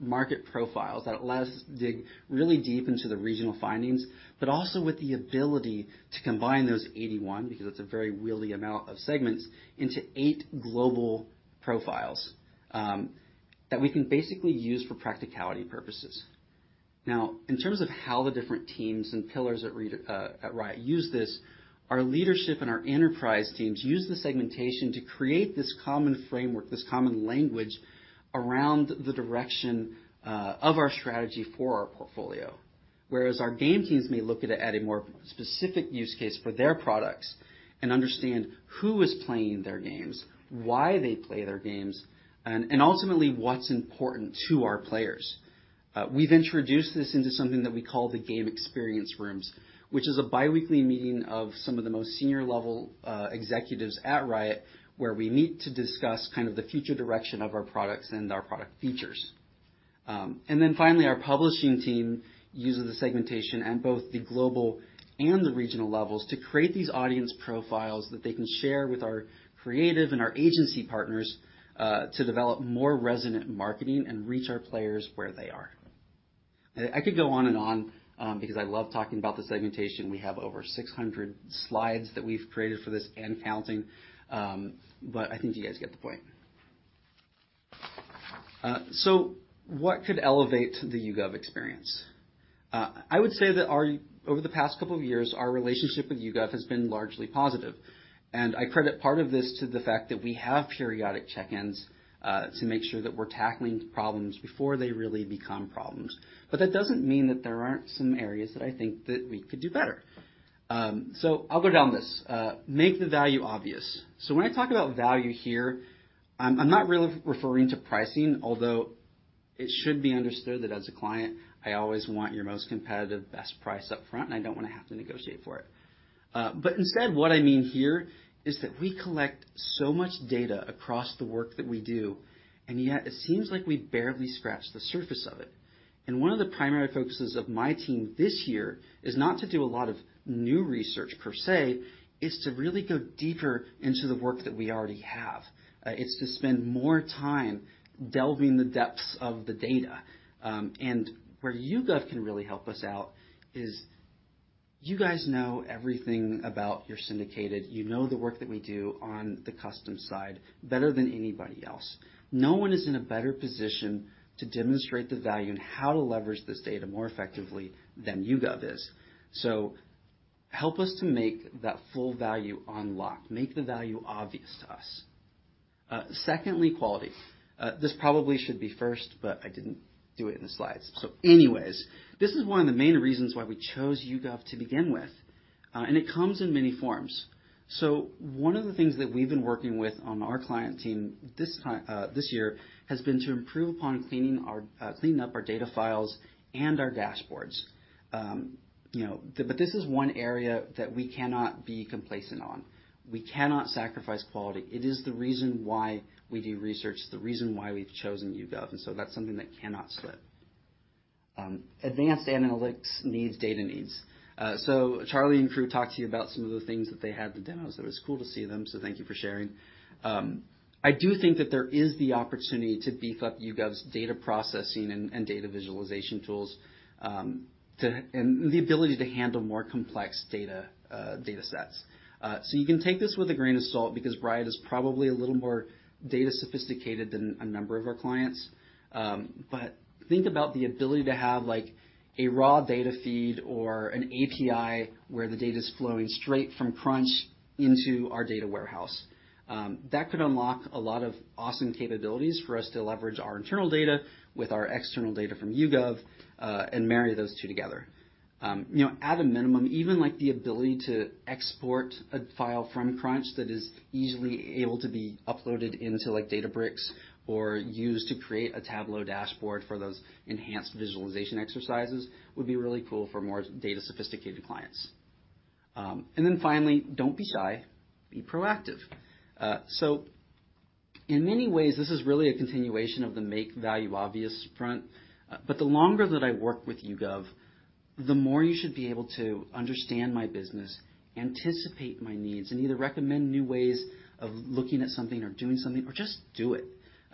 market profiles that let us dig really deep into the regional findings, but also with the ability to combine those 81, because it's a very wieldy amount of segments, into eight global profiles, that we can basically use for practicality purposes. In terms of how the different teams and pillars at Riot use this, our leadership and our enterprise teams use the segmentation to create this common framework, this common language around the direction of our strategy for our portfolio. Whereas our game teams may look at it at a more specific use case for their products and understand who is playing their games, why they play their games, and ultimately what's important to our players. We've introduced this into something that we call the game experience rooms, which is a biweekly meeting of some of the most senior-level executives at Riot, where we meet to discuss kind of the future direction of our products and our product features. Finally, our publishing team uses the segmentation at both the global and the regional levels to create these audience profiles that they can share with our creative and our agency partners to develop more resonant marketing and reach our players where they are. I could go on and on because I love talking about the segmentation. We have over 600 slides that we've created for this and counting, but I think you guys get the point. What could elevate the YouGov experience? I would say that our, over the past couple of years, our relationship with YouGov has been largely positive, and I credit part of this to the fact that we have periodic check-ins to make sure that we're tackling problems before they really become problems. That doesn't mean that there aren't some areas that I think that we could do better. I'll go down this. Make the value obvious. When I talk about value here, I'm not really referring to pricing, although it should be understood that as a client, I always want your most competitive, best price up front, and I don't wanna have to negotiate for it. Instead, what I mean here is that we collect so much data across the work that we do, and yet it seems like we barely scratch the surface of it. One of the primary focuses of my team this year is not to do a lot of new research per se. It's to really go deeper into the work that we already have. It's to spend more time delving the depths of the data. Where YouGov can really help us out is you guys know everything about your syndicated. You know the work that we do on the custom side better than anybody else. No one is in a better position to demonstrate the value in how to leverage this data more effectively than YouGov is. Help us to make that full value unlocked. Make the value obvious to us. Secondly, quality. This probably should be first, but I didn't do it in the slides. Anyways, this is one of the main reasons why we chose YouGov to begin with, and it comes in many forms. One of the things that we've been working with on our client team this year, has been to improve upon cleaning our, cleaning up our data files and our dashboards. You know, this is one area that we cannot be complacent on. We cannot sacrifice quality. It is the reason why we do research, the reason why we've chosen YouGov, that's something that cannot slip. Advanced analytics needs data needs. Charlie and crew talked to you about some of the things that they had, the demos. It was cool to see them, thank you for sharing. I do think that there is the opportunity to beef up YouGov's data processing and data visualization tools and the ability to handle more complex data sets. You can take this with a grain of salt because Riot is probably a little more data sophisticated than a number of our clients. Think about the ability to have, like, a raw data feed or an API where the data's flowing straight from Crunch into our data warehouse. That could unlock a lot of awesome capabilities for us to leverage our internal data with our external data from YouGov and marry those two together. You know, at a minimum, even, like, the ability to export a file from Crunch that is easily able to be uploaded into, like, Databricks or used to create a Tableau dashboard for those enhanced visualization exercises would be really cool for more data sophisticated clients. Finally, don't be shy, be proactive. In many ways, this is really a continuation of the make value obvious front. The longer that I work with YouGov, the more you should be able to understand my business, anticipate my needs, and either recommend new ways of looking at something or doing something or just do it.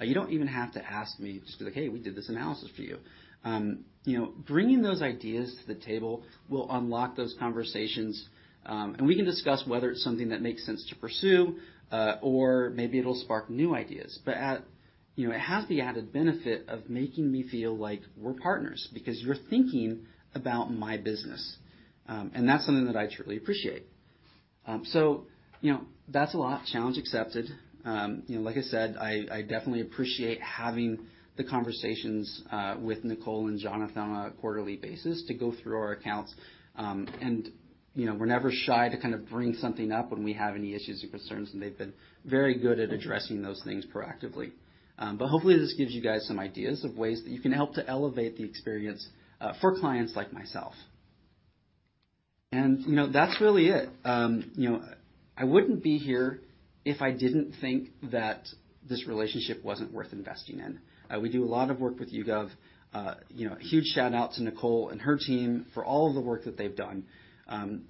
You don't even have to ask me. Just be like, "Hey, we did this analysis for you." You know, bringing those ideas to the table will unlock those conversations, and we can discuss whether it's something that makes sense to pursue, or maybe it'll spark new ideas. At, you know, it has the added benefit of making me feel like we're partners because you're thinking about my business. That's something that I truly appreciate. You know, that's a lot. Challenge accepted. You know, like I said, I definitely appreciate having the conversations with Nicole and Jonathan on a quarterly basis to go through our accounts. You know, we're never shy to kind of bring something up when we have any issues or concerns, and they've been very good at addressing those things proactively. Hopefully, this gives you guys some ideas of ways that you can help to elevate the experience for clients like myself. You know, that's really it. You know, I wouldn't be here if I didn't think that this relationship wasn't worth investing in. We do a lot of work with YouGov. You know, huge shout-out to Nicole and her team for all of the work that they've done.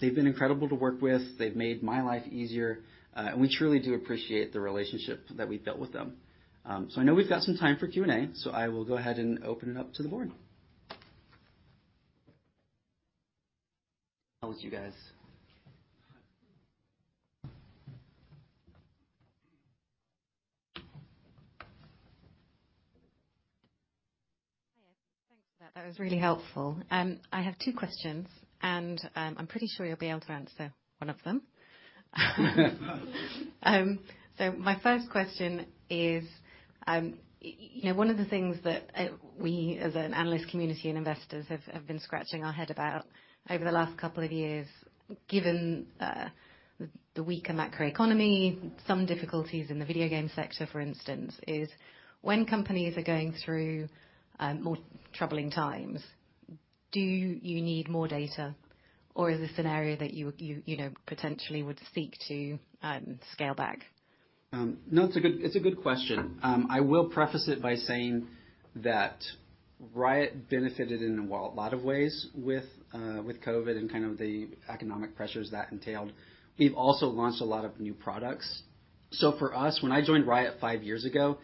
They've been incredible to work with. They've made my life easier. We truly do appreciate the relationship that we've built with them. I know we've got some time for Q&A, so I will go ahead and open it up to the board. All you guys. Hi. Thanks for that. That was really helpful. I have two questions, and I'm pretty sure you'll be able to answer one of them. My first question is, you know, one of the things that we, as an analyst community and investors have been scratching our head about over the last couple of years, given the weaker macroeconomy, some difficulties in the video game sector, for instance, is when companies are going through more troubling times, do you need more data, or is this an area that you would, you know, potentially would seek to scale back? No, it's a good, it's a good question. I will preface it by saying that Riot benefited in a lot of ways with COVID and kind of the economic pressures that entailed. We've also launched a lot of new products. For us, when I joined Riot five years ago,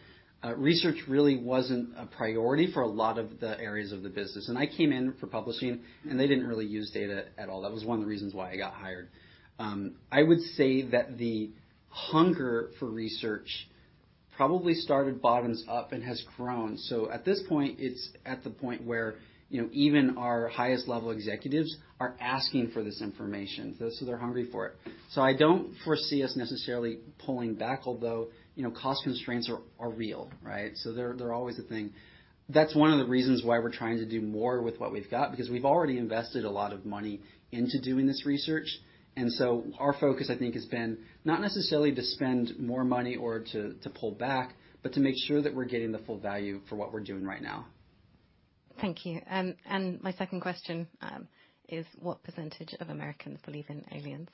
research really wasn't a priority for a lot of the areas of the business. I came in for publishing, and they didn't really use data at all. That was one of the reasons why I got hired. I would say that the hunger for research probably started bottoms up and has grown. At this point, it's at the point where, you know, even our highest level executives are asking for this information. They're hungry for it. I don't foresee us necessarily pulling back, although, you know, cost constraints are real, right? They're always a thing. That's one of the reasons why we're trying to do more with what we've got, because we've already invested a lot of money into doing this research. Our focus, I think, has been not necessarily to spend more money or to pull back, but to make sure that we're getting the full value for what we're doing right now. Thank you. My second question, is what percentage of Americans believe in aliens?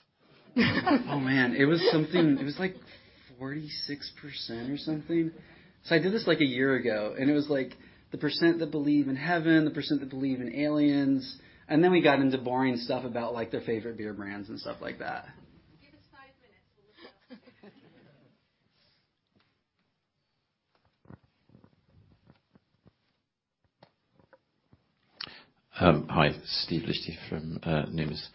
Oh, man. It was something... It was like 46% or something. I did this, like, a year ago, and it was like the percent that believe in heaven, the percent that believe in aliens, and then we got into boring stuff about, like, their favorite beer brands and stuff like that. Hi. Steve Liechti from Numis.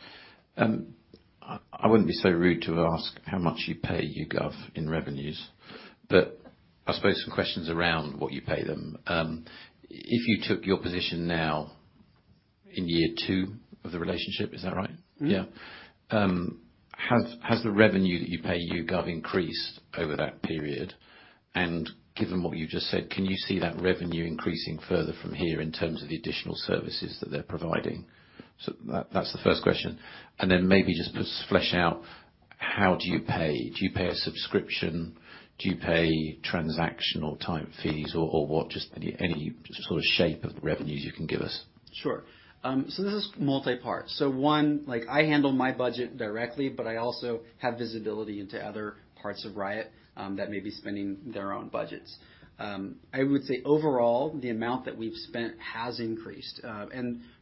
I wouldn't be so rude to ask how much you pay YouGov in revenues, but I suppose some questions around what you pay them. If you took your position now in year two of the relationship, is that right? Mm-hmm. Yeah. has the revenue that you pay YouGov increased over that period? Given what you just said, can you see that revenue increasing further from here in terms of the additional services that they're providing? That, that's the first question. Then maybe just flesh out how do you pay. Do you pay a subscription? Do you pay transactional type fees or what? Just any sort of shape of the revenues you can give us. Sure. This is multi-part. One, like I handle my budget directly, but I also have visibility into other parts of Riot that may be spending their own budgets. I would say overall, the amount that we've spent has increased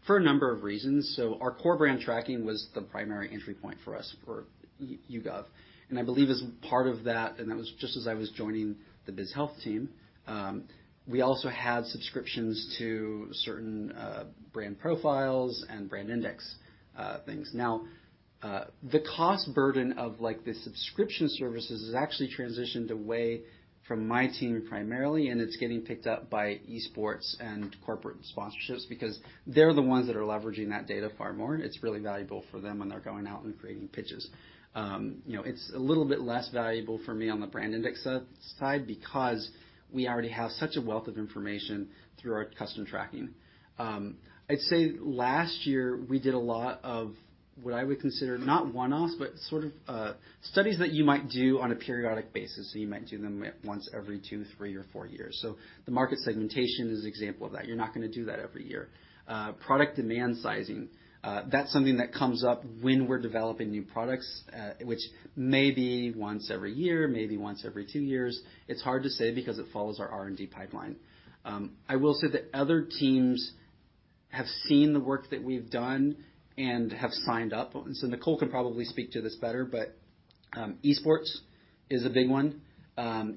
for a number of reasons. Our core brand tracking was the primary entry point for us for YouGov. I believe as part of that, and that was just as I was joining the biz health team, we also had subscriptions to certain brand profiles and BrandIndex things. Now, the cost burden of like the subscription services has actually transitioned away from my team primarily, and it's getting picked up by esports and corporate sponsorships because they're the ones that are leveraging that data far more. It's really valuable for them when they're going out and creating pitches. You know, it's a little bit less valuable for me on the BrandIndex side because we already have such a wealth of information through our custom tracking. I'd say last year we did a lot of what I would consider not one-offs, but sort of studies that you might do on a periodic basis. You might do them once every two, three, or four years. The market segmentation is an example of that. You're not gonna do that every year. Product demand sizing, that's something that comes up when we're developing new products, which may be once every year, maybe once every two years. It's hard to say because it follows our R&D pipeline. I will say that other teams have seen the work that we've done and have signed up. Nicole can probably speak to this better, but esports is a big one.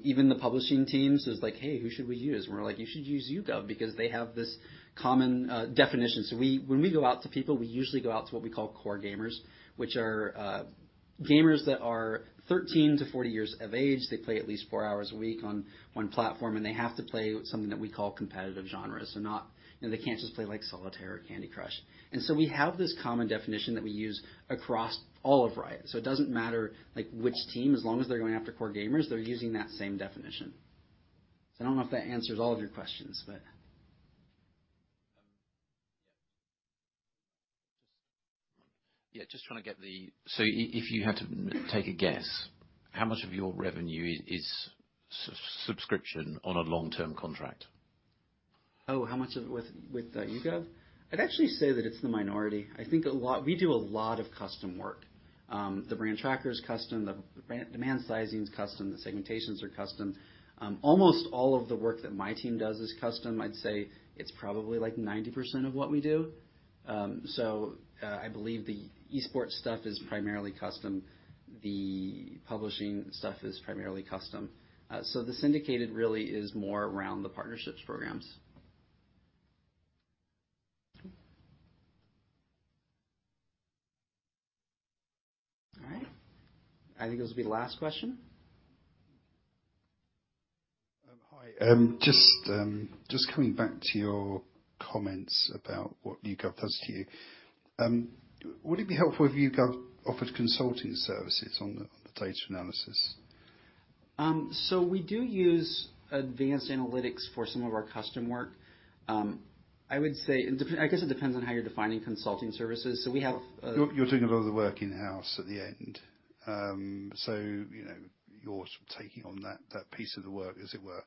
Even the publishing teams is like, "Hey, who should we use?" We're like, "You should use YouGov because they have this common definition." When we go out to people, we usually go out to what we call core gamers, which are gamers that are 13-40 years of age. They play at least four hours a week on one platform, and they have to play something that we call competitive genres. You know, they can't just play, like, Solitaire or Candy Crush. We have this common definition that we use across all of Riot. It doesn't matter, like, which team, as long as they're going after core gamers, they're using that same definition. I don't know if that answers all of your questions, but... Yeah, just trying to get the... If you had to take a guess, how much of your revenue is subscription on a long-term contract? How much of it with YouGov? I'd actually say that it's the minority. I think a lot. We do a lot of custom work. The brand tracker is custom. The demand sizing is custom. The segmentations are custom. Almost all of the work that my team does is custom. I'd say it's probably, like, 90% of what we do. I believe the esports stuff is primarily custom. The publishing stuff is primarily custom. The syndicated really is more around the partnerships programs. All right. I think this will be the last question. Hi. Just coming back to your comments about what YouGov does to you. Would it be helpful if YouGov offered consulting services on the data analysis? We do use advanced analytics for some of our custom work. I would say it depends on how you're defining consulting services. You're doing a lot of the work in-house at the end. You know, you're taking on that piece of the work, as it were.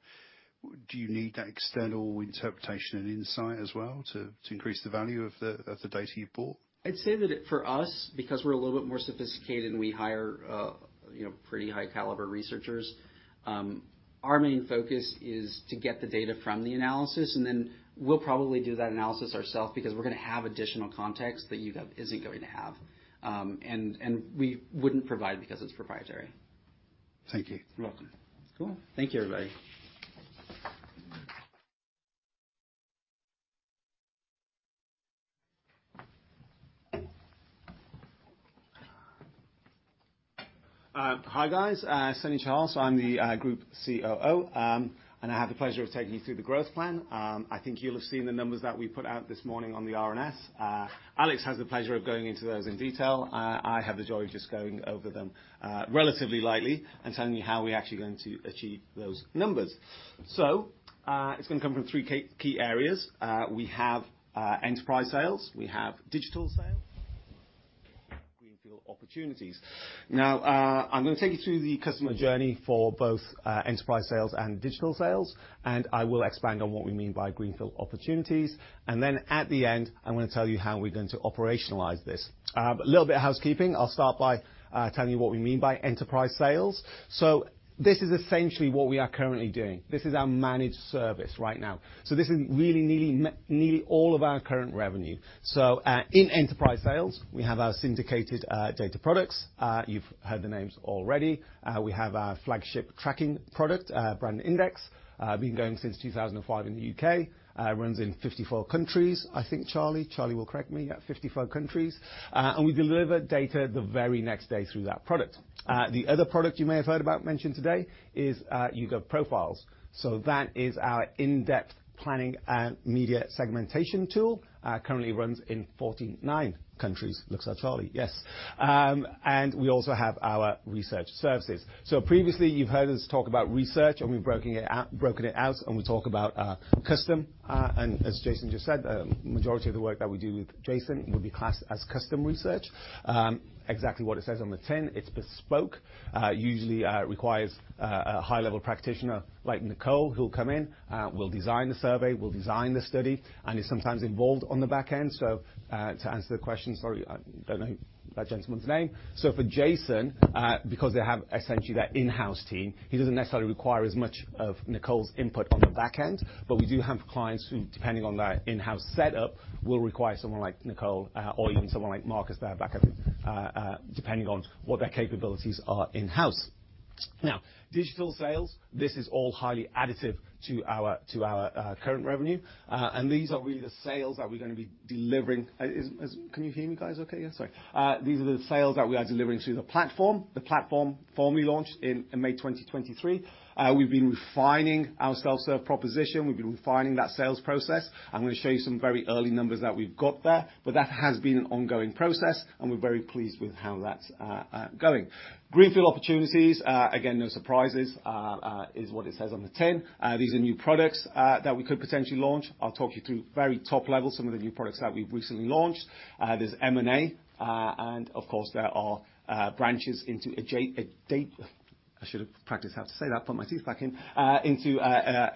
Do you need that external interpretation and insight as well to increase the value of the data you've bought? I'd say that for us, because we're a little bit more sophisticated and we hire, you know, pretty high caliber researchers, our main focus is to get the data from the analysis, and then we'll probably do that analysis ourself because we're gonna have additional context that YouGov isn't going to have, and we wouldn't provide because it's proprietary. Thank you. You're welcome. Cool. Thank you, everybody. Hi, guys. Sundip Chahal. I'm the Group COO, and I have the pleasure of taking you through the growth plan. I think you'll have seen the numbers that we put out this morning on the RNS. Alex has the pleasure of going into those in detail. I have the joy of just going over them relatively lightly and telling you how we're actually going to achieve those numbers. It's gonna come from three key areas. We have enterprise sales, we have digital sales, greenfield opportunities. I'm gonna take you through the customer journey for both enterprise sales and digital sales, and I will expand on what we mean by greenfield opportunities. At the end, I'm gonna tell you how we're going to operationalize this. But a little bit of housekeeping. I'll start by telling you what we mean by enterprise sales. This is essentially what we are currently doing. This is our managed service right now. This is really nearly all of our current revenue. In enterprise sales, we have our syndicated data products. You've heard the names already. We have our flagship tracking product, BrandIndex, been going since 2005 in the U.K. It runs in 54 countries. I think Charlie. Charlie will correct me. Yes, 54 countries. And we deliver data the very next day through that product. The other product you may have heard about mentioned today is YouGov Profiles. That is our in-depth planning and media segmentation tool. Currently runs in 49 countries. Looks at Charlie. Yes. And we also have our research services. Previously you've heard us talk about research, and we've broken it out, and we talk about custom. As Jason just said, majority of the work that we do with Jason would be classed as custom research. Exactly what it says on the tin. It's bespoke. Usually requires a high-level practitioner like Nicole, who'll come in, will design the survey, will design the study, and is sometimes involved on the back end. To answer the question, sorry, I don't know that gentleman's name. For Jason, because they have essentially their in-house team, he doesn't necessarily require as much of Nicole's input on the back end. We do have clients who, depending on that in-house setup, will require someone like Nicole, or even someone like Marcus there back at the... Depending on what their capabilities are in-house. Now, digital sales, this is all highly additive to our, to our current revenue. These are really the sales that we're gonna be delivering. Can you hear me, guys, okay, yeah? Sorry. These are the sales that we are delivering through the platform, the platform formally launched in May 2023. We've been refining our self-serve proposition. We've been refining that sales process. I'm gonna show you some very early numbers that we've got there. That has been an ongoing process, and we're very pleased with how that's going. Greenfield opportunities, again, no surprises, is what it says on the tin. These are new products that we could potentially launch. I'll talk you through very top level some of the new products that we've recently launched. There's M&A, and of course, there are branches into. I should have practiced how to say that, put my teeth back in. Into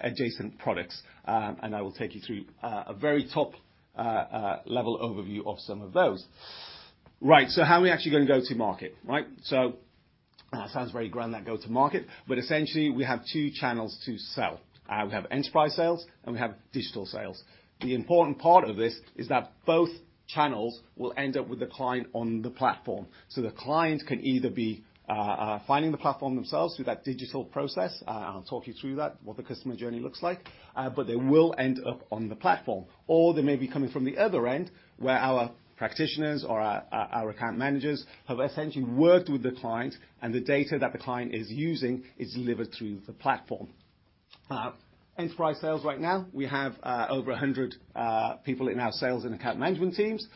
adjacent products. I will take you through a very top level overview of some of those. Right. How are we actually gonna go to market, right? It sounds very grand that go to market, but essentially we have two channels to sell. We have enterprise sales and we have digital sales. The important part of this is that both channels will end up with the client on the platform. The client can either be finding the platform themselves through that digital process. I will talk you through that, what the customer journey looks like, but they will end up on the platform, or they may be coming from the other end, where our practitioners or our account managers have essentially worked with the client and the data that the client is using is delivered through the platform. Enterprise sales right now, we have over 100 people in our sales and account management teams.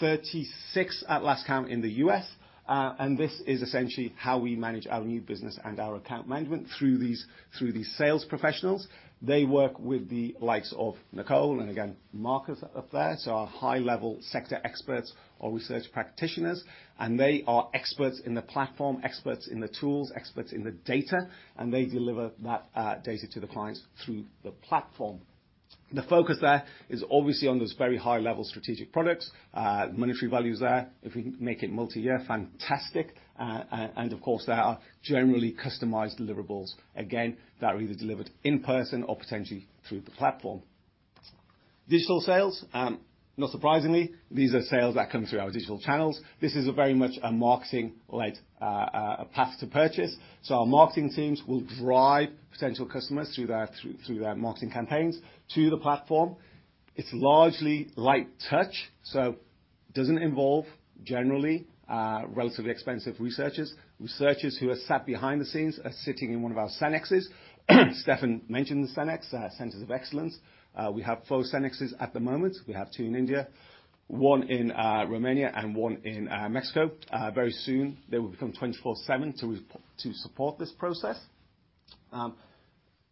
36 at last count in the U.S., and this is essentially how we manage our new business and our account management through these, through these sales professionals. They work with the likes of Nicole, again, Marcus up there, so our high-level sector experts or research practitioners. They are experts in the platform, experts in the tools, experts in the data, and they deliver that data to the clients through the platform. The focus there is obviously on those very high-level strategic products, monetary values there. If we can make it multi-year, fantastic. Of course, there are generally customized deliverables, again, that are either delivered in person or potentially through the platform. Digital sales, not surprisingly, these are sales that come through our digital channels. This is very much a marketing-led path to purchase. Our marketing teams will drive potential customers through their marketing campaigns to the platform. It's largely light touch, so doesn't involve generally, relatively expensive researchers. Researchers who are sat behind the scenes are sitting in one of our censuses. Stephan mentioned the CenX, Centres of Excellence. We have four censuses at the moment. We have two in India, one in Romania, and one in Mexico. Very soon, they will become 24/7 to support this process.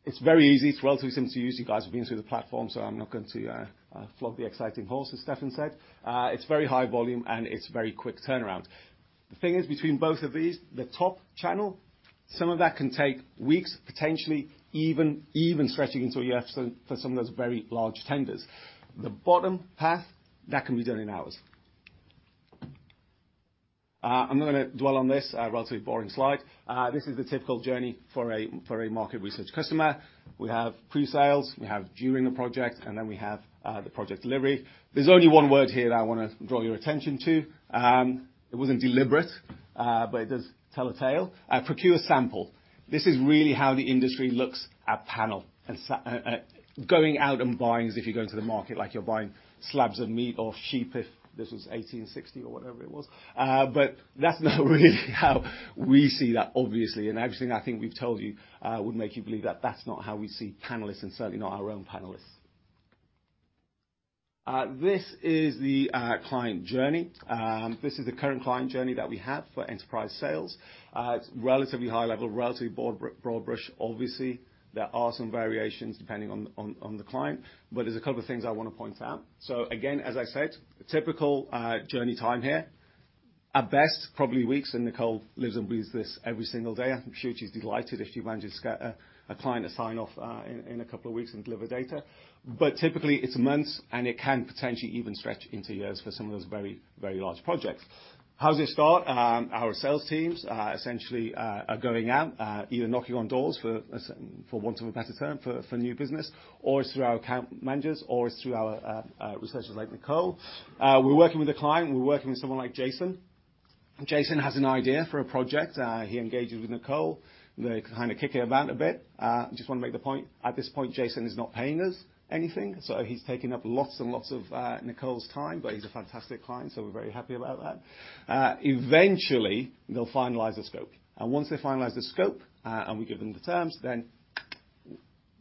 It's very easy. It's relatively simple to use. You guys have been through the platform, so I'm not going to flog the exciting horse, as Stephan said. It's very high volume, and it's very quick turnaround. The thing is, between both of these, the top channel, some of that can take weeks, potentially even stretching into a year for some of those very large tenders. The bottom path, that can be done in hours. I'm not gonna dwell on this relatively boring slide. This is the typical journey for a market research customer. We have pre-sales, we have during the project, and then we have the project delivery. There's only one word here that I wanna draw your attention to. It wasn't deliberate, but it does tell a tale. Procure sample. This is really how the industry looks at panel. At going out and buying as if you're going to the market, like you're buying slabs of meat or sheep if this was 1860 or whatever it was. That's not really how we see that, obviously, and everything I think we've told you would make you believe that that's not how we see panelists and certainly not our own panelists. This is the client journey. This is the current client journey that we have for enterprise sales. It's relatively high level, relatively broad brush. Obviously, there are some variations depending on the client. There's a couple of things I wanna point out. Again, as I said, typical journey time here. At best, probably weeks, and Nicole lives and breathes this every single day. I'm sure she's delighted if she manages to get a client a sign-off in a couple of weeks and deliver data. Typically, it's months, and it can potentially even stretch into years for some of those very, very large projects. How does it start? Our sales teams essentially are going out either knocking on doors for want of a better term for new business, or it's through our account managers, or it's through our researchers like Nicole. We're working with a client. We're working with someone like Jason. Jason has an idea for a project. He engages with Nicole. They're kinda kicking it about a bit. Just wanna make the point, at this point, Jason is not paying us anything, so he's taking up lots and lots of Nicole's time, but he's a fantastic client, so we're very happy about that. Eventually, they'll finalize the scope. Once they finalize the scope, and we give them the terms, then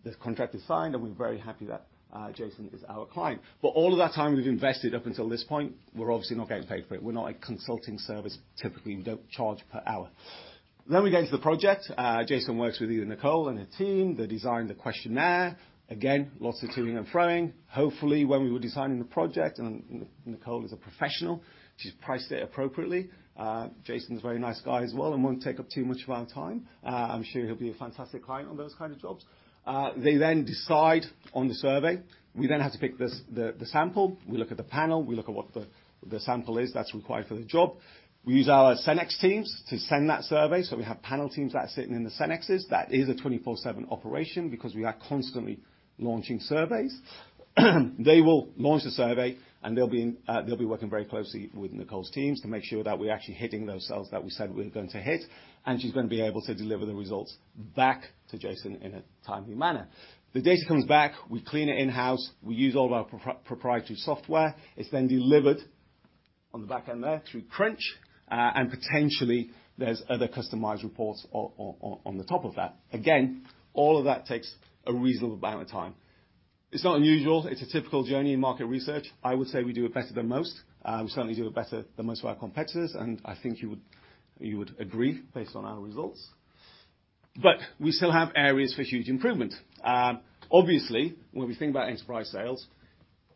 the contract is signed, and we're very happy that Jason is our client. All of that time we've invested up until this point, we're obviously not getting paid for it. We're not a consulting service. Typically, we don't charge per hour. We get into the project. Jason works with either Nicole and her team. They design the questionnaire. Again, lots of to-ing and fro-ing. Hopefully, when we were designing the project, Nicole is a professional, she's priced it appropriately. Jason's a very nice guy as well and won't take up too much of our time. I'm sure he'll be a fantastic client on those kind of jobs. They decide on the survey. We have to pick the sample. We look at the panel. We look at what the sample is that's required for the job. We use our CenX teams to send that survey. We have panel teams that are sitting in the censuses. That is a 24/7 operation because we are constantly launching surveys. They will launch the survey, they'll be working very closely with Nicole's teams to make sure that we're actually hitting those cells that we said we were going to hit, and she's gonna be able to deliver the results back to Jason in a timely manner. The data comes back. We clean it in-house. We use all of our proprietary software. It's delivered on the back end there through Crunch. Potentially there's other customized reports on the top of that. Again, all of that takes a reasonable amount of time. It's not unusual. It's a typical journey in market research. I would say we do it better than most. We certainly do it better than most of our competitors, and I think you would agree based on our results. We still have areas for huge improvement. Obviously, when we think about enterprise sales,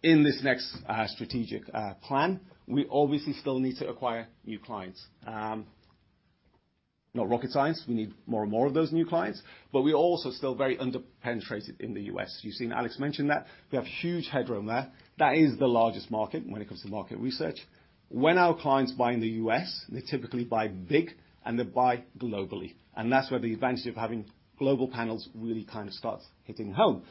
in this next strategic plan, we obviously still need to acquire new clients. Not rocket science. We need more and more of those new clients, but we're also still very under-penetrated in the U.S. You've seen Alex mention that. We have huge headroom there. That is the largest market when it comes to market research. When our clients buy in the U.S., they typically buy big, and they buy globally. That's where the advantage of having global panels really kind of starts hitting home.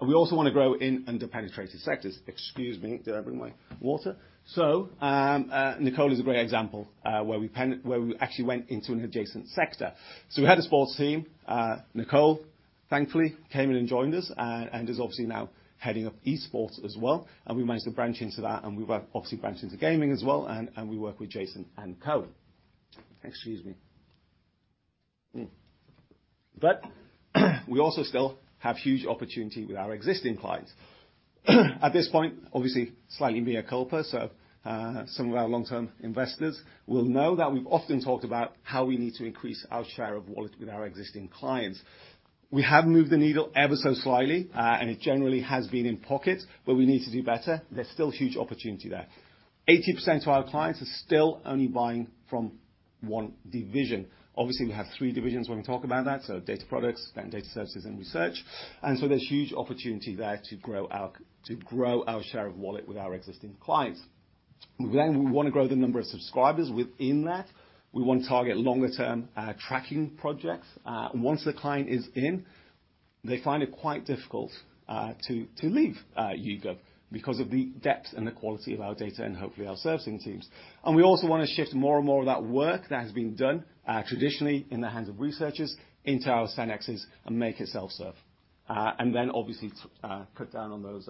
We also wanna grow in under-penetrated sectors. Excuse me. Did I bring my water? Nicole is a great example, where we actually went into an adjacent sector. We had a sports team, Nicole, thankfully, came in and joined us, and is obviously now heading up esports as well, and we managed to branch into that, and we were obviously branching into gaming as well, and we work with Jason and Co. Excuse me. We also still have huge opportunity with our existing clients. At this point, obviously, slightly mea culpa, some of our long-term investors will know that we've often talked about how we need to increase our share of wallet with our existing clients. We have moved the needle ever so slightly, and it generally has been in pocket, but we need to do better. There's still huge opportunity there. 80% of our clients are still only buying from one division. Obviously, we have three divisions when we talk about that, so data products, then data services, and research. There's huge opportunity there to grow our share of wallet with our existing clients. We wanna grow the number of subscribers within that. We wanna target longer-term tracking projects. Once the client is in, they find it quite difficult to leave YouGov because of the depth and the quality of our data and hopefully our servicing teams. We also wanna shift more and more of that work that has been done traditionally in the hands of researchers into our CenXs and make it self-serve. Obviously, cut down on those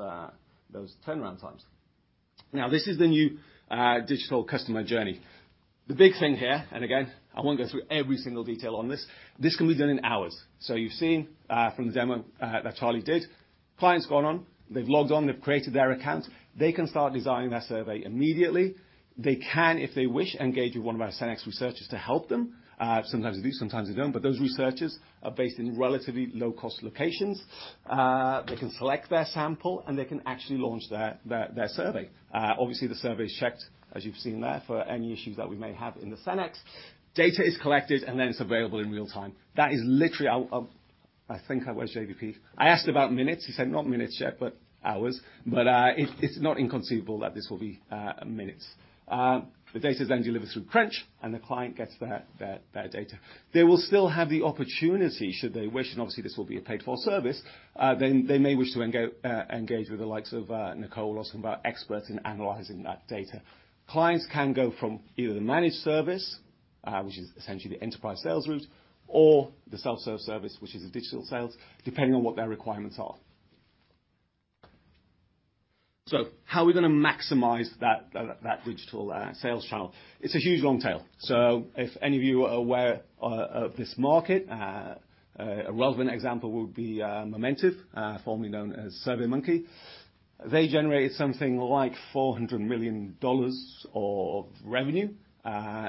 turnaround times. This is the new digital customer journey. The big thing here, I won't go through every single detail on this. This can be done in hours. You've seen from the demo that Charlie did. Client's gone on, they've logged on, they've created their account. They can start designing their survey immediately. They can, if they wish, engage with one of our CenX researchers to help them. Sometimes they do, sometimes they don't, those researchers are based in relatively low-cost locations. They can select their sample, they can actually launch their survey. Obviously the survey is checked, as you've seen there, for any issues that we may have in the CenX. Data is collected, it's available in real time. That is literally... I think I watched JBP. I asked about minutes. He said, "Not minutes yet, but hours." It's not inconceivable that this will be minutes. The data is then delivered through Crunch, and the client gets their data. They will still have the opportunity, should they wish, and obviously, this will be a paid-for service, then they may wish to engage with the likes of Nicole or some of our experts in analyzing that data. Clients can go from either the managed service, which is essentially the enterprise sales route, or the self-service, which is the digital sales, depending on what their requirements are. How are we gonna maximize that digital sales channel? It's a huge long tail. If any of you are aware of this market, a relevant example would be Momentive, formerly known as SurveyMonkey. They generated something like $400 million of revenue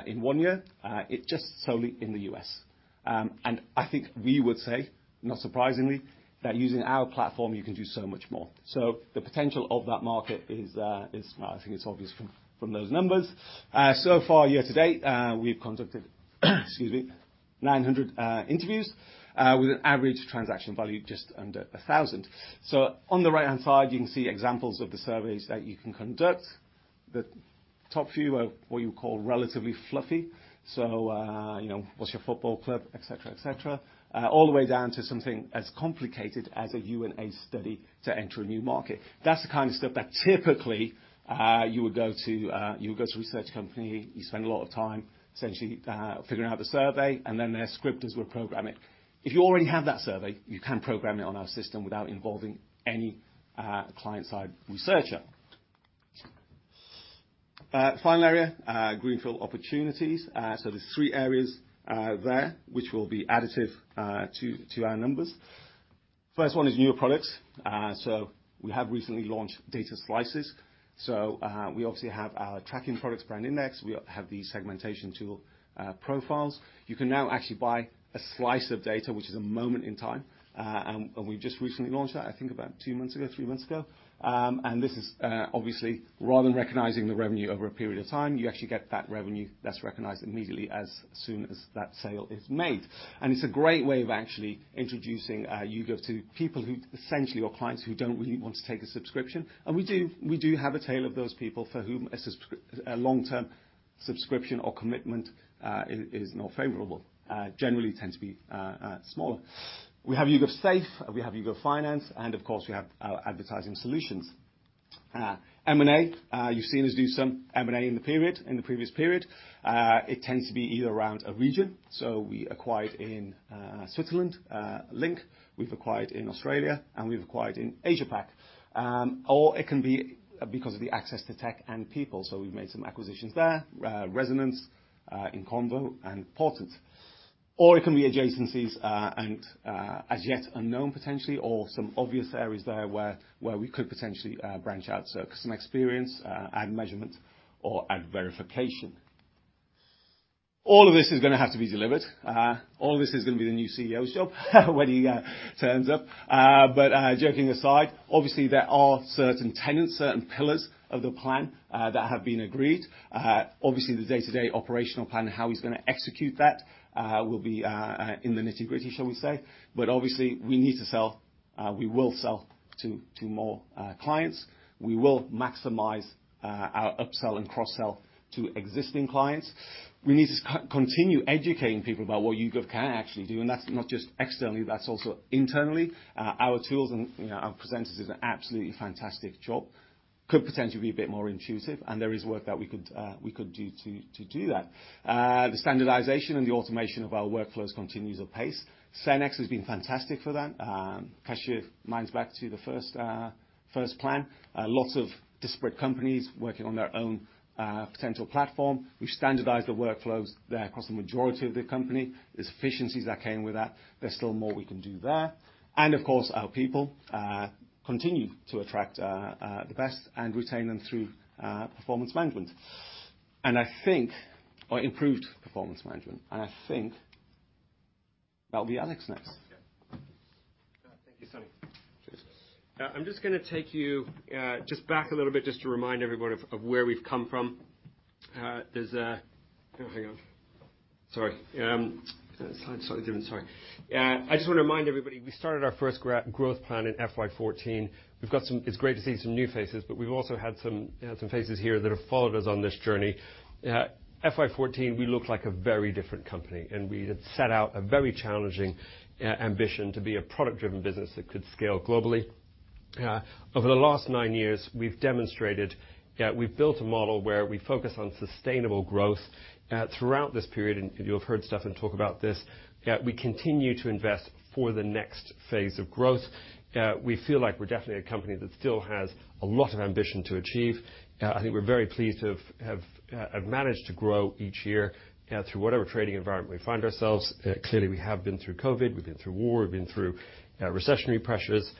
in one year, it just solely in the U.S. I think we would say, not surprisingly, that using our platform, you can do so much more. The potential of that market is, well, I think it's obvious from those numbers. Far year to date, we've conducted, excuse me, 900 interviews, with an average transaction value just under 1,000. On the right-hand side, you can see examples of the surveys that you can conduct. The top few are what you call relatively fluffy. You know, what's your football club, et cetera, et cetera, all the way down to something as complicated as a UNA study to enter a new market. That's the kind of stuff that typically, you would go to, you would go to a research company, you spend a lot of time essentially, figuring out the survey, and then their scripters would program it. If you already have that survey, you can program it on our system without involving any client-side researcher. Final area, greenfield opportunities. There's three areas there which will be additive to our numbers. First one is newer products. We have recently launched data slices. We obviously have our tracking products BrandIndex. We have the segmentation tool, Profiles. You can now actually buy a slice of data, which is a moment in time, and we've just recently launched that, I think about two months ago, three months ago. This is, obviously, rather than recognizing the revenue over a period of time, you actually get that revenue that's recognized immediately as soon as that sale is made. It's a great way of actually introducing YouGov to people who essentially are clients who don't really want to take a subscription. We do, we do have a tail of those people for whom a long-term subscription or commitment is not favorable, generally tend to be smaller. We have YouGov Safe, we have YouGov Finance, and of course, we have our advertising solutions. M&A, you've seen us do some M&A in the period, in the previous period. It tends to be either around a region, so we acquired in Switzerland, LINK, we've acquired in Australia, and we've acquired in AsiaPac. It can be because of the access to tech and people, so we've made some acquisitions there, Rezonence, InConvo, and Portent.io. It can be adjacencies, and as yet unknown potentially or some obvious areas there where we could potentially branch out. Customer experience, ad measurement or ad verification. All of this is gonna have to be delivered. All of this is gonna be the new CEO's job when he turns up. Joking aside, obviously there are certain tenants, certain pillars of the plan that have been agreed. Obviously, the day-to-day operational plan, how he's gonna execute that, will be in the nitty-gritty, shall we say. Obviously, we need to sell, we will sell to more clients. We will maximize our upsell and cross-sell to existing clients. We need to continue educating people about what YouGov can actually do, and that's not just externally, that's also internally. Our tools and, you know, our presenters do an absolutely fantastic job. Could potentially be a bit more intuitive, and there is work that we could do to do that. I think, or improved performance management. I think that'll be Alex next. Okay. Thank you, Sunny. Cheers. I'm just gonna take you just back a little bit just to remind everyone of where we've come from. Oh, hang on. Sorry. The slide's slightly different. Sorry. I just wanna remind everybody, we started our first growth plan in FY 2014. It's great to see some new faces, but we've also had some, yeah, some faces here that have followed us on this journey. FY 2014, we looked like a very different company, we had set out a very challenging ambition to be a product-driven business that could scale globally. Over the last nine years, we've demonstrated that we've built a model where we focus on sustainable growth. Throughout this period, you'll have heard Stephan talk about this, we continue to invest for the next phase of growth. We feel like we're definitely a company that still has a lot of ambition to achieve. I think we're very pleased to have managed to grow each year through whatever trading environment we find ourselves. Clearly, we have been through COVID, we've been through war, we've been through recessionary pressures.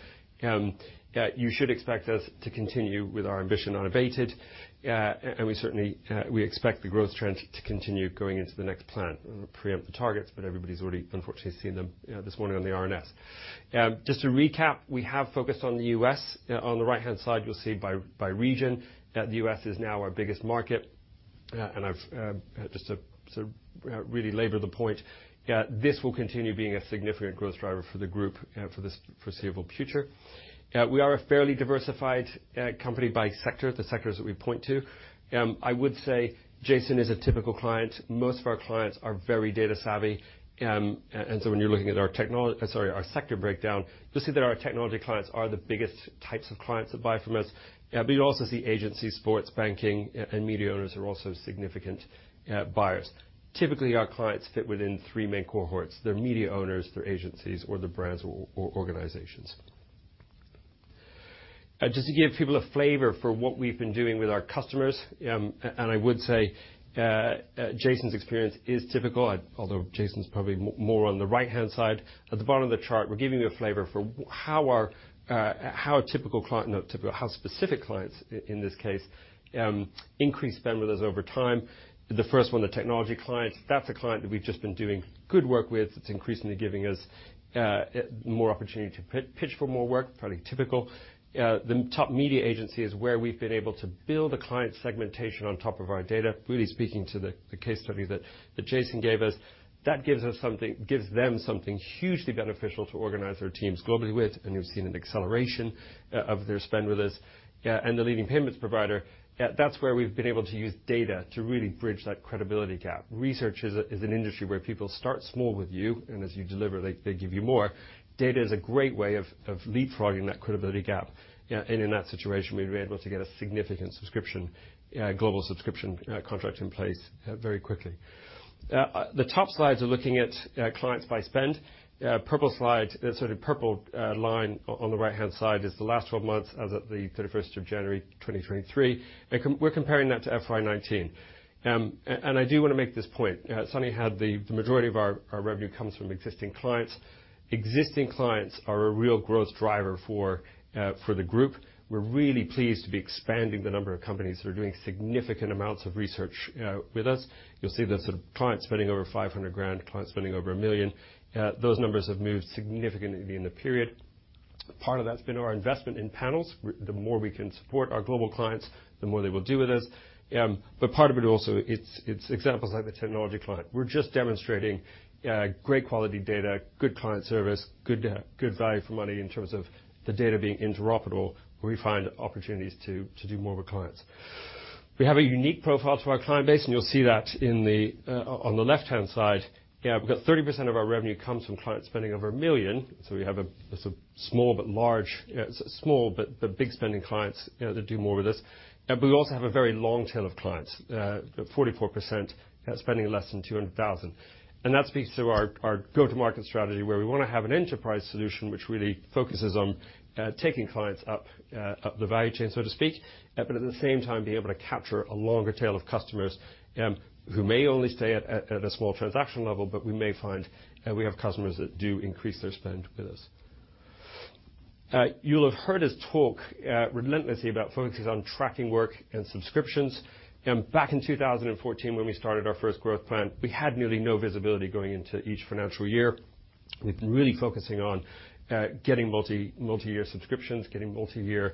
You should expect us to continue with our ambition unabated. We certainly, we expect the growth trend to continue going into the next plan. I won't preempt the targets, but everybody's already unfortunately seen them this morning on the RNS. Just to recap, we have focused on the U.S. On the right-hand side, you'll see by region that the U.S. is now our biggest market. I've just to really labor the point, this will continue being a significant growth driver for the group for the foreseeable future. We are a fairly diversified company by sector, the sectors that we point to. I would say Jason is a typical client. Most of our clients are very data savvy. When you're looking at our sector breakdown, you'll see that our technology clients are the biggest types of clients that buy from us. You'll also see agencies, sports, banking and media owners are also significant buyers. Typically, our clients fit within three main cohorts. They're media owners, they're agencies or they're brands or organizations. Just to give people a flavor for what we've been doing with our customers, and I would say, Jason's experience is typical. Although Jason's probably more on the right-hand side. At the bottom of the chart, we're giving you a flavor for how a typical client, not typical, how specific clients in this case, increase spend with us over time. The first one, the technology client, that's a client that we've just been doing good work with. It's increasingly giving us more opportunity to pitch for more work. Fairly typical. The top media agency is where we've been able to build a client segmentation on top of our data, really speaking to the case study that Jason gave us. That gives us something, gives them something hugely beneficial to organize their teams globally with, and you've seen an acceleration of their spend with us. The leading payments provider, that's where we've been able to use data to really bridge that credibility gap. Research is an industry where people start small with you, and as you deliver, they give you more. Data is a great way of leapfrogging that credibility gap. In that situation, we've been able to get a significant subscription, global subscription, contract in place, very quickly. The top slides are looking at clients by spend. Purple slide, the sort of purple line on the right-hand side is the last 12 months as at the 31st of January 2023. We're comparing that to FY 2019. I do wanna make this point. Sunny had the majority of our revenue comes from existing clients. Existing clients are a real growth driver for the group. We're really pleased to be expanding the number of companies who are doing significant amounts of research with us. You'll see there's a client spending over 500 thousand, a client spending over 1 million. Those numbers have moved significantly in the period. Part of that's been our investment in panels. The more we can support our global clients, the more they will do with us. Part of it also, it's examples like the technology client. We're just demonstrating great quality data, good client service, good value for money in terms of the data being interoperable, where we find opportunities to do more with clients. We have a unique profile to our client base, you'll see that on the left-hand side. We've got 30% of our revenue comes from clients spending over $1 million, we have a sort of small but large, small but big spending clients that do more with us. We also have a very long tail of clients. 44% that's spending less than $200,000. That speaks to our go-to-market strategy, where we wanna have an enterprise solution which really focuses on taking clients up the value chain, so to speak. At the same time, being able to capture a longer tail of customers, who may only stay at a small transaction level, but we may find we have customers that do increase their spend with us. You'll have heard us talk relentlessly about focuses on tracking work and subscriptions. Back in 2014 when we started our first growth plan, we had nearly no visibility going into each financial year. We've been really focusing on getting multi-year subscriptions, getting multi-year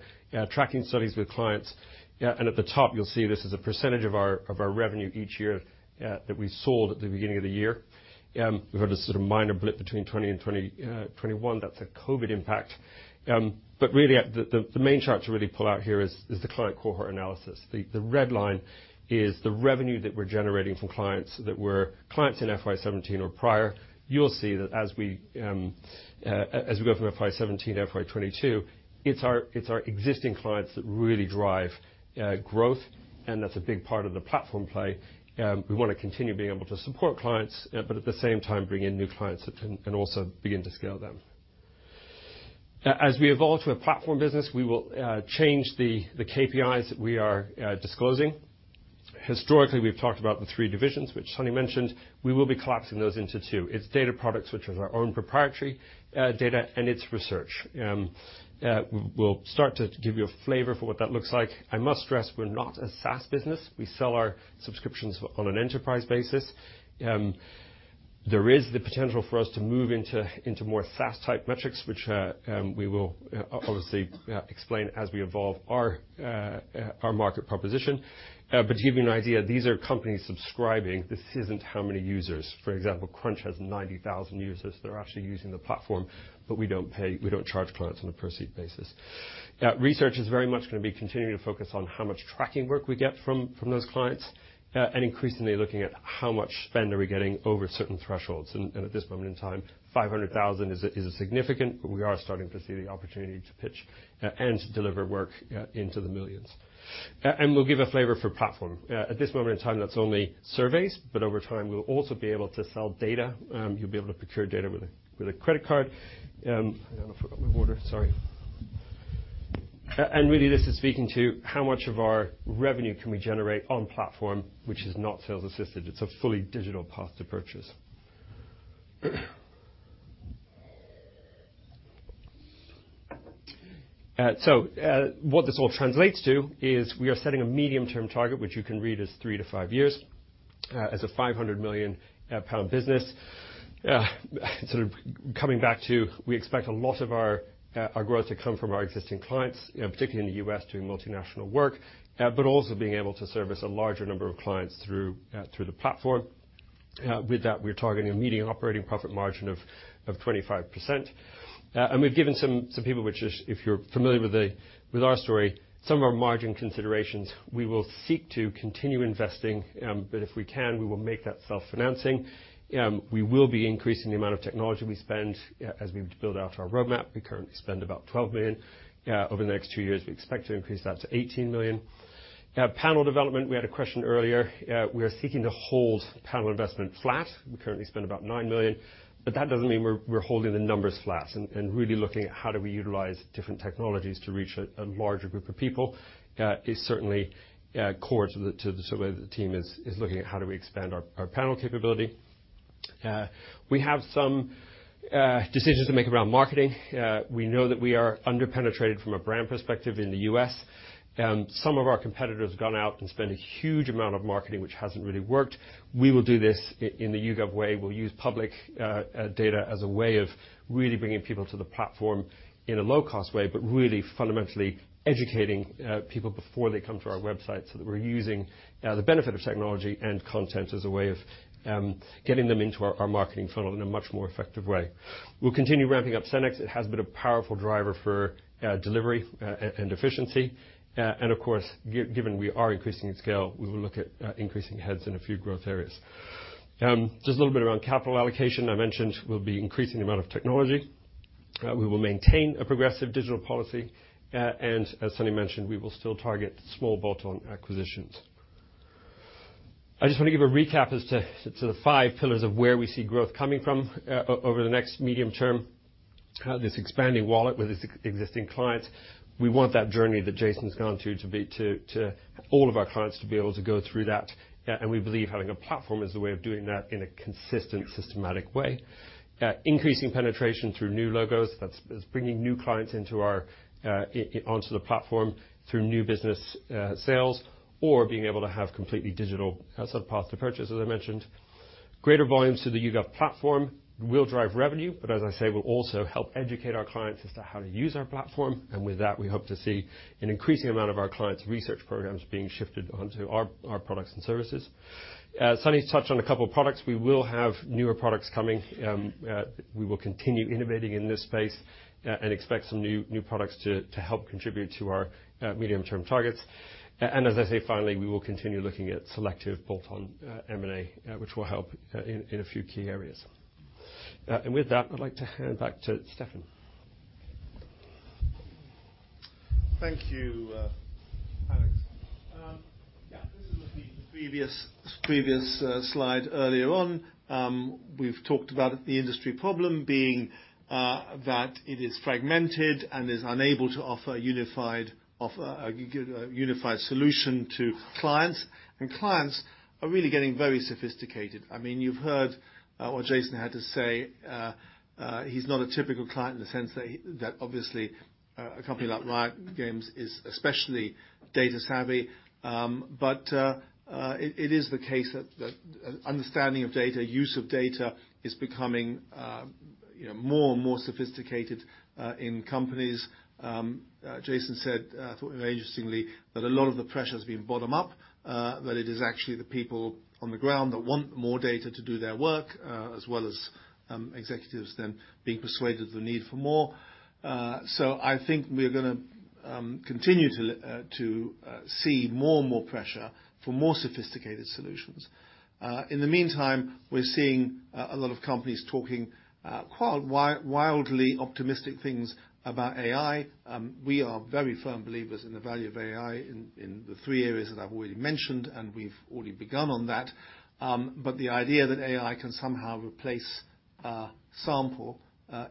tracking studies with clients. At the top, you'll see this is a percentage of our revenue each year that we sold at the beginning of the year. We've had a sort of minor blip between 2020 and 2021. That's a COVID impact. Really at the main chart to really pull out here is the client cohort analysis. The red line is the revenue that we're generating from clients that were clients in FY 2017 or prior. You'll see that as we go from FY 2017 to FY 2022, it's our existing clients that really drive growth, and that's a big part of the platform play. We wanna continue being able to support clients, but at the same time, bring in new clients and also begin to scale them. As we evolve to a platform business, we will change the KPIs that we are disclosing. Historically, we've talked about the three divisions, which Sunny mentioned. We will be collapsing those into two. It's data products, which is our own proprietary data, and its research. We'll start to give you a flavor for what that looks like. I must stress we're not a SaaS business. We sell our subscriptions on an enterprise basis. There is the potential for us to move into more SaaS type metrics, which we will obviously explain as we evolve our market proposition. To give you an idea, these are companies subscribing. This isn't how many users. For example, Crunch has 90,000 users that are actually using the platform, we don't charge clients on a per seat basis. Research is very much gonna be continuing to focus on how much tracking work we get from those clients and increasingly looking at how much spend are we getting over certain thresholds. At this moment in time, 500,000 is a significant, but we are starting to see the opportunity to pitch and deliver work into the millions. We'll give a flavor for platform. At this moment in time, that's only surveys, over time, we'll also be able to sell data. You'll be able to procure data with a credit card. I forgot my water. Sorry. Really this is speaking to how much of our revenue can we generate on platform, which is not sales assisted. It's a fully digital path to purchase. What this all translates to is we are setting a medium-term target, which you can read as three to five years, as a 500 million pound business. Sort of coming back to, we expect a lot of our growth to come from our existing clients, you know, particularly in the U.S. doing multinational work, but also being able to service a larger number of clients through the platform. With that, we're targeting a median operating profit margin of 25%. We've given some people which is, if you're familiar with our story, some of our margin considerations, we will seek to continue investing, but if we can, we will make that self-financing. We will be increasing the amount of technology we spend as we build out our roadmap. We currently spend about $12 million. Over the next two years, we expect to increase that to $18 million. Panel development, we had a question earlier. We are seeking to hold panel investment flat. We currently spend about $9 million, but that doesn't mean we're holding the numbers flat and really looking at how do we utilize different technologies to reach a larger group of people is certainly core to the sort of way that the team is looking at how do we expand our panel capability. We have some decisions to make around marketing. We know that we are under-penetrated from a brand perspective in the U.S., and some of our competitors have gone out and spent a huge amount of marketing, which hasn't really worked. We will do this in the YouGov way. We'll use public data as a way of really bringing people to the platform in a low-cost way, but really fundamentally educating people before they come to our website, so that we're using the benefit of technology and content as a way of getting them into our marketing funnel in a much more effective way. We'll continue ramping up CenX. It has been a powerful driver for delivery and efficiency. Of course, given we are increasing in scale, we will look at increasing heads in a few growth areas. Just a little bit around capital allocation. I mentioned we'll be increasing the amount of technology. We will maintain a progressive digital policy, as Sunny mentioned, we will still target small bolt-on acquisitions. I just wanna give a recap as to the five pillars of where we see growth coming from over the next medium term. This expanding wallet with existing clients. We want that journey that Jason's gone to be to all of our clients to be able to go through that. We believe having a platform is the way of doing that in a consistent, systematic way. Increasing penetration through new logos, that's bringing new clients into our onto the platform through new business sales or being able to have completely digital sort of path to purchase, as I mentioned. Greater volumes to the YouGov platform will drive revenue, but as I say, will also help educate our clients as to how to use our platform. With that, we hope to see an increasing amount of our clients' research programs being shifted onto our products and services. Sunny's touched on a couple of products. We will have newer products coming. We will continue innovating in this space and expect some new products to help contribute to our medium-term targets. As I say, finally, we will continue looking at selective bolt-on M&A, which will help in a few key areas. With that, I'd like to hand back to Stephan. Thank you, Alex. Yeah. Previous slide earlier on, we've talked about the industry problem being that it is fragmented and is unable to offer a unified solution to clients. Clients are really getting very sophisticated. I mean, you've heard what Jason had to say. He's not a typical client in the sense that obviously a company like Riot Games is especially data savvy. But it is the case that the understanding of data, use of data is becoming, you know, more and more sophisticated in companies. Jason said, I thought very interestingly, that a lot of the pressure is being bottom-up, that it is actually the people on the ground that want more data to do their work, as well as executives then being persuaded the need for more. I think we're gonna continue to see more and more pressure for more sophisticated solutions. In the meantime, we're seeing a lot of companies talking quite wildly optimistic things about AI. We are very firm believers in the value of AI in the three areas that I've already mentioned, and we've already begun on that. The idea that AI can somehow replace a sample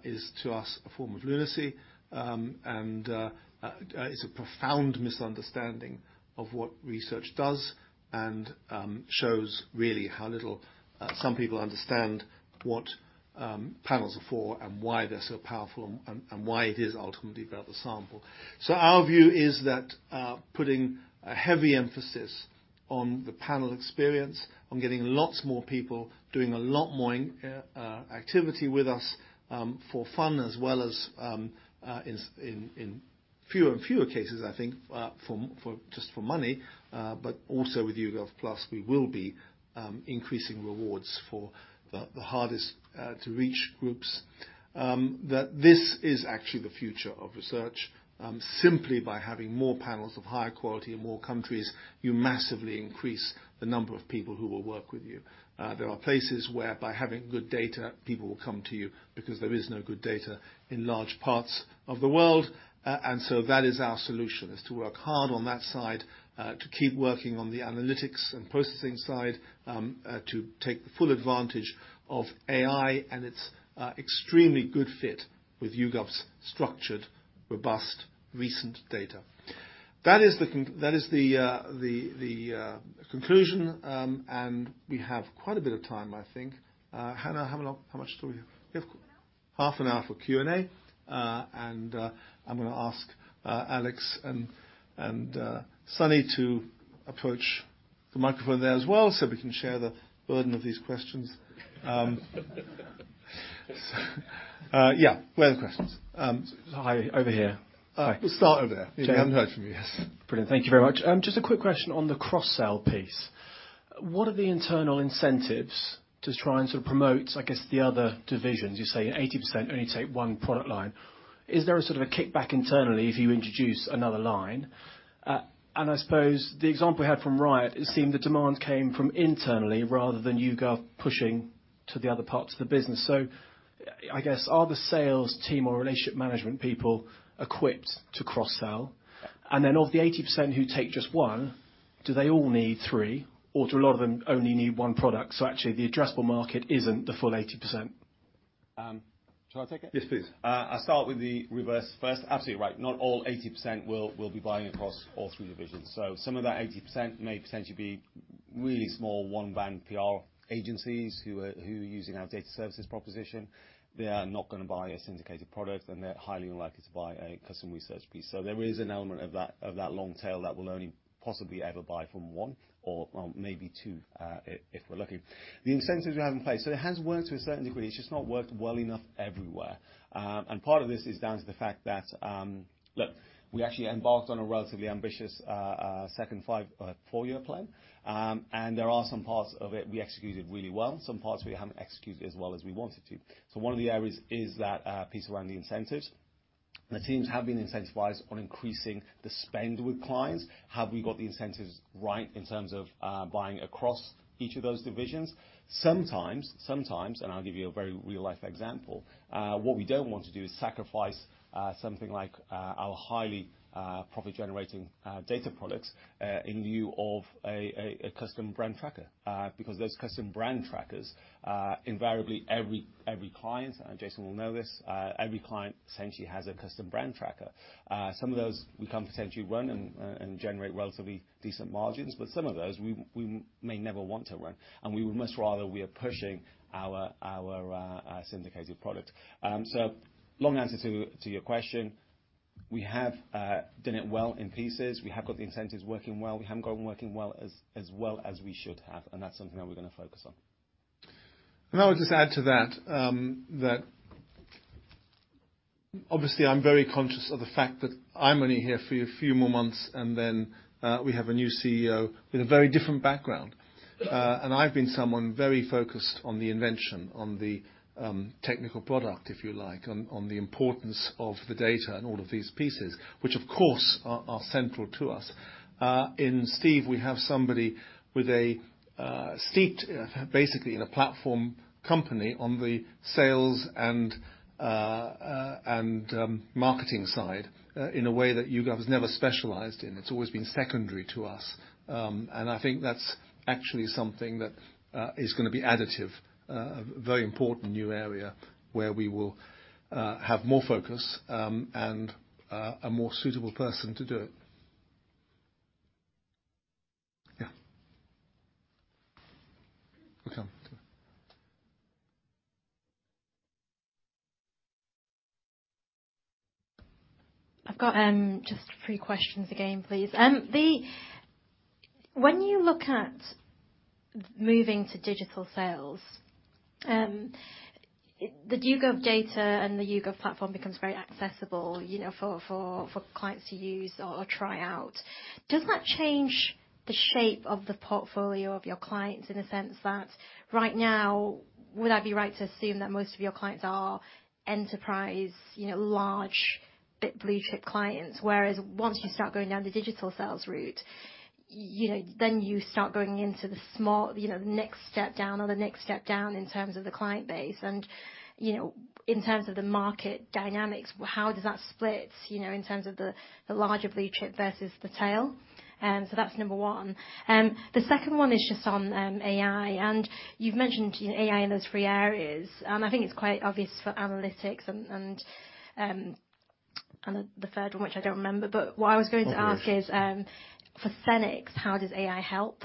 is to us a form of lunacy and is a profound misunderstanding of what research does and shows really how little some people understand what panels are for and why they're so powerful and why it is ultimately about the sample. Our view is that putting a heavy emphasis on the panel experience, on getting lots more people doing a lot more activity with us, for fun as well as in fewer and fewer cases, I think, for just for money, but also with YouGov Plus, we will be increasing rewards for the hardest to reach groups. That this is actually the future of research, simply by having more panels of higher quality in more countries, you massively increase the number of people who will work with you. There are places where by having good data, people will come to you because there is no good data in large parts of the world. That is our solution, is to work hard on that side, to keep working on the analytics and processing side, to take full advantage of AI and its extremely good fit with YouGov's structured, robust, recent data. That is the conclusion. We have quite a bit of time, I think. How long, how much do we have? Half an hour. Half an hour for Q&A. I'm gonna ask Alex and Sunny to approach the microphone there as well, so we can share the burden of these questions. Yeah. Where are the questions? Hi. Over here. Hi. We'll start over there. Sure. We haven't heard from you. Yes. Brilliant. Thank you very much. Just a quick question on the cross-sell piece. What are the internal incentives to try and sort of promote, I guess the other divisions? You say 80% only take one product line. Is there a sort of a kickback internally if you introduce another line? I suppose the example we had from Riot, it seemed the demand came from internally rather than YouGov pushing to the other parts of the business. I guess, are the sales team or relationship management people equipped to cross-sell? Then of the 80% who take just one, do they all need three, or do a lot of them only need one product? Actually, the addressable market isn't the full 80%. Shall I take it? Yes, please. I'll start with the reverse first. Absolutely right. Not all 80% will be buying across all three divisions. Some of that 80% may potentially be really small one-man PR agencies who are using our data services proposition. They are not gonna buy a syndicated product, and they're highly unlikely to buy a custom research piece. There is an element of that long tail that will only possibly ever buy from one or, well, maybe two, if we're lucky. The incentives we have in place. It has worked to a certain degree. It's just not worked well enough everywhere. Part of this is down to the fact that, look, we actually embarked on a relatively ambitious, second five, four-year plan. There are some parts of it we executed really well, some parts we haven't executed as well as we wanted to. One of the areas is that piece around the incentives. The teams have been incentivized on increasing the spend with clients. Have we got the incentives right in terms of buying across each of those divisions? Sometimes. Sometimes, I'll give you a very real-life example. What we don't want to do is sacrifice something like our highly profit-generating data products in lieu of a custom brand tracker. Those custom brand trackers invariably every client, and Jason will know this, every client essentially has a custom brand tracker. Some of those we can potentially run and generate relatively decent margins. Some of those we may never want to run. We would much rather we are pushing our syndicated product. Long answer to your question, we have done it well in pieces. We have got the incentives working well. We haven't got them working well as well as we should have. That's something that we're gonna focus on. I would just add to that obviously I'm very conscious of the fact that I'm only here for a few more months, then we have a new CEO with a very different background. I've been someone very focused on the invention, on the technical product, if you like, on the importance of the data and all of these pieces, which of course are central to us. In Steve, we have somebody with a seat basically in a platform company on the sales and marketing side, in a way that YouGov has never specialized in. It's always been secondary to us. I think that's actually something that is gonna be additive, a very important new area where we will have more focus, and a more suitable person to do it. Welcome. I've got just three questions again please. When you look at moving to digital sales, the YouGov data and the YouGov platform becomes very accessible, you know, for clients to use or try out. Does that change the shape of the portfolio of your clients in a sense that right now, would I be right to assume that most of your clients are enterprise, you know, large blue chip clients, whereas once you start going down the digital sales route, you know, then you start going into the small, you know, next step down or the next step down in terms of the client base and, you know, in terms of the market dynamics, how does that split, you know, in terms of the larger blue chip versus the tail? That's number one. The second one is just on AI, and you've mentioned AI in those three areas. I think it's quite obvious for analytics and the third one, which I don't remember. What I was going to ask is, for CenX, how does AI help?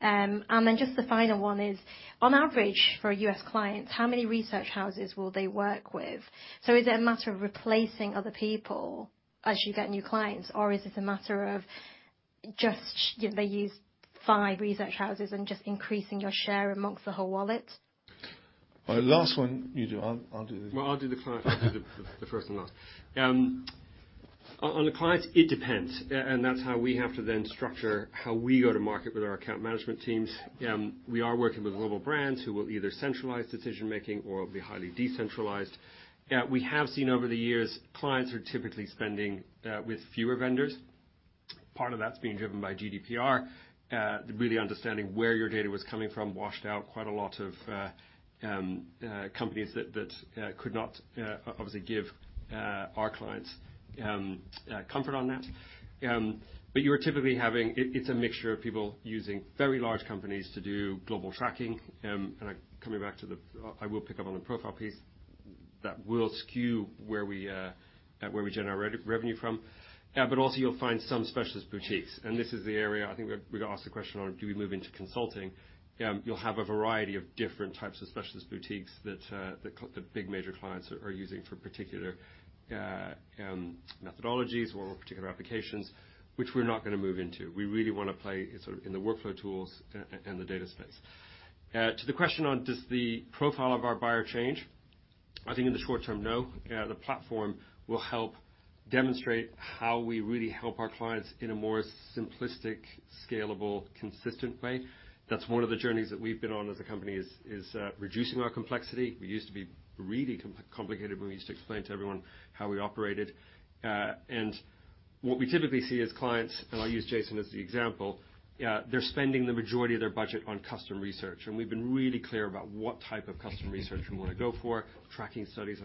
Then just the final one is, on average for U.S. clients, how many research houses will they work with? Is it a matter of replacing other people as you get new clients? Is this a matter of just, you know, they use five research houses and just increasing your share amongst the whole wallet? All right. Last one, you do. I'll. Well, I'll do the client. I'll do the first and last. On the client, it depends. That's how we have to then structure how we go to market with our account management teams. We are working with global brands who will either centralize decision-making or be highly decentralized. We have seen over the years, clients are typically spending with fewer vendors. Part of that's being driven by GDPR, really understanding where your data was coming from, washed out quite a lot of companies that could not obviously give our clients comfort on that. You are typically having. It's a mixture of people using very large companies to do global tracking. Coming back to the... I will pick up on the profile piece that will skew where we, where we generate our revenue from. Also you'll find some specialist boutiques, and this is the area I think we got asked the question on, do we move into consulting? You'll have a variety of different types of specialist boutiques that the big major clients are using for particular methodologies or particular applications, which we're not gonna move into. We really wanna play in sort of in the workflow tools and the data space. To the question on does the profile of our buyer change? I think in the short term, no. The platform will help demonstrate how we really help our clients in a more simplistic, scalable, consistent way. That's one of the journeys that we've been on as a company is reducing our complexity. We used to be really complicated when we used to explain to everyone how we operated. What we typically see is clients, and I'll use Jason as the example, they're spending the majority of their budget on custom research, and we've been really clear about what type of custom research we want to go for. Tracking studies,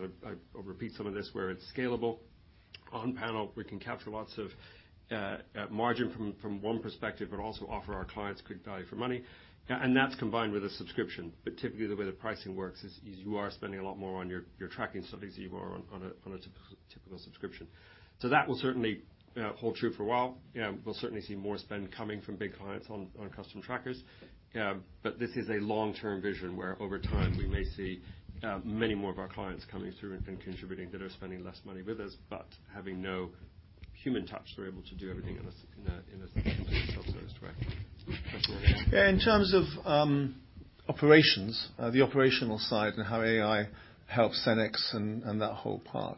I'll repeat some of this, where it's scalable. On panel, we can capture lots of margin from one perspective, but also offer our clients good value for money. That's combined with a subscription. Typically, the way the pricing works is, you are spending a lot more on your tracking studies than you are on a typical subscription. That will certainly hold true for a while. We'll certainly see more spend coming from big clients on custom trackers. This is a long-term vision where over time we may see many more of our clients coming through and contributing that are spending less money with us, but having no human touch. They're able to do everything in a self-service way. Yeah. In terms of operations, the operational side and how AI helps CenX and that whole part.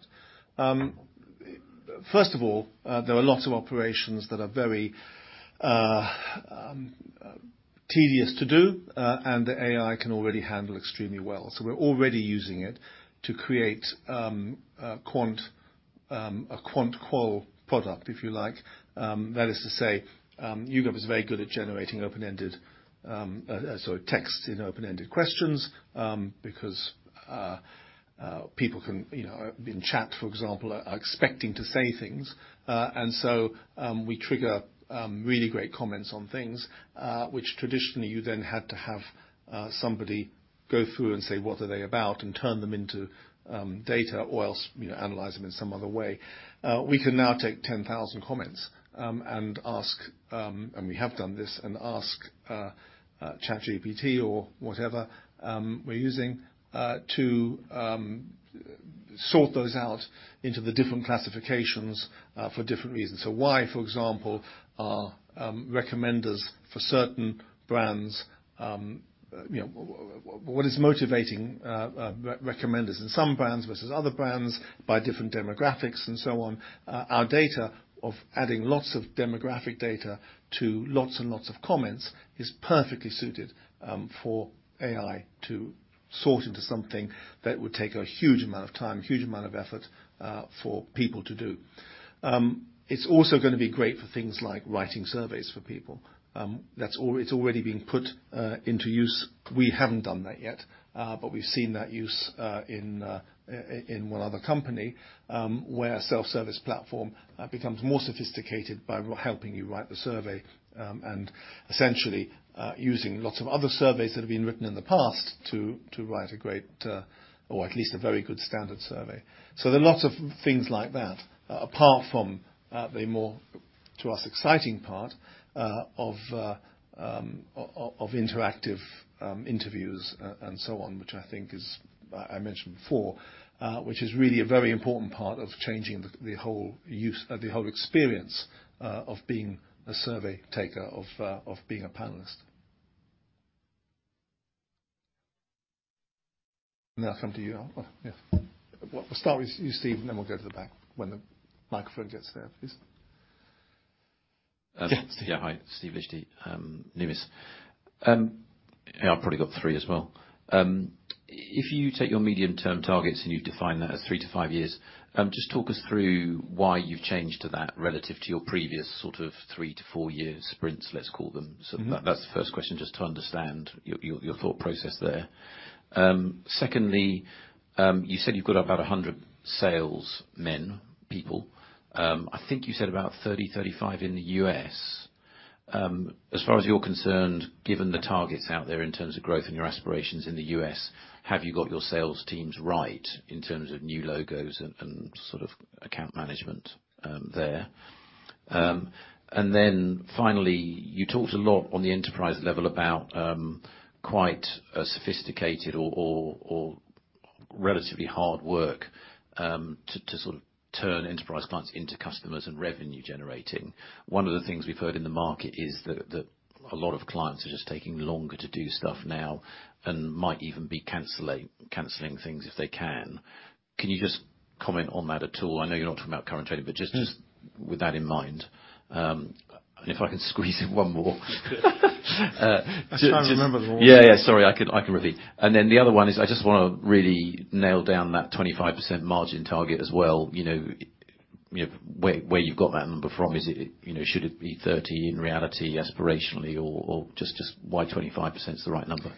First of all, there are lots of operations that are very tedious to do, and the AI can already handle extremely well. We're already using it to create a quant qual product, if you like. That is to say, YouGov is very good at generating open-ended, so text in open-ended questions, because people can, you know, in chat, for example, are expecting to say things. We trigger really great comments on things, which traditionally you then had to have somebody go through and say, "What are they about?" And turn them into data or else, you know, analyze them in some other way. We can now take 10,000 comments, and ask, and we have done this, and ask ChatGPT or whatever, we're using, to sort those out into the different classifications, for different reasons. Why, for example, are recommenders for certain brands, you know, what is motivating recommenders in some brands versus other brands by different demographics and so on. Our data of adding lots of demographic data to lots and lots of comments is perfectly suited for AI to sort into something that would take a huge amount of time, huge amount of effort, for people to do. It's also gonna be great for things like writing surveys for people. It's already been put into use. We haven't done that yet, but we've seen that use in one other company, where a self-service platform becomes more sophisticated by helping you write the survey, and essentially, using lots of other surveys that have been written in the past to write a great, or at least a very good standard survey. There are lots of things like that, apart from the more-To us exciting part of interactive interviews and so on, which I think is. I mentioned before, which is really a very important part of changing the whole use or the whole experience of being a survey taker, of being a panelist. I come to you. Yeah. We'll start with you, Steve, and then we'll go to the back when the microphone gets there, please. Um. Yeah. Yeah. Hi, Steve Liechti. Numis. Yeah, I've probably got three as well. If you take your medium-term targets, and you've defined that as three to five years, just talk us through why you've changed to that relative to your previous sort of three to four years sprints, let's call them. Mm-hmm. That's the first question, just to understand your thought process there. Secondly, you said you've got about 100 salesmen people. I think you said about 30-35 in the U.S. As far as you're concerned, given the targets out there in terms of growth and your aspirations in the U.S., have you got your sales teams right in terms of new logos and sort of account management there? And then finally, you talked a lot on the enterprise level about quite a sophisticated or relatively hard work to sort of turn enterprise clients into customers and revenue generating. One of the things we've heard in the market is that a lot of clients are just taking longer to do stuff now and might even be canceling things if they can. Can you just comment on that at all? I know you're not talking about current trading, but just. Mm. Just with that in mind. If I can squeeze in one more. I was trying to remember them all. Yeah, yeah, sorry. I can repeat. The other one is I just wanna really nail down that 25% margin target as well, you know, where you've got that number from. Is it. You know, should it be 30% in reality, aspirationally, or just why 25% is the right number?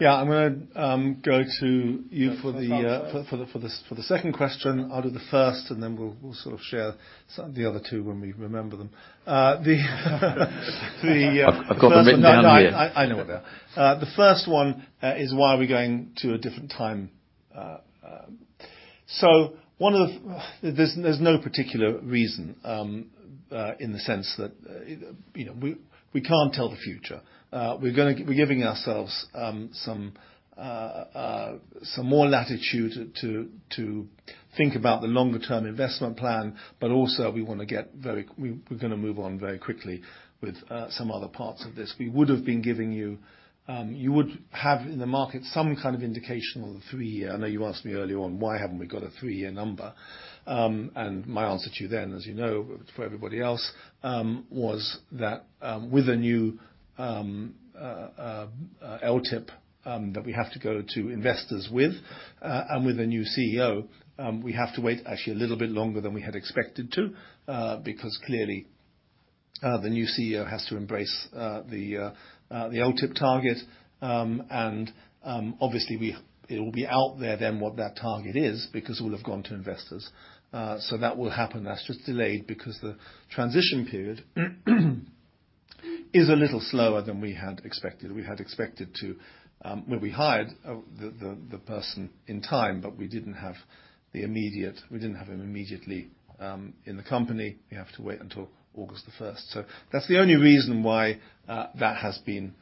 Yeah. I'm gonna go to you for the. That's the hard side. For the second question. I'll do the first, then we'll sort of share some of the other two when we remember them. I've got them written down here. No, I know what they are. The first one is why are we going to a different time. There's no particular reason in the sense that, you know, we can't tell the future. We're giving ourselves some more latitude to think about the longer term investment plan, but also we wanna get very. We're gonna move on very quickly with some other parts of this. We would have been giving you. You would have in the market some kind of indication on the three-year. I know you asked me earlier on why haven't we got a three-year number. My answer to you then, as you know, for everybody else, was that with a new LTIP that we have to go to investors with, and with a new CEO, we have to wait actually a little bit longer than we had expected to, because clearly, the new CEO has to embrace the LTIP target. Obviously, it will be out there then what that target is because we'll have gone to investors. That will happen. That's just delayed because the transition period is a little slower than we had expected. We had expected to. Well, we hired the person in time, but we didn't have him immediately in the company. We have to wait until August the first. That's the only reason why that has been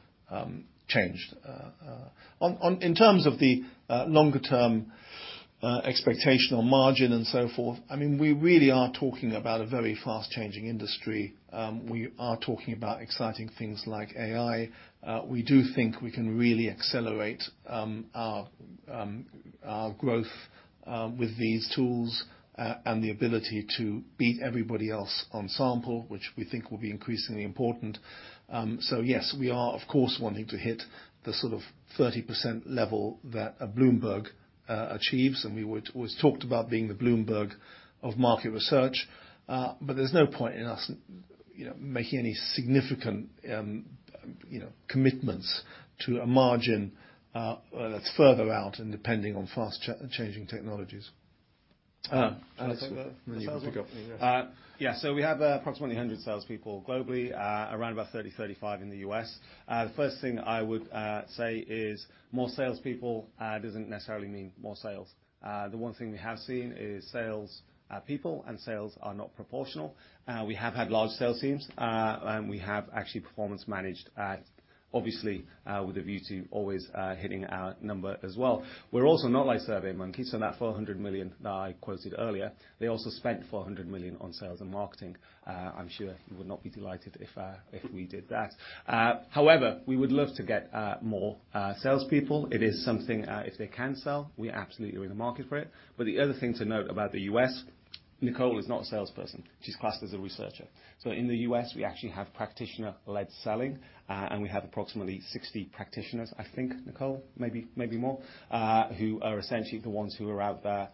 changed. In terms of the longer term, expectational margin and so forth, I mean, we really are talking about a very fast changing industry. We are talking about exciting things like AI. We do think we can really accelerate our growth with these tools and the ability to beat everybody else on sample, which we think will be increasingly important. Yes, we are of course, wanting to hit the sort of 30% level that a Bloomberg achieves, and we always talked about being the Bloomberg of market research. There's no point in us, you know, making any significant, you know, commitments to a margin that's further out and depending on fast changing technologies. Alex- Can I take that? You want to take that? The sales team thing, yeah. Yeah. We have approximately 100 salespeople globally, around about 30-35 in the U.S. The first thing I would say is more salespeople doesn't necessarily mean more sales. The one thing we have seen is salespeople and sales are not proportional. We have had large sales teams. We have actually performance managed, obviously, with a view to always hitting our number as well. We're also not like SurveyMonkey, that $400 million that I quoted earlier, they also spent $400 million on sales and marketing. I'm sure you would not be delighted if we did that. However, we would love to get more salespeople. It is something, if they can sell, we absolutely are in the market for it. The other thing to note about the U.S., Nicole is not a salesperson. She's classed as a researcher. In the U.S., we actually have practitioner-led selling, and we have approximately 60 practitioners, I think, Nicole, maybe more, who are essentially the ones who are out there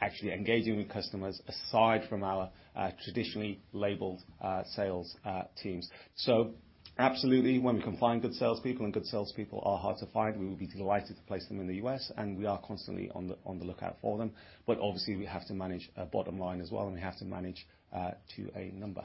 actually engaging with customers aside from our traditionally labeled sales teams. Absolutely, when we can find good salespeople and good salespeople are hard to find, we will be delighted to place them in the U.S., and we are constantly on the lookout for them. Obviously we have to manage our bottom line as well, and we have to manage to a number.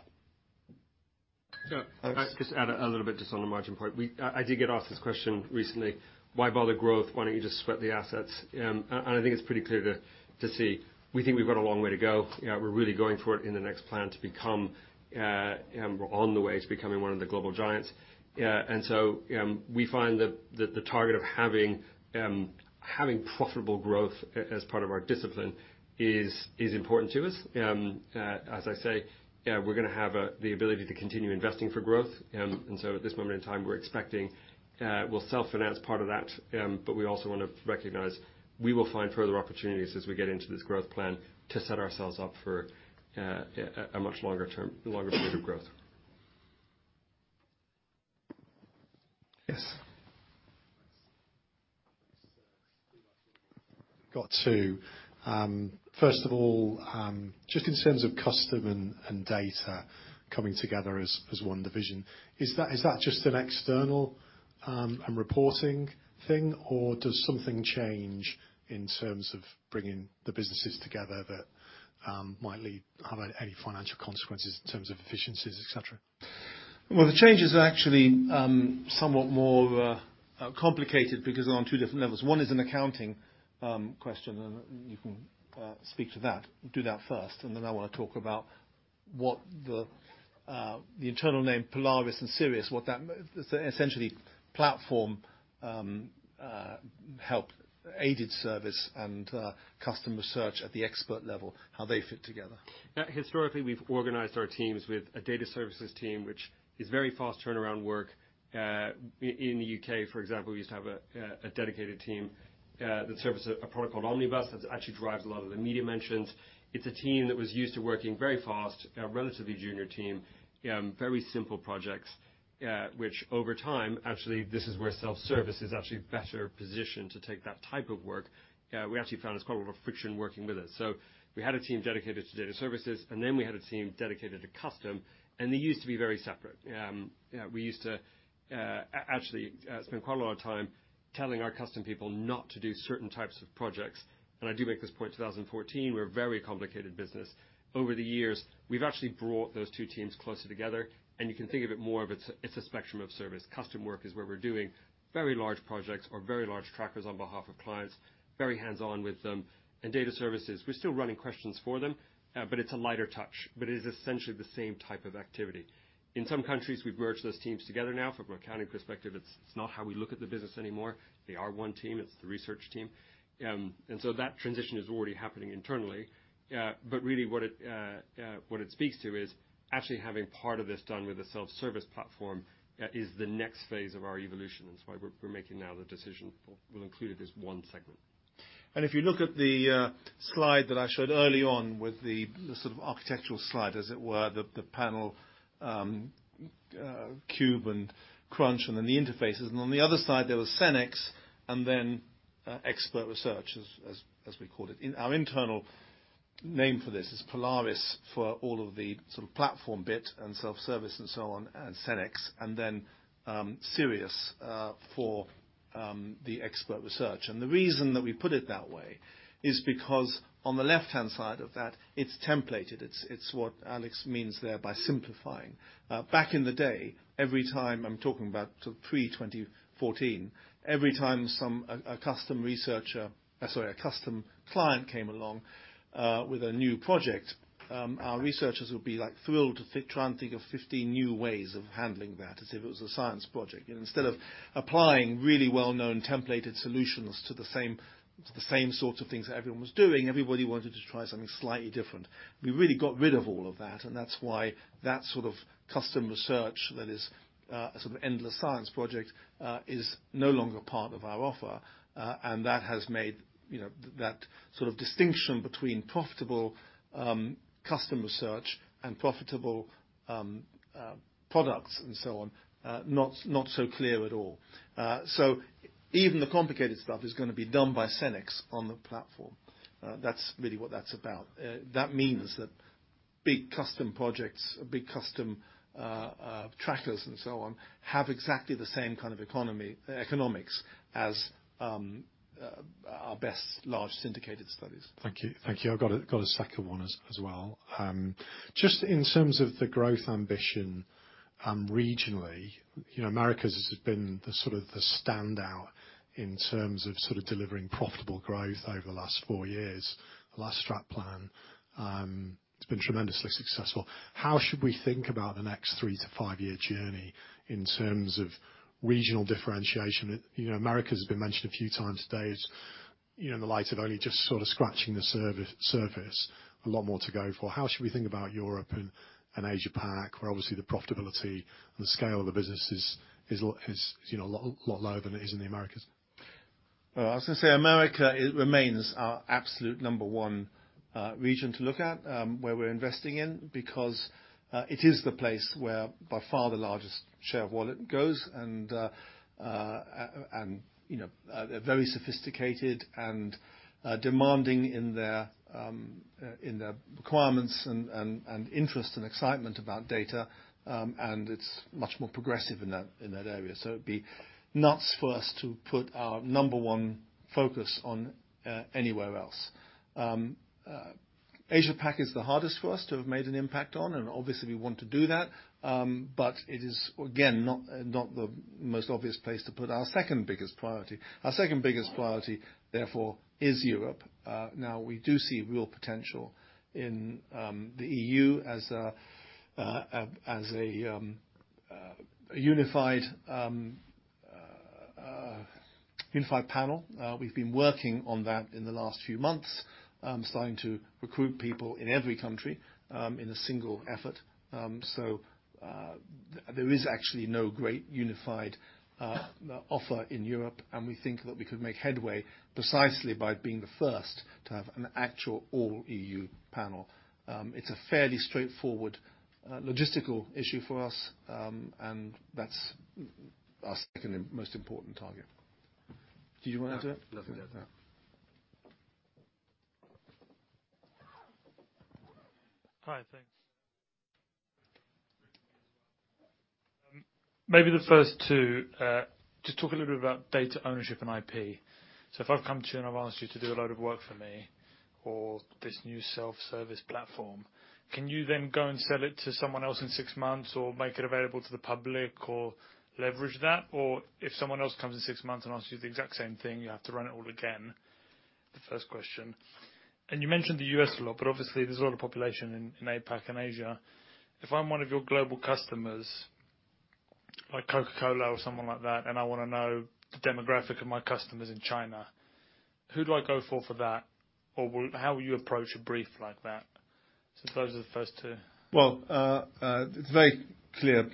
I'll just add a little bit just on the margin point. I did get asked this question recently, "Why bother growth? Why don't you just sweat the assets?" I think it's pretty clear to see, we think we've got a long way to go. You know, we're really going for it in the next plan to become, we're on the way to becoming one of the global giants. We find that the target of having profitable growth as part of our discipline is important to us. I say, we're gonna have the ability to continue investing for growth. At this moment in time, we're expecting, we'll self-finance part of that, but we also wanna recognize we will find further opportunities as we get into this growth plan to set ourselves up for a much longer term, a longer period of growth. Yes. Got to. First of all, just in terms of custom and data coming together as one division, is that just an external and reporting thing, or does something change in terms of bringing the businesses together that might have any financial consequences in terms of efficiencies, et cetera? The changes are actually somewhat more complicated because they're on two different levels. One is an accounting question, and you can speak to that. Do that first, and then I wanna talk about what the internal name Polaris and Sirius. It's essentially platform help, aided service and customer search at the expert level, how they fit together. Yeah. Historically, we've organized our teams with a data services team, which is very fast turnaround work. In the U.K., for example, we used to have a dedicated team that serviced a product called Omnibus that actually drives a lot of the media mentions. It's a team that was used to working very fast, a relatively junior team, very simple projects, which over time, actually, this is where self-service is actually better positioned to take that type of work. We actually found there was quite a lot of friction working with it. We had a team dedicated to data services, and then we had a team dedicated to custom, and they used to be very separate. We used to actually spend quite a lot of time telling our custom people not to do certain types of projects. I do make this point, 2014, we're a very complicated business. Over the years, we've actually brought those two teams closer together, and you can think of it more of it's a spectrum of service. Custom work is where we're doing very large projects or very large trackers on behalf of clients, very hands-on with them. In data services, we're still running questions for them, but it's a lighter touch, but it is essentially the same type of activity. In some countries, we've merged those teams together now. From an accounting perspective, it's not how we look at the business anymore. They are one team. It's the research team. That transition is already happening internally. Really what it speaks to is actually having part of this done with a self-service platform is the next phase of our evolution. That's why we're making now the decision. We'll include it as one segment. If you look at the slide that I showed early on with the sort of architectural slide, as it were, the panel, Cube and Crunch and then the interfaces, and on the other side, there was CenX and then Expert Research as we called it. Our internal name for this is Polaris for all of the sort of platform bit and self-service and so on as CenX, and then Sirius for the Expert Research. The reason that we put it that way is because on the left-hand side of that, it's templated. It's what Alex means there by simplifying. Back in the day, every time, I'm talking about sort of pre-2014, every time some A custom researcher, sorry, a custom client came along with a new project, our researchers would be like thrilled to try and think of 15 new ways of handling that as if it was a science project. You know, instead of applying really well-known templated solutions to the same sorts of things everyone was doing, everybody wanted to try something slightly different. We really got rid of all of that, and that's why that sort of custom research that is sort of endless science project is no longer part of our offer. That has made, you know, that sort of distinction between profitable custom research and profitable products and so on, not so clear at all. Even the complicated stuff is gonna be done by CenX on the platform. That's really what that's about. That means that big custom projects, big custom trackers and so on, have exactly the same kind of economy, economics as our best large syndicated studies. Thank you. Thank you. I've got a second one as well. Just in terms of the growth ambition, regionally, you know, Americas has been the sort of the standout in terms of delivering profitable growth over the last four years. The last strat plan has been tremendously successful. How should we think about the next three to five-year journey in terms of regional differentiation? You know, Americas has been mentioned a few times today. You know, in the light of only just sort of scratching the surface, a lot more to go for. How should we think about Europe and Asia Pac, where obviously the profitability and the scale of the business is a lot, you know, a lot lower than it is in the Americas? Well, I was gonna say America, it remains our absolute number one region to look at, where we're investing in because it is the place where by far the largest share of wallet goes and, you know, they're very sophisticated and demanding in their requirements and interest and excitement about data. And it's much more progressive in that area. It'd be nuts for us to put our number one focus on anywhere else. AsiaPac is the hardest for us to have made an impact on, and obviously we want to do that. It is, again, not the most obvious place to put our second biggest priority. Our second biggest priority, therefore, is Europe. Now we do see real potential in the EU as a unified panel. We've been working on that in the last few months. Starting to recruit people in every country in a single effort. There is actually no great unified offer in Europe, and we think that we could make headway precisely by being the first to have an actual all-EU panel. It's a fairly straightforward, logistical issue for us, and that's our second and most important target. Do you want to do it? Yeah. Hi. Thanks. Maybe the first two, just talk a little bit about data ownership and IP. If I've come to you, and I've asked you to do a load of work for me or this new self-service platform, can you then go and sell it to someone else in six months or make it available to the public or leverage that? If someone else comes in six months and asks you the exact same thing, you have to run it all again? The first question. You mentioned the U.S. a lot, but obviously there's a lot of population in APAC and Asia. If I'm one of your global customers, like Coca-Cola or someone like that, and I wanna know the demographic of my customers in China, who do I go for for that? Or how will you approach a brief like that? Those are the first two. Well, it's a very clear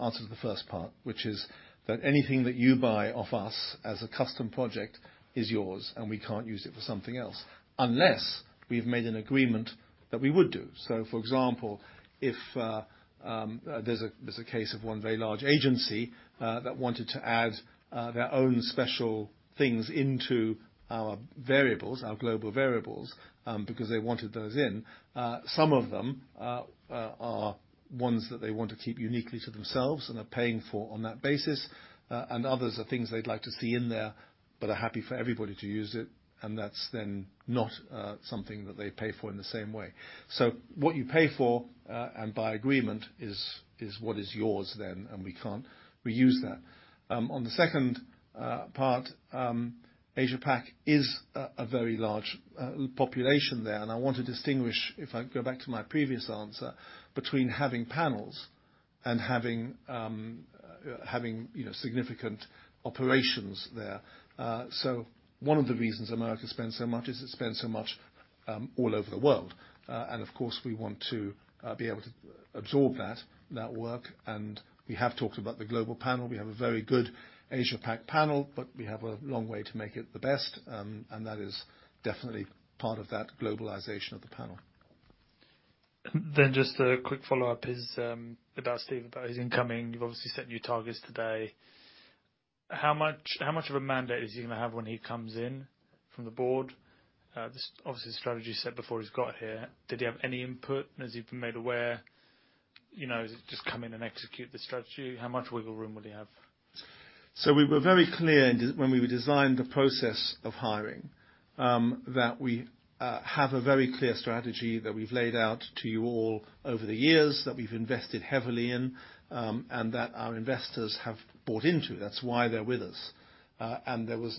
answer to the first part, which is that anything that you buy off us as a custom project is yours, and we can't use it for something else unless we've made an agreement that we would do. For example, if there's a case of one very large agency that wanted to add their own special things into our variables, our global variables, because they wanted those in. Some of them are ones that they want to keep uniquely to themselves and are paying for on that basis. Others are things they'd like to see in there but are happy for everybody to use it, and that's then not something that they pay for in the same way. What you pay for, and by agreement, is what is yours then, and we can't reuse that. On the second part, AsiaPac is a very large population there, and I want to distinguish, if I go back to my previous answer, between having panels and having, you know, significant operations there. One of the reasons America spends so much is it spends so much all over the world. Of course, we want to be able to absorb that work. We have talked about the global panel. We have a very good AsiaPac panel, but we have a long way to make it the best. That is definitely part of that globalization of the panel. Just a quick follow-up is about Steve, about his incoming. You've obviously set new targets today. How much of a mandate is he gonna have when he comes in from the board? Obviously the strategy is set before he's got here. Did he have any input? Has he been made aware, you know, just come in and execute the strategy? How much wiggle room will he have? We were very clear when we designed the process of hiring that we have a very clear strategy that we've laid out to you all over the years that we've invested heavily in and that our investors have bought into. That's why they're with us. And there was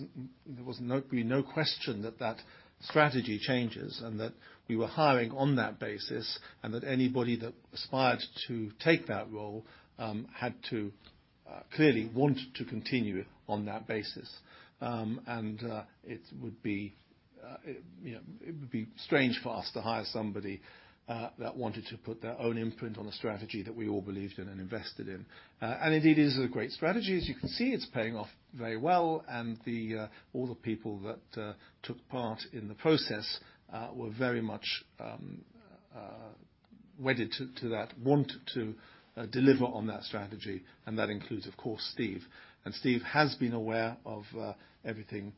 no question that that strategy changes and that we were hiring on that basis and that anybody that aspired to take that role had to clearly want to continue on that basis. And, you know, it would be strange for us to hire somebody that wanted to put their own imprint on a strategy that we all believed in and invested in. Indeed, it is a great strategy. As you can see, it's paying off very well. All the people that took part in the process were very much wedded to that, want to deliver on that strategy. That includes, of course, Steve. Steve has been aware of everything.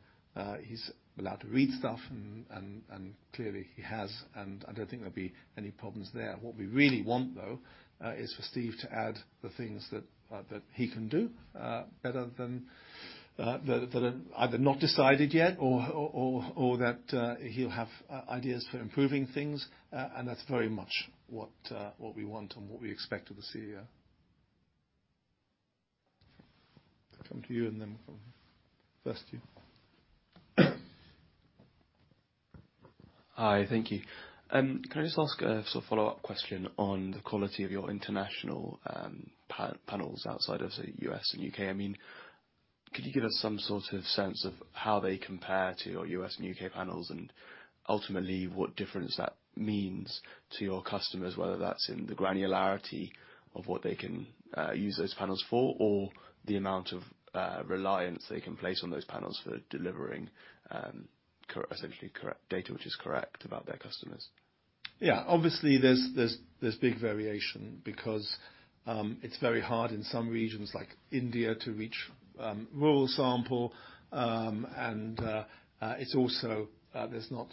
He's allowed to read stuff and clearly he has, and I don't think there'll be any problems there. What we really want, though, is for Steve to add the things that he can do better than that are either not decided yet or that he'll have ideas for improving things. That's very much what we want and what we expect of the CEO. Come to you. First you. Hi. Thank you. Can I just ask a sort of follow-up question on the quality of your international panels outside of the U.S. and U.K.? I mean, could you give us some sort of sense of how they compare to your U.S. and U.K. panels and ultimately what difference that means to your customers, whether that's in the granularity of what they can use those panels for or the amount of reliance they can place on those panels for delivering essentially correct data which is correct about their customers? Yeah. Obviously, there's big variation because it's very hard in some regions like India to reach rural sample. It's also, to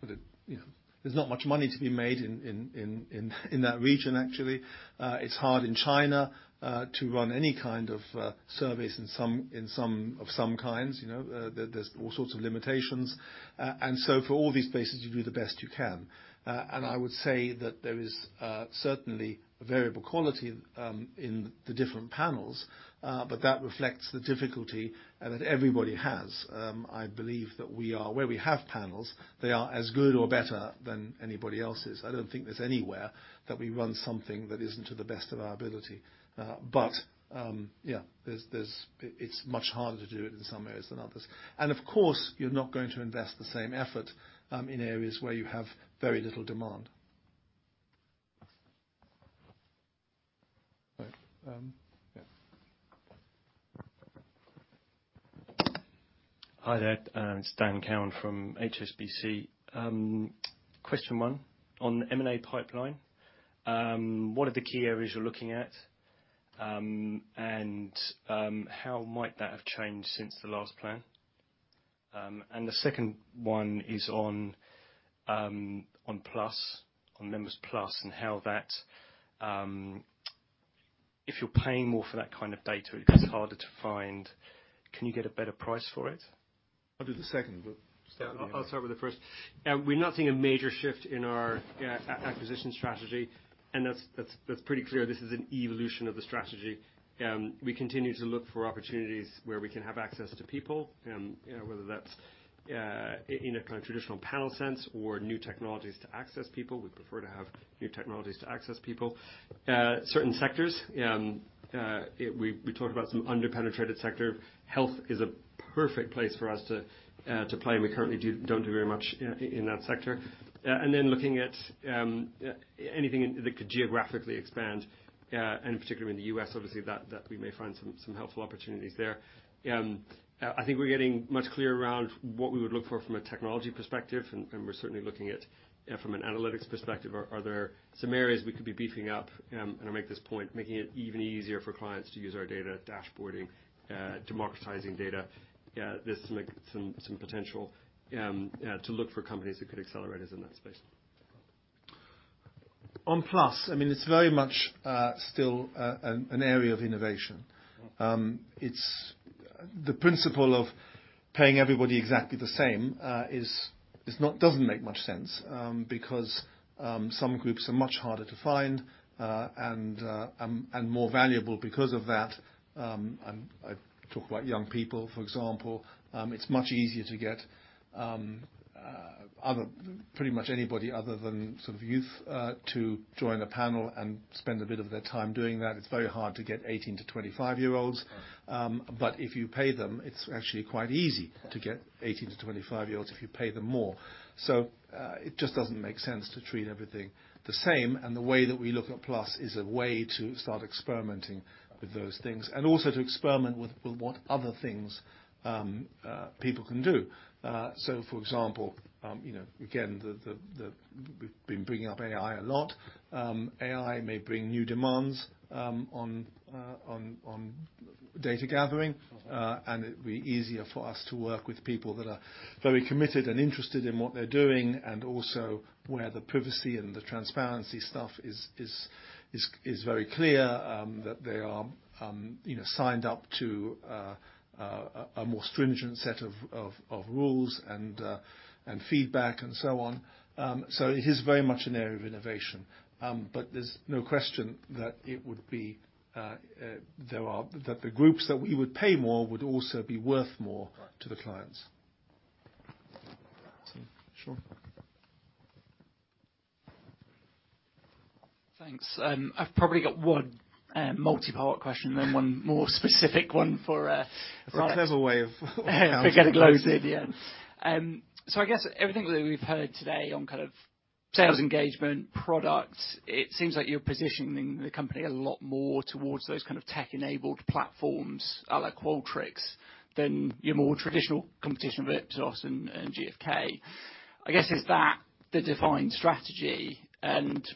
put it, you know, there's not much money to be made in that region, actually. It's hard in China to run any kind of surveys in some of some kinds, you know? There's all sorts of limitations. For all these places, you do the best you can. I would say that there is certainly a variable quality in the different panels, but that reflects the difficulty that everybody has. I believe that where we have panels, they are as good or better than anybody else's. I don't think there's anywhere that we run something that isn't to the best of our ability. But, yeah, it's much harder to do it in some areas than others. Of course, you're not going to invest the same effort, in areas where you have very little demand. Right, yeah. Hi there. It's Dan Cowan from HSBC. Question one, on M&A pipeline, what are the key areas you're looking at? How might that have changed since the last plan? The second one is on Plus, on Members Plus and how that, if you're paying more for that kind of data, it becomes harder to find, can you get a better price for it? I'll do the second bit. Start with the second. Yeah, I'll start with the first. We're not seeing a major shift in our acquisition strategy, that's pretty clear. This is an evolution of the strategy. We continue to look for opportunities where we can have access to people, you know, whether that's in a kind of traditional panel sense or new technologies to access people. We prefer to have new technologies to access people. Certain sectors, we talked about some under-penetrated sector. Health is a perfect place for us to play, we currently don't do very much in that sector. Looking at anything that could geographically expand, particularly in the U.S. obviously that we may find some helpful opportunities there. I think we're getting much clearer around what we would look for from a technology perspective, and we're certainly looking at from an analytics perspective, are there some areas we could be beefing up. I make this point, making it even easier for clients to use our data, dashboarding, democratizing data. There's some like, some potential to look for companies that could accelerate us in that space. On YouGov Plus, I mean, it's very much still an area of innovation. The principle of paying everybody exactly the same doesn't make much sense because some groups are much harder to find and more valuable because of that. I talk about young people, for example. It's much easier to get pretty much anybody other than sort of youth to join a panel and spend a bit of their time doing that. It's very hard to get 18-25-year-olds. If you pay them, it's actually quite easy to get 18-25-year-olds if you pay them more. It just doesn't make sense to treat everything the same, and the way that we look at Plus is a way to start experimenting with those things and also to experiment with what other things people can do. For example, you know, again, we've been bringing up AI a lot. AI may bring new demands on data gathering. Okay. It'd be easier for us to work with people that are very committed and interested in what they're doing and also where the privacy and the transparency stuff is very clear, that they are, you know, signed up to a more stringent set of rules and feedback and so on. It is very much an area of innovation. There's no question that it would be that the groups that we would pay more would also be worth more. Right. To the clients. Steve, sure. Thanks. I've probably got one, multi-part question then one more specific one for Alex. That's a clever way of counting it. For getting loads in, yeah. I guess everything that we've heard today on kind of sales engagement, products, it seems like you're positioning the company a lot more towards those kind of tech-enabled platforms, like Qualtrics, than your more traditional competition with Ipsos and GfK. I guess, is that the defined strategy?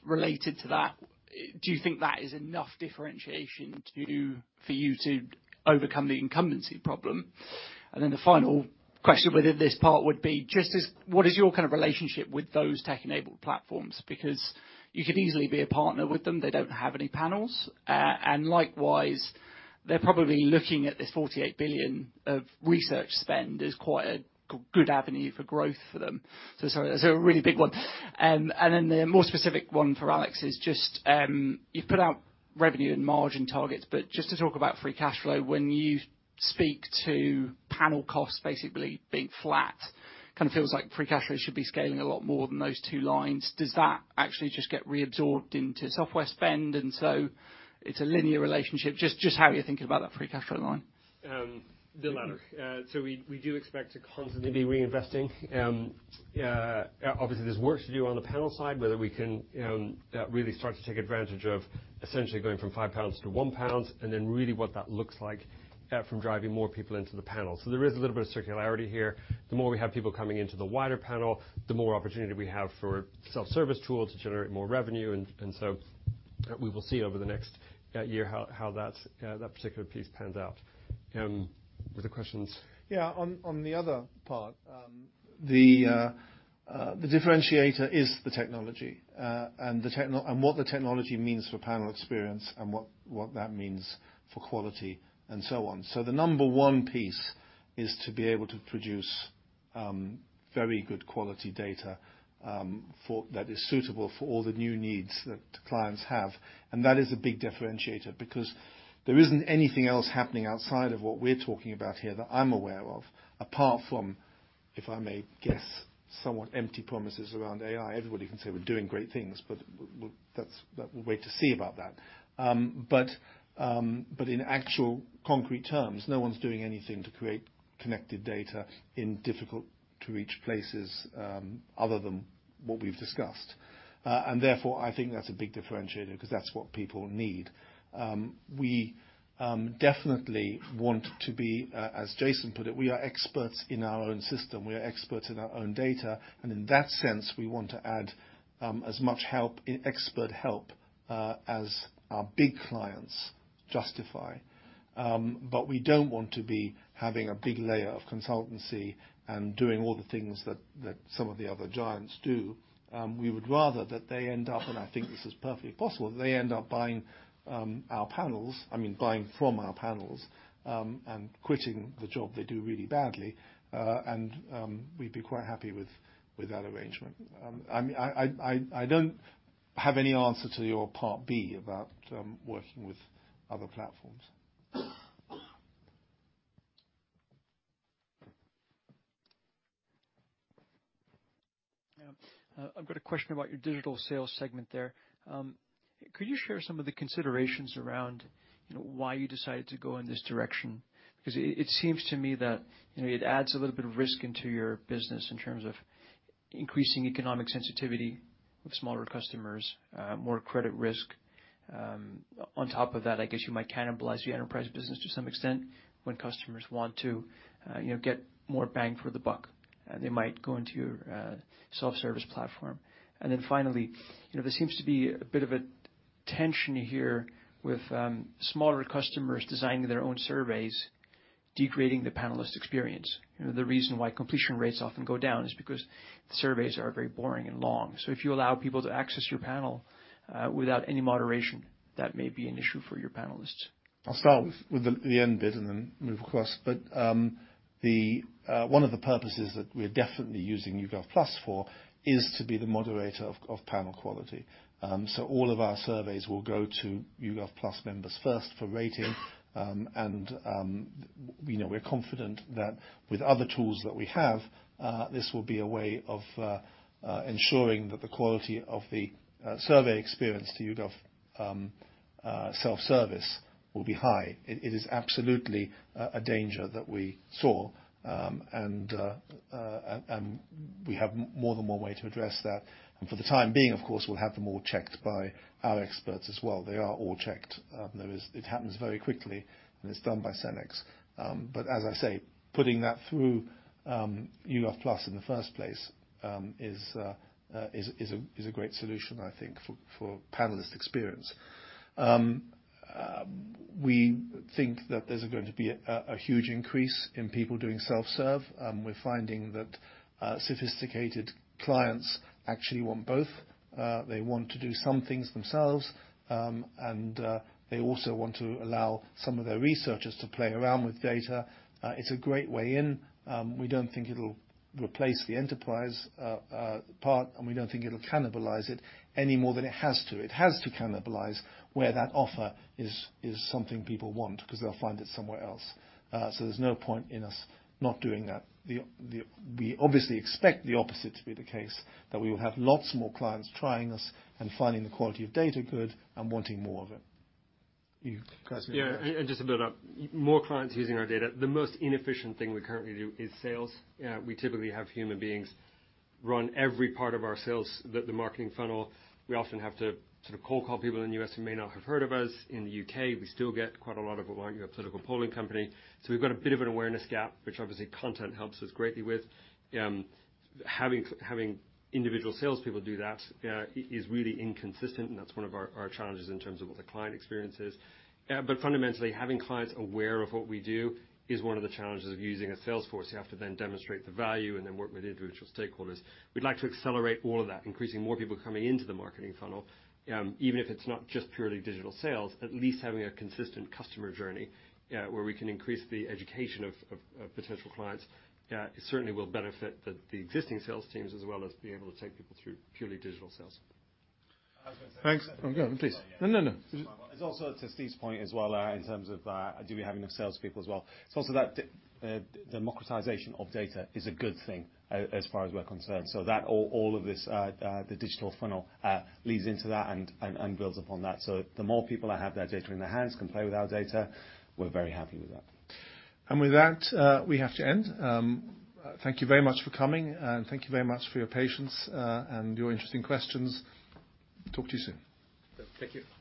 Related to that, do you think that is enough differentiation for you to overcome the incumbency problem? The final question within this part would be just as what is your kind of relationship with those tech-enabled platforms? Because you could easily be a partner with them. They don't have any panels. Likewise, they're probably looking at this $48 billion of research spend as quite a good avenue for growth for them. Sorry, that's a really big one. Then the more specific one for Alex is just, you've put out revenue and margin targets, but just to talk about free cash flow. When you speak to panel costs basically being flat, kind of feels like free cash flow should be scaling a lot more than those two lines. Does that actually just get reabsorbed into software spend, and so it's a linear relationship? Just how you're thinking about that free cash flow line. The latter. We do expect to constantly be reinvesting. Obviously, there's work to do on the panel side, whether we can really start to take advantage of essentially going from 5-1 pounds, and then really what that looks like from driving more people into the panel. There is a little bit of circularity here. The more we have people coming into the wider panel, the more opportunity we have for self-service tools to generate more revenue. We will see over the next year how that particular piece pans out. Were there questions? Yeah. On the other part, the differentiator is the technology. And what the technology means for panel experience and what that means for quality and so on. The number one piece is to be able to produce very good quality data for that is suitable for all the new needs that clients have. That is a big differentiator because there isn't anything else happening outside of what we're talking about here that I'm aware of, apart from, if I may guess, somewhat empty promises around AI. Everybody can say we're doing great things, but We'll wait to see about that. In actual concrete terms, no one's doing anything to create connected data in difficult to reach places, other than what we've discussed. Therefore, I think that's a big differentiator 'cause that's what people need. We definitely want to be, as Jason put it, we are experts in our own system. We are experts in our own data. In that sense, we want to add as much help, expert help, as our big clients justify. We don't want to be having a big layer of consultancy and doing all the things that some of the other giants do. We would rather that they end up, and I think this is perfectly possible, they end up buying our panels. I mean, buying from our panels and quitting the job they do really badly. We'd be quite happy with that arrangement. I mean, I don't have any answer to your part B about working with other platforms. Yeah. I've got a question about your digital sales segment there. Could you share some of the considerations around, you know, why you decided to go in this direction? 'Cause it seems to me that, you know, it adds a little bit of risk into your business in terms of increasing economic sensitivity with smaller customers, more credit risk. On top of that, I guess you might cannibalize your enterprise business to some extent when customers want to, you know, get more bang for the buck, and they might go into your self-service platform. Then finally, you know, there seems to be a bit of a tension here with smaller customers designing their own surveys, degrading the panelist experience. You know, the reason why completion rates often go down is because surveys are very boring and long. If you allow people to access your panel, without any moderation, that may be an issue for your panelists. I'll start with the end bit and then move across. The one of the purposes that we're definitely using YouGov Plus for is to be the moderator of panel quality. All of our surveys will go to YouGov Plus members first for rating. You know, we're confident that with other tools that we have, this will be a way of ensuring that the quality of the survey experience to YouGov self-service will be high. It is absolutely a danger that we saw, and we have more than one way to address that. For the time being, of course, we'll have them all checked by our experts as well. They are all checked. There is. It happens very quickly, and it's done by CenX. As I say, putting that through YouGov Plus in the first place, is a great solution, I think, for panelist experience. We think that there's going to be a huge increase in people doing self-serve. We're finding that sophisticated clients actually want both. They want to do some things themselves, and they also want to allow some of their researchers to play around with data. It's a great way in. We don't think it'll replace the enterprise part, and we don't think it'll cannibalize it any more than it has to. It has to cannibalize where that offer is something people want 'cause they'll find it somewhere else. There's no point in us not doing that. We obviously expect the opposite to be the case, that we will have lots more clients trying us and finding the quality of data good and wanting more of it. You... Yeah. Just to build up. More clients using our data. The most inefficient thing we currently do is sales. We typically have human beings run every part of our sales, the marketing funnel. We often have to sort of cold call people in the U.S. who may not have heard of us. In the U.K., we still get quite a lot of, "Well, aren't you a political polling company?" We've got a bit of an awareness gap, which obviously content helps us greatly with. Having individual salespeople do that is really inconsistent, and that's one of our challenges in terms of what the client experience is. Fundamentally, having clients aware of what we do is one of the challenges of using a sales force. You have to then demonstrate the value and then work with individual stakeholders. We'd like to accelerate all of that, increasing more people coming into the marketing funnel, even if it's not just purely digital sales, at least having a consistent customer journey, where we can increase the education of potential clients. It certainly will benefit the existing sales teams as well as being able to take people through purely digital sales. Thanks. Oh, go on, please. No, no. It's also to Steve's point as well, in terms of, do we have enough salespeople as well. It's also that democratization of data is a good thing as far as we're concerned. That all of this, the digital funnel, leads into that and builds upon that. The more people that have that data in their hands, can play with our data, we're very happy with that. With that, we have to end. Thank you very much for coming, and thank you very much for your patience, and your interesting questions. Thalk to you soon. Thank you.